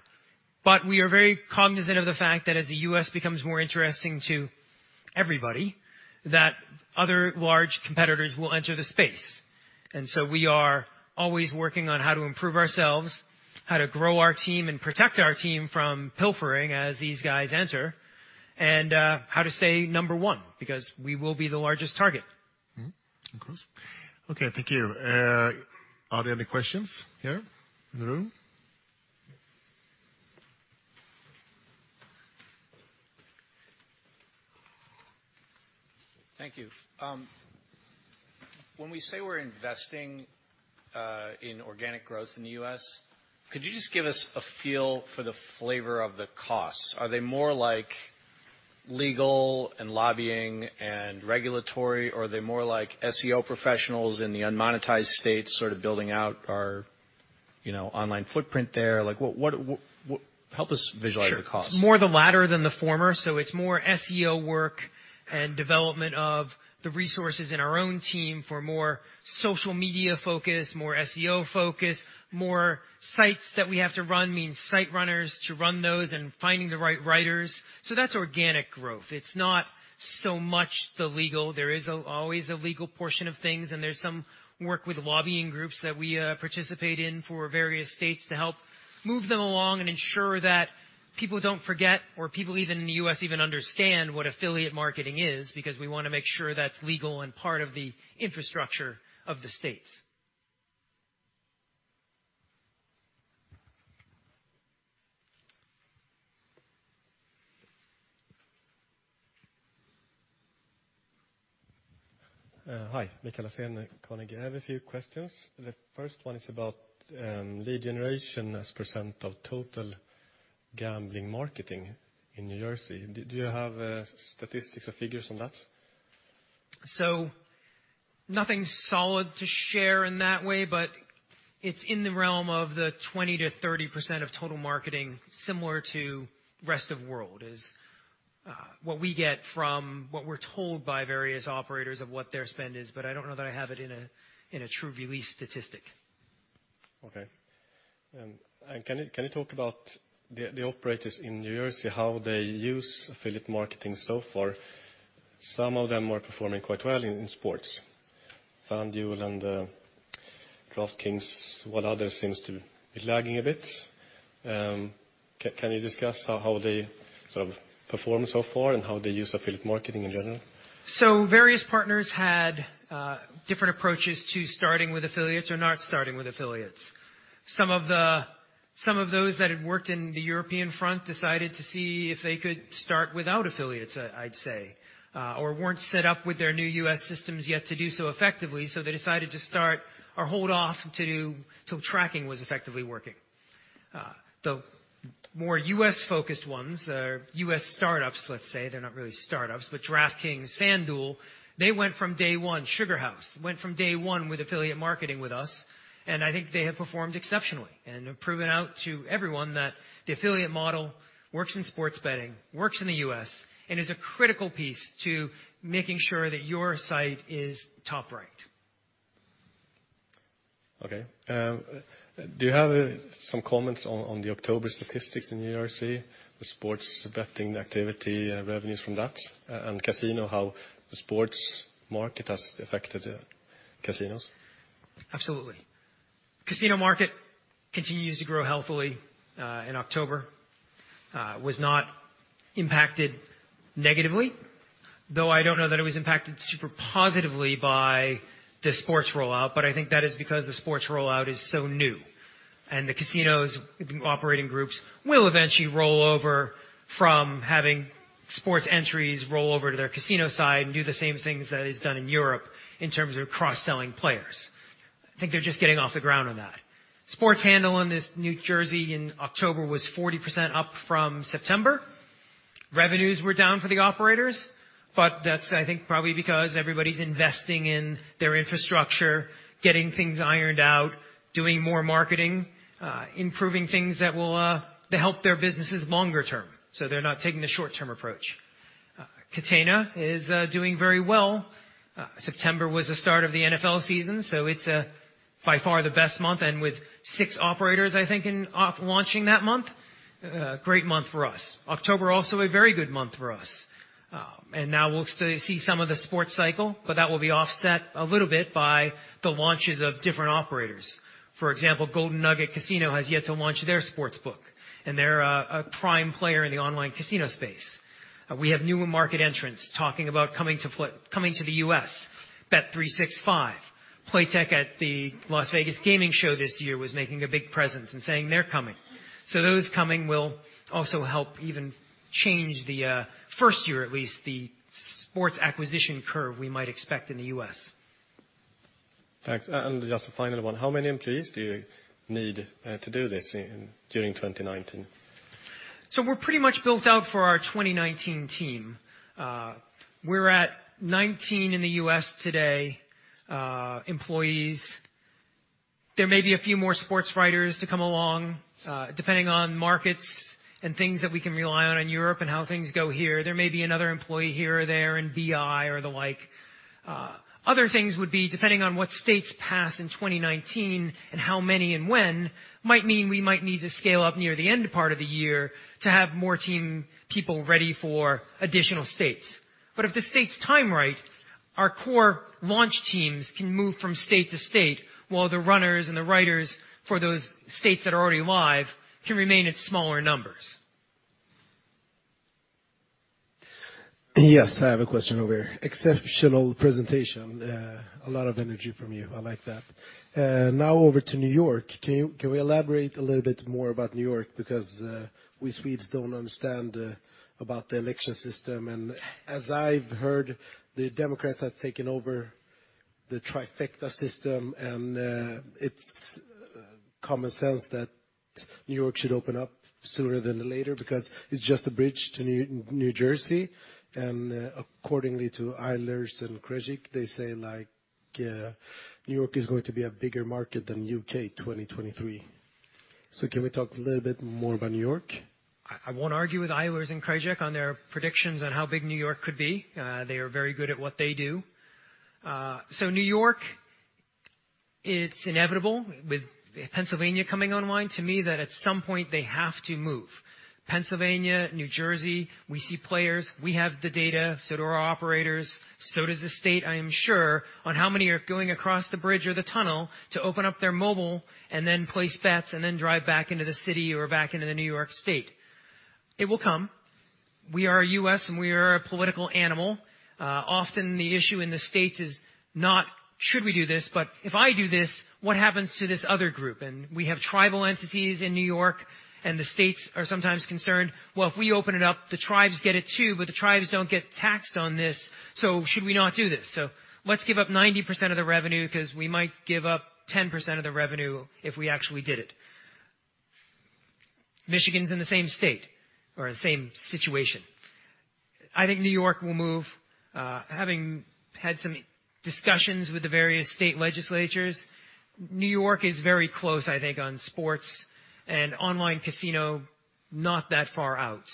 We are very cognizant of the fact that as the U.S. becomes more interesting to everybody, that other large competitors will enter the space. We are always working on how to improve ourselves, how to grow our team and protect our team from pilfering as these guys enter, and how to stay number one, because we will be the largest target. Of course. Okay, thank you. Are there any questions here in the room? Thank you. When we say we're investing in organic growth in the U.S., could you just give us a feel for the flavor of the costs? Are they more like legal and lobbying and regulatory, or are they more like SEO professionals in the unmonetized states sort of building out our online footprint there? Help us visualize the cost. Sure. It's more the latter than the former. It's more SEO work and development of the resources in our own team for more social media focus, more SEO focus, more sites that we have to run means site runners to run those and finding the right writers. That's organic growth. It's not so much the legal. There is always a legal portion of things, and there's some work with lobbying groups that we participate in for various states to help move them along and ensure that people don't forget or people even in the U.S. even understand what affiliate marketing is, because we want to make sure that's legal and part of the infrastructure of the states. Hi. Mikael Sandgren, Carnegie. I have a few questions. The first one is about lead generation as % of total gambling marketing in New Jersey. Do you have statistics or figures on that? Nothing solid to share in that way, but it's in the realm of the 20%-30% of total marketing, similar to rest of world is what we get from what we're told by various operators of what their spend is, but I don't know that I have it in a true released statistic. Okay. Can you talk about the operators in New Jersey, how they use affiliate marketing so far? Some of them are performing quite well in sports. FanDuel and DraftKings, while others seems to be lagging a bit. Can you discuss how they sort of performed so far and how they use affiliate marketing in general? Various partners had different approaches to starting with affiliates or not starting with affiliates. Some of those that had worked in the European front decided to see if they could start without affiliates, I'd say, or weren't set up with their new U.S. systems yet to do so effectively, so they decided to start or hold off till tracking was effectively working. The more U.S.-focused ones, U.S. startups, let's say, they're not really startups, but DraftKings, FanDuel, they went from day one. SugarHouse went from day one with affiliate marketing with us, and I think they have performed exceptionally and have proven out to everyone that the affiliate model works in sports betting, works in the U.S., and is a critical piece to making sure that your site is top right. Okay. Do you have some comments on the October statistics in New Jersey, the sports betting activity, revenues from that, and casino, how the sports market has affected casinos? Absolutely. Casino market continues to grow healthily in October. Was not impacted negatively, though I don't know that it was impacted super positively by the sports rollout, but I think that is because the sports rollout is so new. The casinos operating groups will eventually roll over from having sports entries roll over to their casino side and do the same things that is done in Europe in terms of cross-selling players. I think they're just getting off the ground on that. Sports handle in this New Jersey in October was 40% up from September. Revenues were down for the operators, that's, I think, probably because everybody's investing in their infrastructure, getting things ironed out, doing more marketing, improving things that will help their businesses longer term, so they're not taking the short-term approach. Catena is doing very well. September was the start of the NFL season, it's by far the best month, and with six operators, I think, launching that month, great month for us. October also a very good month for us. Now we'll see some of the sports cycle, that will be offset a little bit by the launches of different operators. For example, Golden Nugget Casino has yet to launch their sportsbook, and they're a prime player in the online casino space. We have new market entrants talking about coming to the U.S. Bet365, Playtech at the Las Vegas gaming show this year was making a big presence and saying they're coming. Those coming will also help even change the first year, at least, the sports acquisition curve we might expect in the U.S. Thanks. Just a final one. How many employees do you need to do this during 2019? We're pretty much built out for our 2019 team. We're at 19 in the U.S. today, employees. There may be a few more sports writers to come along, depending on markets and things that we can rely on in Europe and how things go here. There may be another employee here or there in BI or the like. Other things would be depending on what states pass in 2019 and how many and when, might mean we might need to scale up near the end part of the year to have more team people ready for additional states. If the states time right, our core launch teams can move from state to state, while the runners and the riders for those states that are already live can remain at smaller numbers. Yes, I have a question over here. Exceptional presentation. A lot of energy from you. I like that. Over to New York. Can we elaborate a little bit more about New York? We Swedes don't understand about the election system. As I've heard, the Democrats have taken over the trifecta system, and it's common sense that New York should open up sooner than later because it's just a bridge to New Jersey. Accordingly to Eilers & Krejcik Gaming, they say like New York is going to be a bigger market than U.K. 2023. Can we talk a little bit more about New York? I won't argue with Eilers & Krejcik Gaming on their predictions on how big New York could be. They are very good at what they do. New York, it's inevitable with Pennsylvania coming online, to me, that at some point they have to move. Pennsylvania, New Jersey, we see players, we have the data, so do our operators, so does the state, I am sure, on how many are going across the bridge or the tunnel to open up their mobile and then place bets and then drive back into the city or back into the New York State. It will come. We are U.S., and we are a political animal. Often the issue in the States is not, should we do this, but if I do this, what happens to this other group? We have tribal entities in New York, and the states are sometimes concerned, well, if we open it up, the tribes get it, too, but the tribes don't get taxed on this, so should we not do this? Let's give up 90% of the revenue because we might give up 10% of the revenue if we actually did it. Michigan's in the same state or the same situation. I think New York will move. Having had some discussions with the various state legislatures, New York is very close, I think, on sports and online casino, not that far out.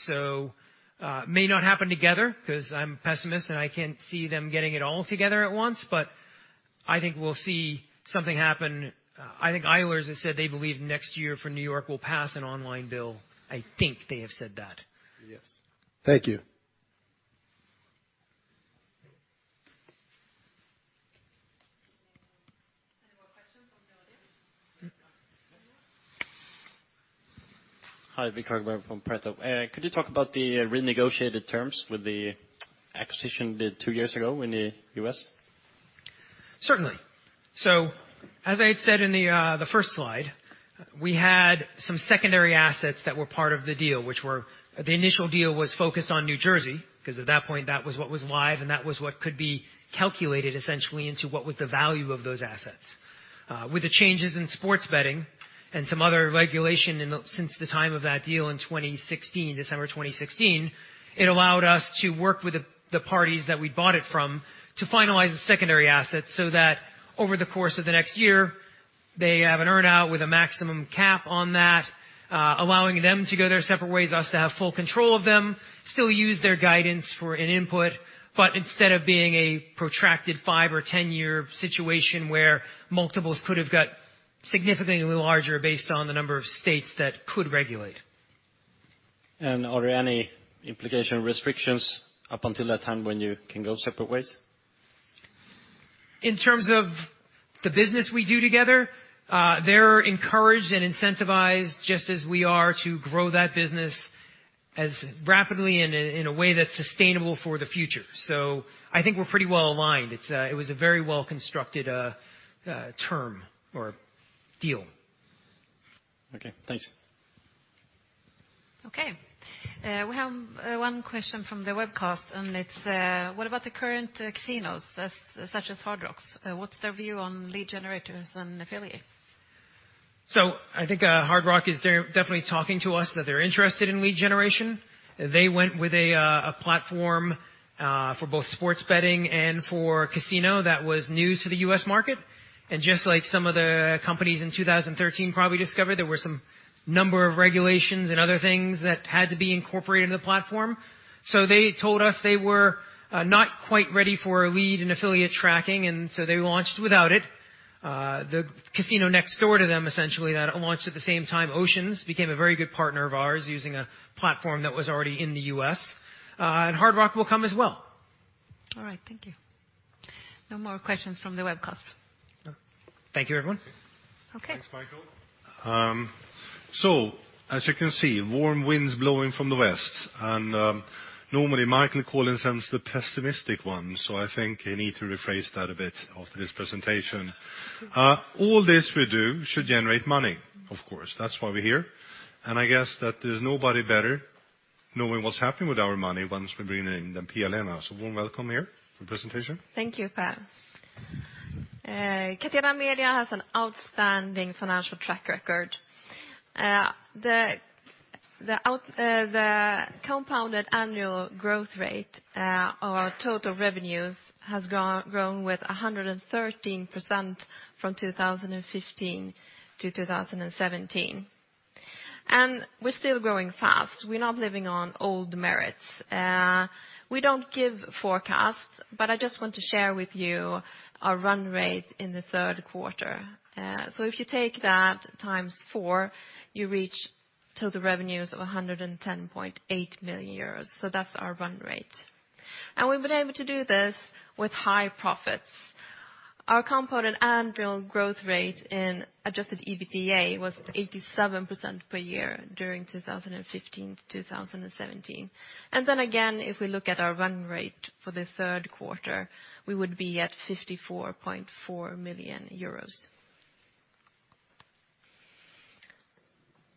May not happen together because I'm pessimist, and I can't see them getting it all together at once, but I think we'll see something happen. I think Eilers has said they believe next year for New York will pass an online bill. I think they have said that. Yes. Thank you. Any more questions from the audience? Hi, Victor from Pareto. Could you talk about the renegotiated terms with the acquisition bid two years ago in the U.S.? Certainly. As I had said in the first slide, we had some secondary assets that were part of the deal. The initial deal was focused on New Jersey, because at that point, that was what was live, and that was what could be calculated essentially into what was the value of those assets. With the changes in sports betting and some other regulation since the time of that deal in December 2016, it allowed us to work with the parties that we bought it from to finalize the secondary assets so that over the course of the next year, they have an earn-out with a maximum cap on that. Allowing them to go their separate ways, us to have full control of them, still use their guidance for an input, but instead of being a protracted five or 10-year situation where multiples could have got significantly larger based on the number of states that could regulate. Are there any implication restrictions up until that time when you can go separate ways? In terms of the business we do together, they're encouraged and incentivized, just as we are, to grow that business as rapidly and in a way that's sustainable for the future. I think we're pretty well-aligned. It was a very well-constructed term or deal. Okay, thanks. Okay. We have one question from the webcast. What about the current casinos such as Hard Rock's? What's their view on lead generators and affiliates? I think Hard Rock is definitely talking to us, that they're interested in lead generation. They went with a platform for both sports betting and for casino that was new to the U.S. market. Just like some of the companies in 2013 probably discovered, there were some number of regulations and other things that had to be incorporated into the platform. They told us they were not quite ready for a lead and affiliate tracking, they launched without it. The casino next door to them, essentially, that launched at the same time, Ocean Resort Casino, became a very good partner of ours using a platform that was already in the U.S. Hard Rock will come as well. All right. Thank you. No more questions from the webcast. Thank you, everyone. Okay. Thanks, Michael. As you can see, warm winds blowing from the west. Normally Mike and Colin sends the pessimistic one. I think you need to rephrase that a bit after this presentation. All this we do should generate money, of course. That's why we're here. I guess that there's nobody better knowing what's happening with our money once we bring in the PLM. Warm welcome here for presentation. Thank you, Per. Catena Media has an outstanding financial track record. The compounded annual growth rate of our total revenues has grown with 113% from 2015 to 2017. We're still growing fast. We're not living on old merits. We don't give forecasts. I just want to share with you our run rate in the third quarter. If you take that times four, you reach total revenues of 110.8 million euros. That's our run rate. We've been able to do this with high profits. Our compounded annual growth rate in adjusted EBITDA was 87% per year during 2015 to 2017. Again, if we look at our run rate for the third quarter, we would be at 54.4 million euros.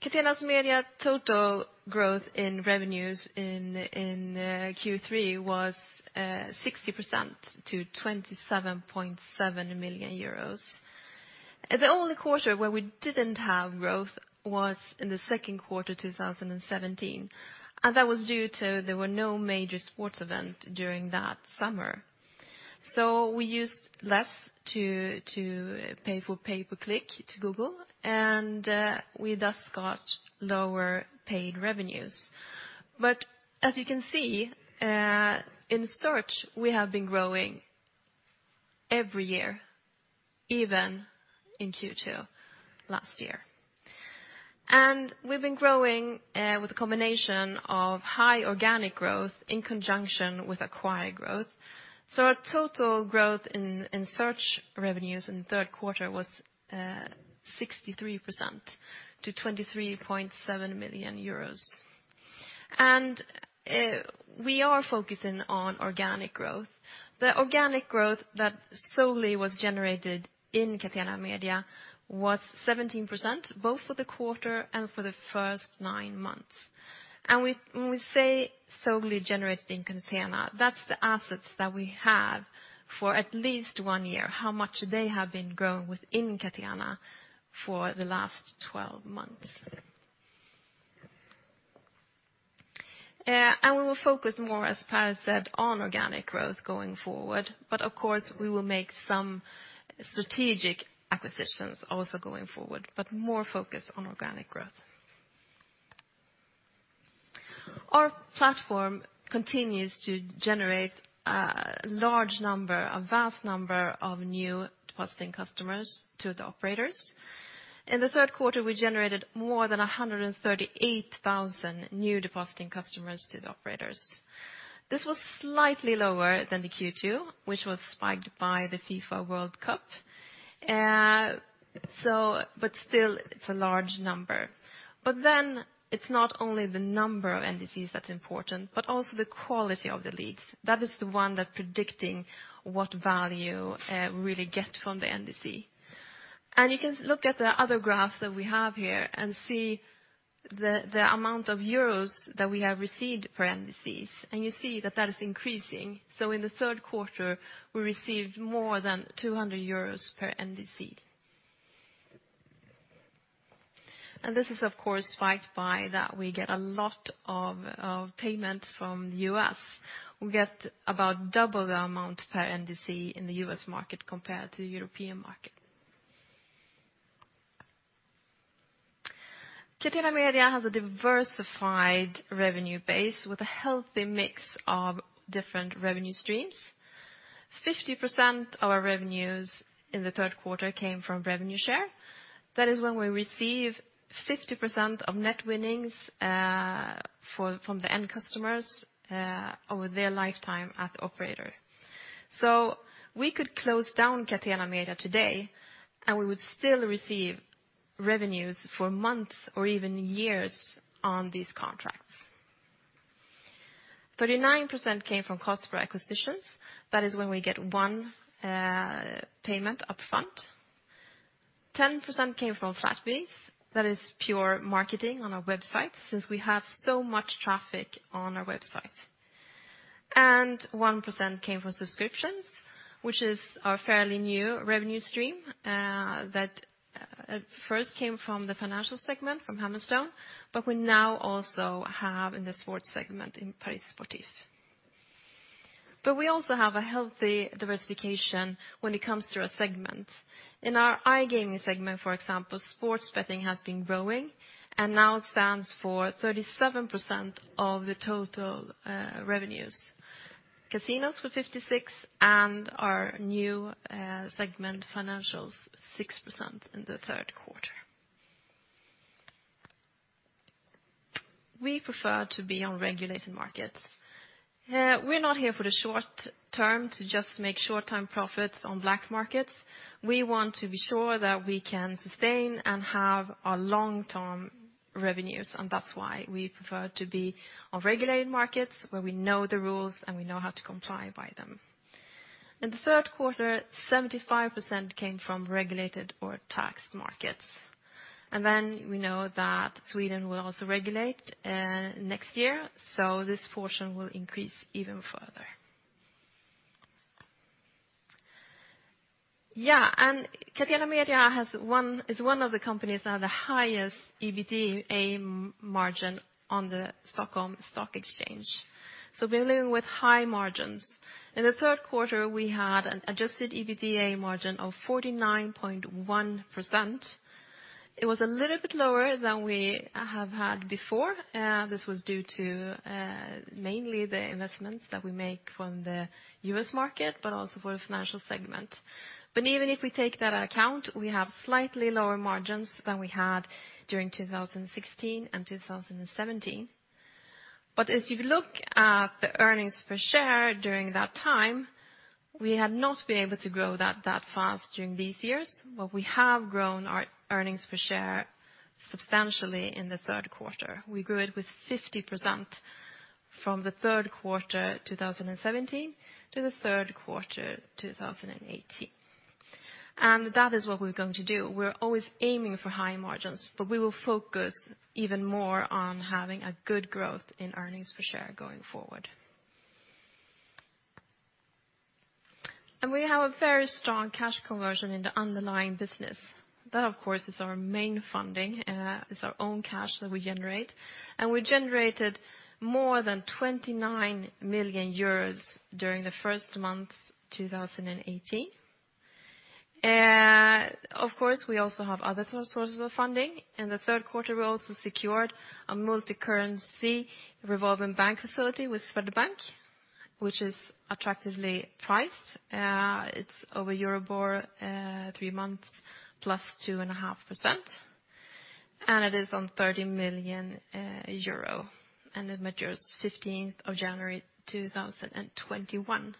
Catena Media total growth in revenues in Q3 was 60% to 27.7 million euros. The only quarter where we didn't have growth was in the second quarter 2017. That was due to there were no major sports event during that summer. We used less to pay for pay-per-click to Google. We thus got lower paid revenues. As you can see, in search, we have been growing every year, even in Q2 last year. We've been growing with a combination of high organic growth in conjunction with acquired growth. Our total growth in search revenues in the third quarter was 63% to EUR 23.7 million. We are focusing on organic growth. The organic growth that solely was generated in Catena Media was 17%, both for the quarter and for the first nine months. When we say solely generated in Catena, that's the assets that we have for at least one year, how much they have been growing within Catena for the last 12 months. We will focus more, as Per said, on organic growth going forward. Of course, we will make some strategic acquisitions also going forward, but more focused on organic growth. Our platform continues to generate a large number, a vast number of new depositing customers to the operators. In the third quarter, we generated more than 138,000 new depositing customers to the operators. This was slightly lower than the Q2, which was spiked by the FIFA World Cup. Still, it's a large number. It's not only the number of NDCs that's important, but also the quality of the leads. That is the one that predicting what value we really get from the NDC. You can look at the other graph that we have here and see the amount of euros that we have received per NDCs. You see that that is increasing. In the third quarter, we received more than 200 euros per NDC. This is, of course, spiked by that we get a lot of payments from the U.S. We get about double the amount per NDC in the U.S. market compared to European market. Catena Media has a diversified revenue base with a healthy mix of different revenue streams. 50% of our revenues in the third quarter came from revenue share. That is when we receive 50% of net winnings from the end customers over their lifetime at the operator. We could close down Catena Media today, and we would still receive revenues for months or even years on these contracts. 39% came from cost for acquisitions. That is when we get one payment upfront. 10% came from flat fees. That is pure marketing on our website, since we have so much traffic on our website. 1% came from subscriptions, which is our fairly new revenue stream, that first came from the financial segment from Hammerstone, but we now also have in the sports segment in Paris Sportif. We also have a healthy diversification when it comes to our segments. In our iGaming segment, for example, sports betting has been growing and now stands for 37% of the total revenues. Casinos for 56%, and our new segment, financials, 6% in the third quarter. We prefer to be on regulated markets. We're not here for the short term to just make short-term profits on black markets. We want to be sure that we can sustain and have our long-term revenues, that's why we prefer to be on regulated markets, where we know the rules and we know how to comply by them. In the third quarter, 75% came from regulated or taxed markets. We know that Sweden will also regulate next year, so this portion will increase even further. Catena Media is one of the companies that have the highest EBITDA margin on the Stockholm Stock Exchange. We're living with high margins. In the third quarter, we had an adjusted EBITDA margin of 49.1%. It was a little bit lower than we have had before. This was due to mainly the investments that we make from the U.S. market, but also for the financial segment. Even if we take that account, we have slightly lower margins than we had during 2016 and 2017. If you look at the earnings per share during that time, we have not been able to grow that that fast during these years, but we have grown our earnings per share substantially in the third quarter. We grew it with 50% from the third quarter 2017 to the third quarter 2018. That is what we're going to do. We're always aiming for high margins, but we will focus even more on having a good growth in earnings per share going forward. We have a very strong cash conversion in the underlying business. That, of course, is our main funding. It's our own cash that we generate. We generated more than 29 million euros during the first month 2018. Of course, we also have other sources of funding. In the third quarter, we also secured a multicurrency revolving bank facility with Swedbank, which is attractively priced. It's over Euribor three months plus 2.5%, and it is on 30 million euro, and it matures 15th of January 2021.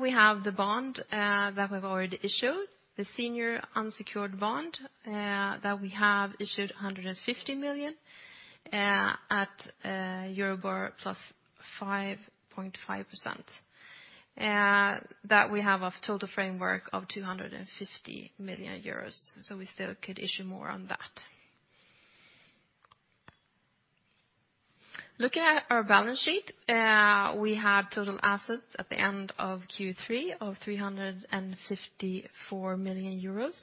We have the bond that we've already issued, the senior unsecured bond, that we have issued 150 million at Euribor plus 5.5%. That we have a total framework of 250 million euros, so we still could issue more on that. Looking at our balance sheet, we had total assets at the end of Q3 of 354 million euros.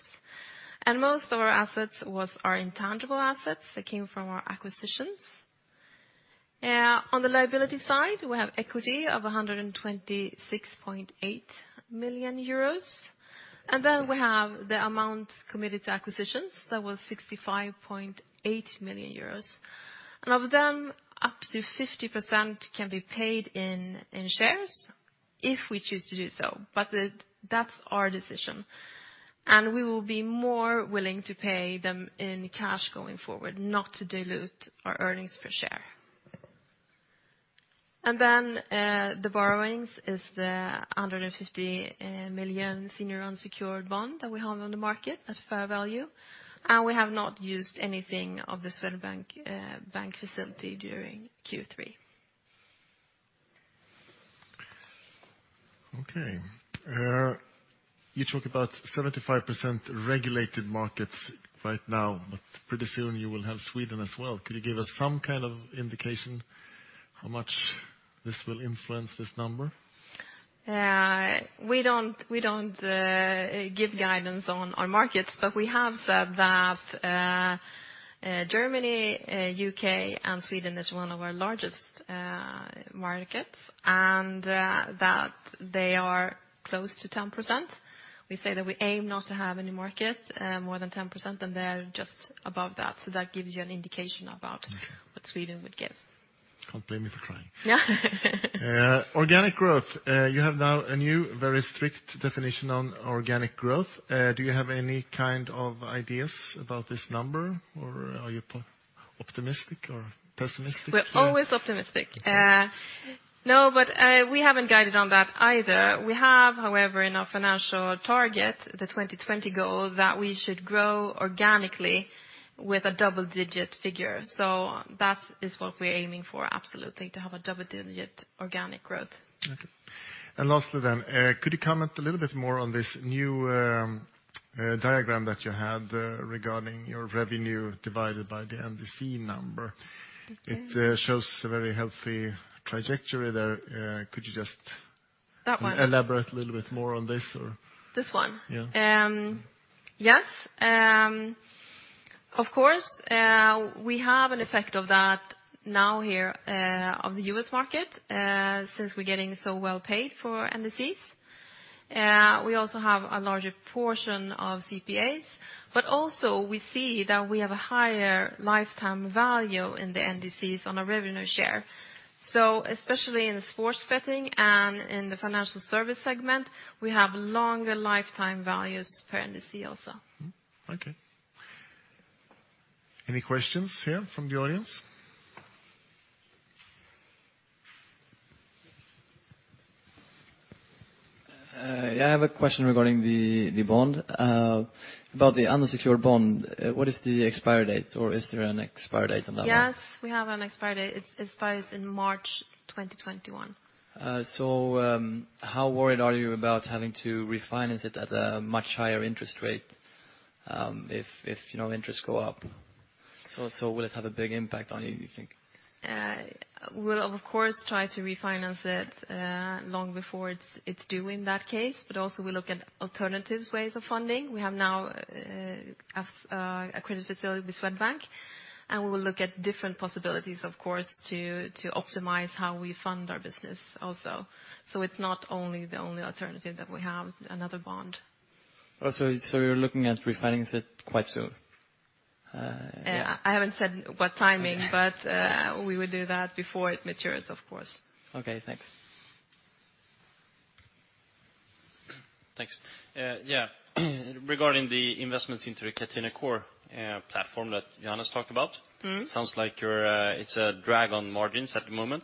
Most of our assets was our intangible assets that came from our acquisitions. On the liability side, we have equity of 126.8 million euros. We have the amount committed to acquisitions. That was 65.8 million euros. Of them, up to 50% can be paid in shares if we choose to do so. That's our decision. We will be more willing to pay them in cash going forward, not to dilute our earnings per share. The borrowings is the 150 million senior unsecured bond that we have on the market at fair value. We have not used anything of the Swedbank facility during Q3. Okay. You talk about 75% regulated markets right now, pretty soon you will have Sweden as well. Could you give us some kind of indication how much this will influence this number? We don't give guidance on our markets, we have said that Germany, U.K., and Sweden is one of our largest markets, that they are close to 10%. We say that we aim not to have any market more than 10%, and they're just above that. That gives you an indication about what Sweden would give. Can't blame me for trying. Yeah. Organic growth. You have now a new, very strict definition on organic growth. Do you have any kind of ideas about this number, or are you optimistic or pessimistic here? We're always optimistic. We haven't guided on that either. We have, however, in our financial target, the 2020 goal, that we should grow organically with a double-digit figure. That is what we're aiming for, absolutely, to have a double-digit organic growth. Okay. Could you comment a little bit more on this new diagram that you had regarding your revenue divided by the NDC number? It shows a very healthy trajectory there. That one? Elaborate a little bit more on this, or? This one? Yeah. Yes. Of course, we have an effect of that now here on the U.S. market, since we're getting so well paid for NDCs. We also have a larger portion of CPAs, but also we see that we have a higher lifetime value in the NDCs on our revenue share. Especially in the sports betting and in the financial service segment, we have longer lifetime values per NDC also. Okay. Any questions here from the audience? Yeah, I have a question regarding the bond, about the unsecured bond. What is the expiry date, or is there an expiry date on that one? Yes, we have an expiry date. It expires in March 2021. How worried are you about having to refinance it at a much higher interest rate if interest go up? Will it have a big impact on you think? We'll of course try to refinance it long before it's due in that case, but also we'll look at alternatives ways of funding. We have now a credit facility with Swedbank, and we will look at different possibilities, of course, to optimize how we fund our business also. It's not only the only alternative that we have, another bond. You're looking at refinancing it quite soon? I haven't said what timing Okay We would do that before it matures, of course. Okay, thanks. Thanks. Yeah. Regarding the investments into the Catena Core platform that Johannes' talked about. Sounds like it's a drag on margins at the moment,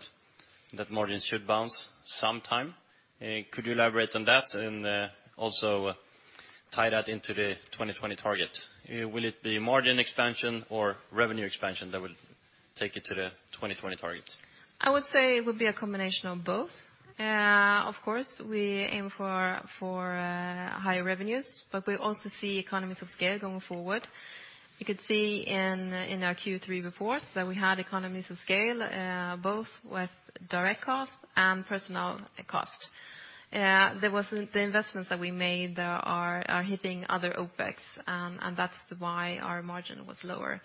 that margins should bounce sometime. Could you elaborate on that and also tie that into the 2020 target? Will it be margin expansion or revenue expansion that will take you to the 2020 target? I would say it would be a combination of both. Of course, we aim for higher revenues, but we also see economies of scale going forward. You could see in our Q3 reports that we had economies of scale, both with direct costs and personal costs. The investments that we made are hitting other OPEX, that's why our margin was lower.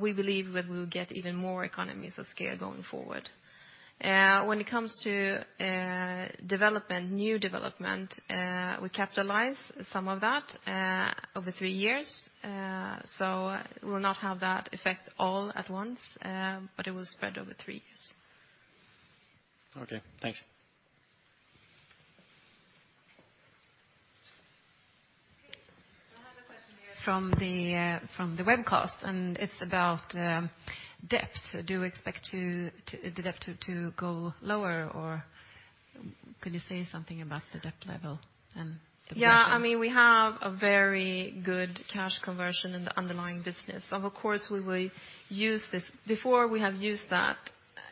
We believe we will get even more economies of scale going forward. When it comes to development, new development, we capitalize some of that over three years, we'll not have that effect all at once, but it will spread over three years. Okay, thanks. Okay. I have a question here from the webcast, and it's about debt. Do you expect the debt to go lower, or could you say something about the debt level and the working- Yeah, we have a very good cash conversion in the underlying business, and of course, we will use this. Before we have used that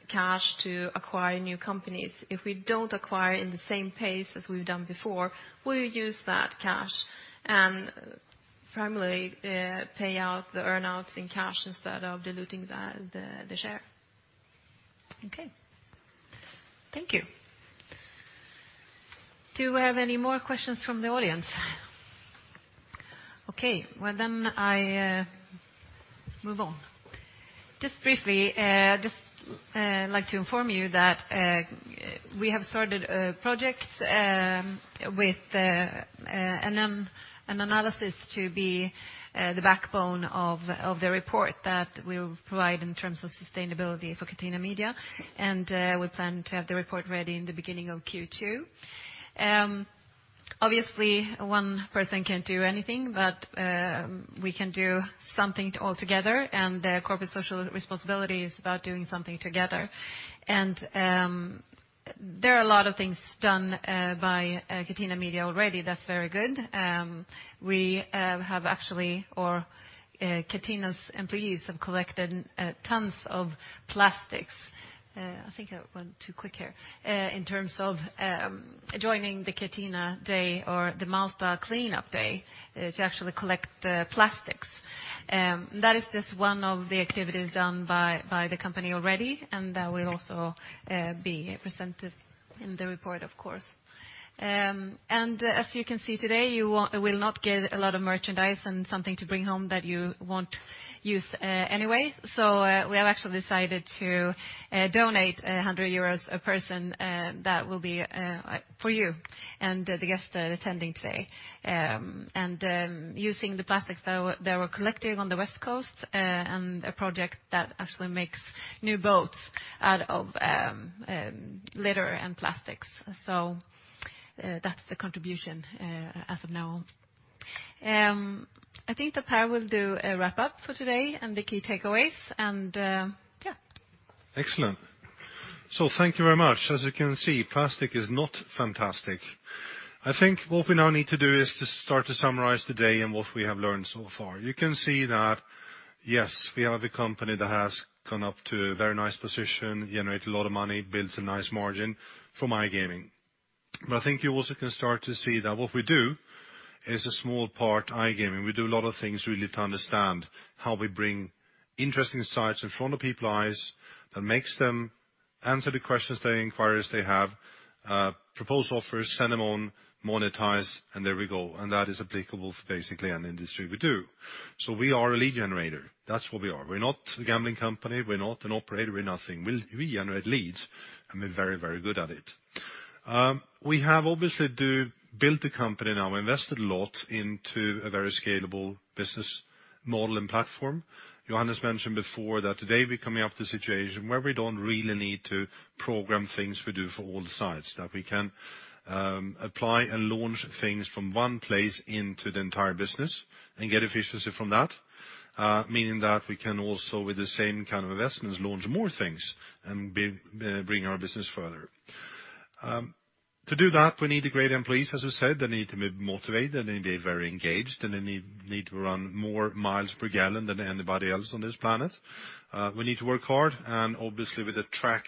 cash to acquire new companies. If we don't acquire in the same pace as we've done before, we'll use that cash and primarily pay out the earn-outs in cash instead of diluting the share. Okay. Thank you. Do we have any more questions from the audience? Okay, well then I move on. Just briefly, just like to inform you that we have started a project with an analysis to be the backbone of the report that we'll provide in terms of sustainability for Catena Media, and we plan to have the report ready in the beginning of Q2. Obviously, one person can't do anything, but we can do something all together, and corporate social responsibility is about doing something together. There are a lot of things done by Catena Media already that's very good. We have actually, or Catena's employees have collected tons of plastics. I think I went too quick here. In terms of joining the Catena day or the Malta cleanup day to actually collect the plastics. That is just one of the activities done by the company already, and that will also be presented in the report, of course. As you can see today, you will not get a lot of merchandise and something to bring home that you won't use anyway. We have actually decided to donate 100 euros a person that will be for you and the guests attending today. Using the plastics that we're collecting on the West Coast in a project that actually makes new boats out of litter and plastics. That's the contribution as of now. I think that Per will do a wrap up for today and the key takeaways and, yeah. Excellent. Thank you very much. As you can see, plastic is not fantastic. I think what we now need to do is to start to summarize today and what we have learned so far. You can see that, yes, we are the company that has gone up to a very nice position, generate a lot of money, builds a nice margin from iGaming. I think you also can start to see that what we do is a small part iGaming. We do a lot of things really to understand how we bring interesting sites in front of people eyes that makes them answer the questions, the inquiries they have, propose offers, send them on, monetize, and there we go. That is applicable for basically any industry we do. We are a lead generator. That's what we are. We're not a gambling company, we're not an operator, we're nothing. We generate leads. We're very good at it. We have obviously built the company now, invested a lot into a very scalable business model and platform. Johannes mentioned before that today we're coming up to a situation where we don't really need to program things we do for all the sites. That we can apply and launch things from one place into the entire business and get efficiency from that, meaning that we can also, with the same kind of investments, launch more things and bring our business further. To do that, we need great employees, as I said, they need to be motivated, they need to be very engaged, and they need to run more miles per gallon than anybody else on this planet. We need to work hard. Obviously, with the track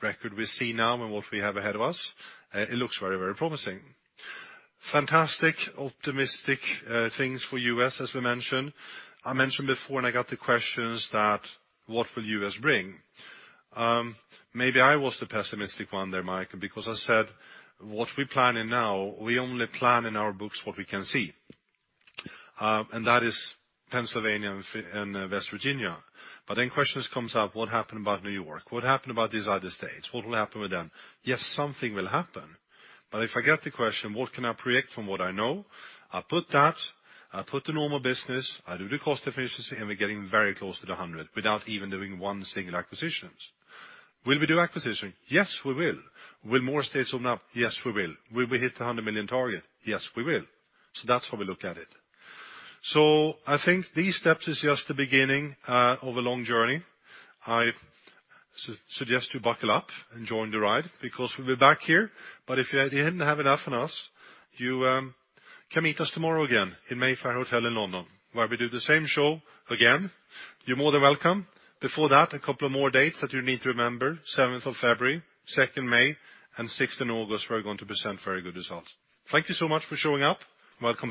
record we see now and what we have ahead of us, it looks very promising. Fantastic, optimistic things for U.S., as we mentioned. I mentioned before, I got the questions that what will U.S. bring? Maybe I was the pessimistic one there, Mike, because I said, what we're planning now, we only plan in our books what we can see. That is Pennsylvania and West Virginia. Questions comes up, what happened about New York? What happened about these other states? What will happen with them? Yes, something will happen. If I get the question, what can I predict from what I know? I put that, I put the normal business, I do the cost efficiency. We're getting very close to the 100 million without even doing one single acquisitions. Will we do acquisition? Yes, we will. Will more states open up? Yes, we will. Will we hit the 100 million target? Yes, we will. That's how we look at it. I think these steps is just the beginning of a long journey. I suggest you buckle up and join the ride because we'll be back here. If you didn't have enough on us, you can meet us tomorrow again in The May Fair Hotel in London, where we do the same show again. You're more than welcome. Before that, a couple of more dates that you need to remember, 7th of February, 2nd May, and 6th of August, we're going to present very good results. Thank you so much for showing up and welcome back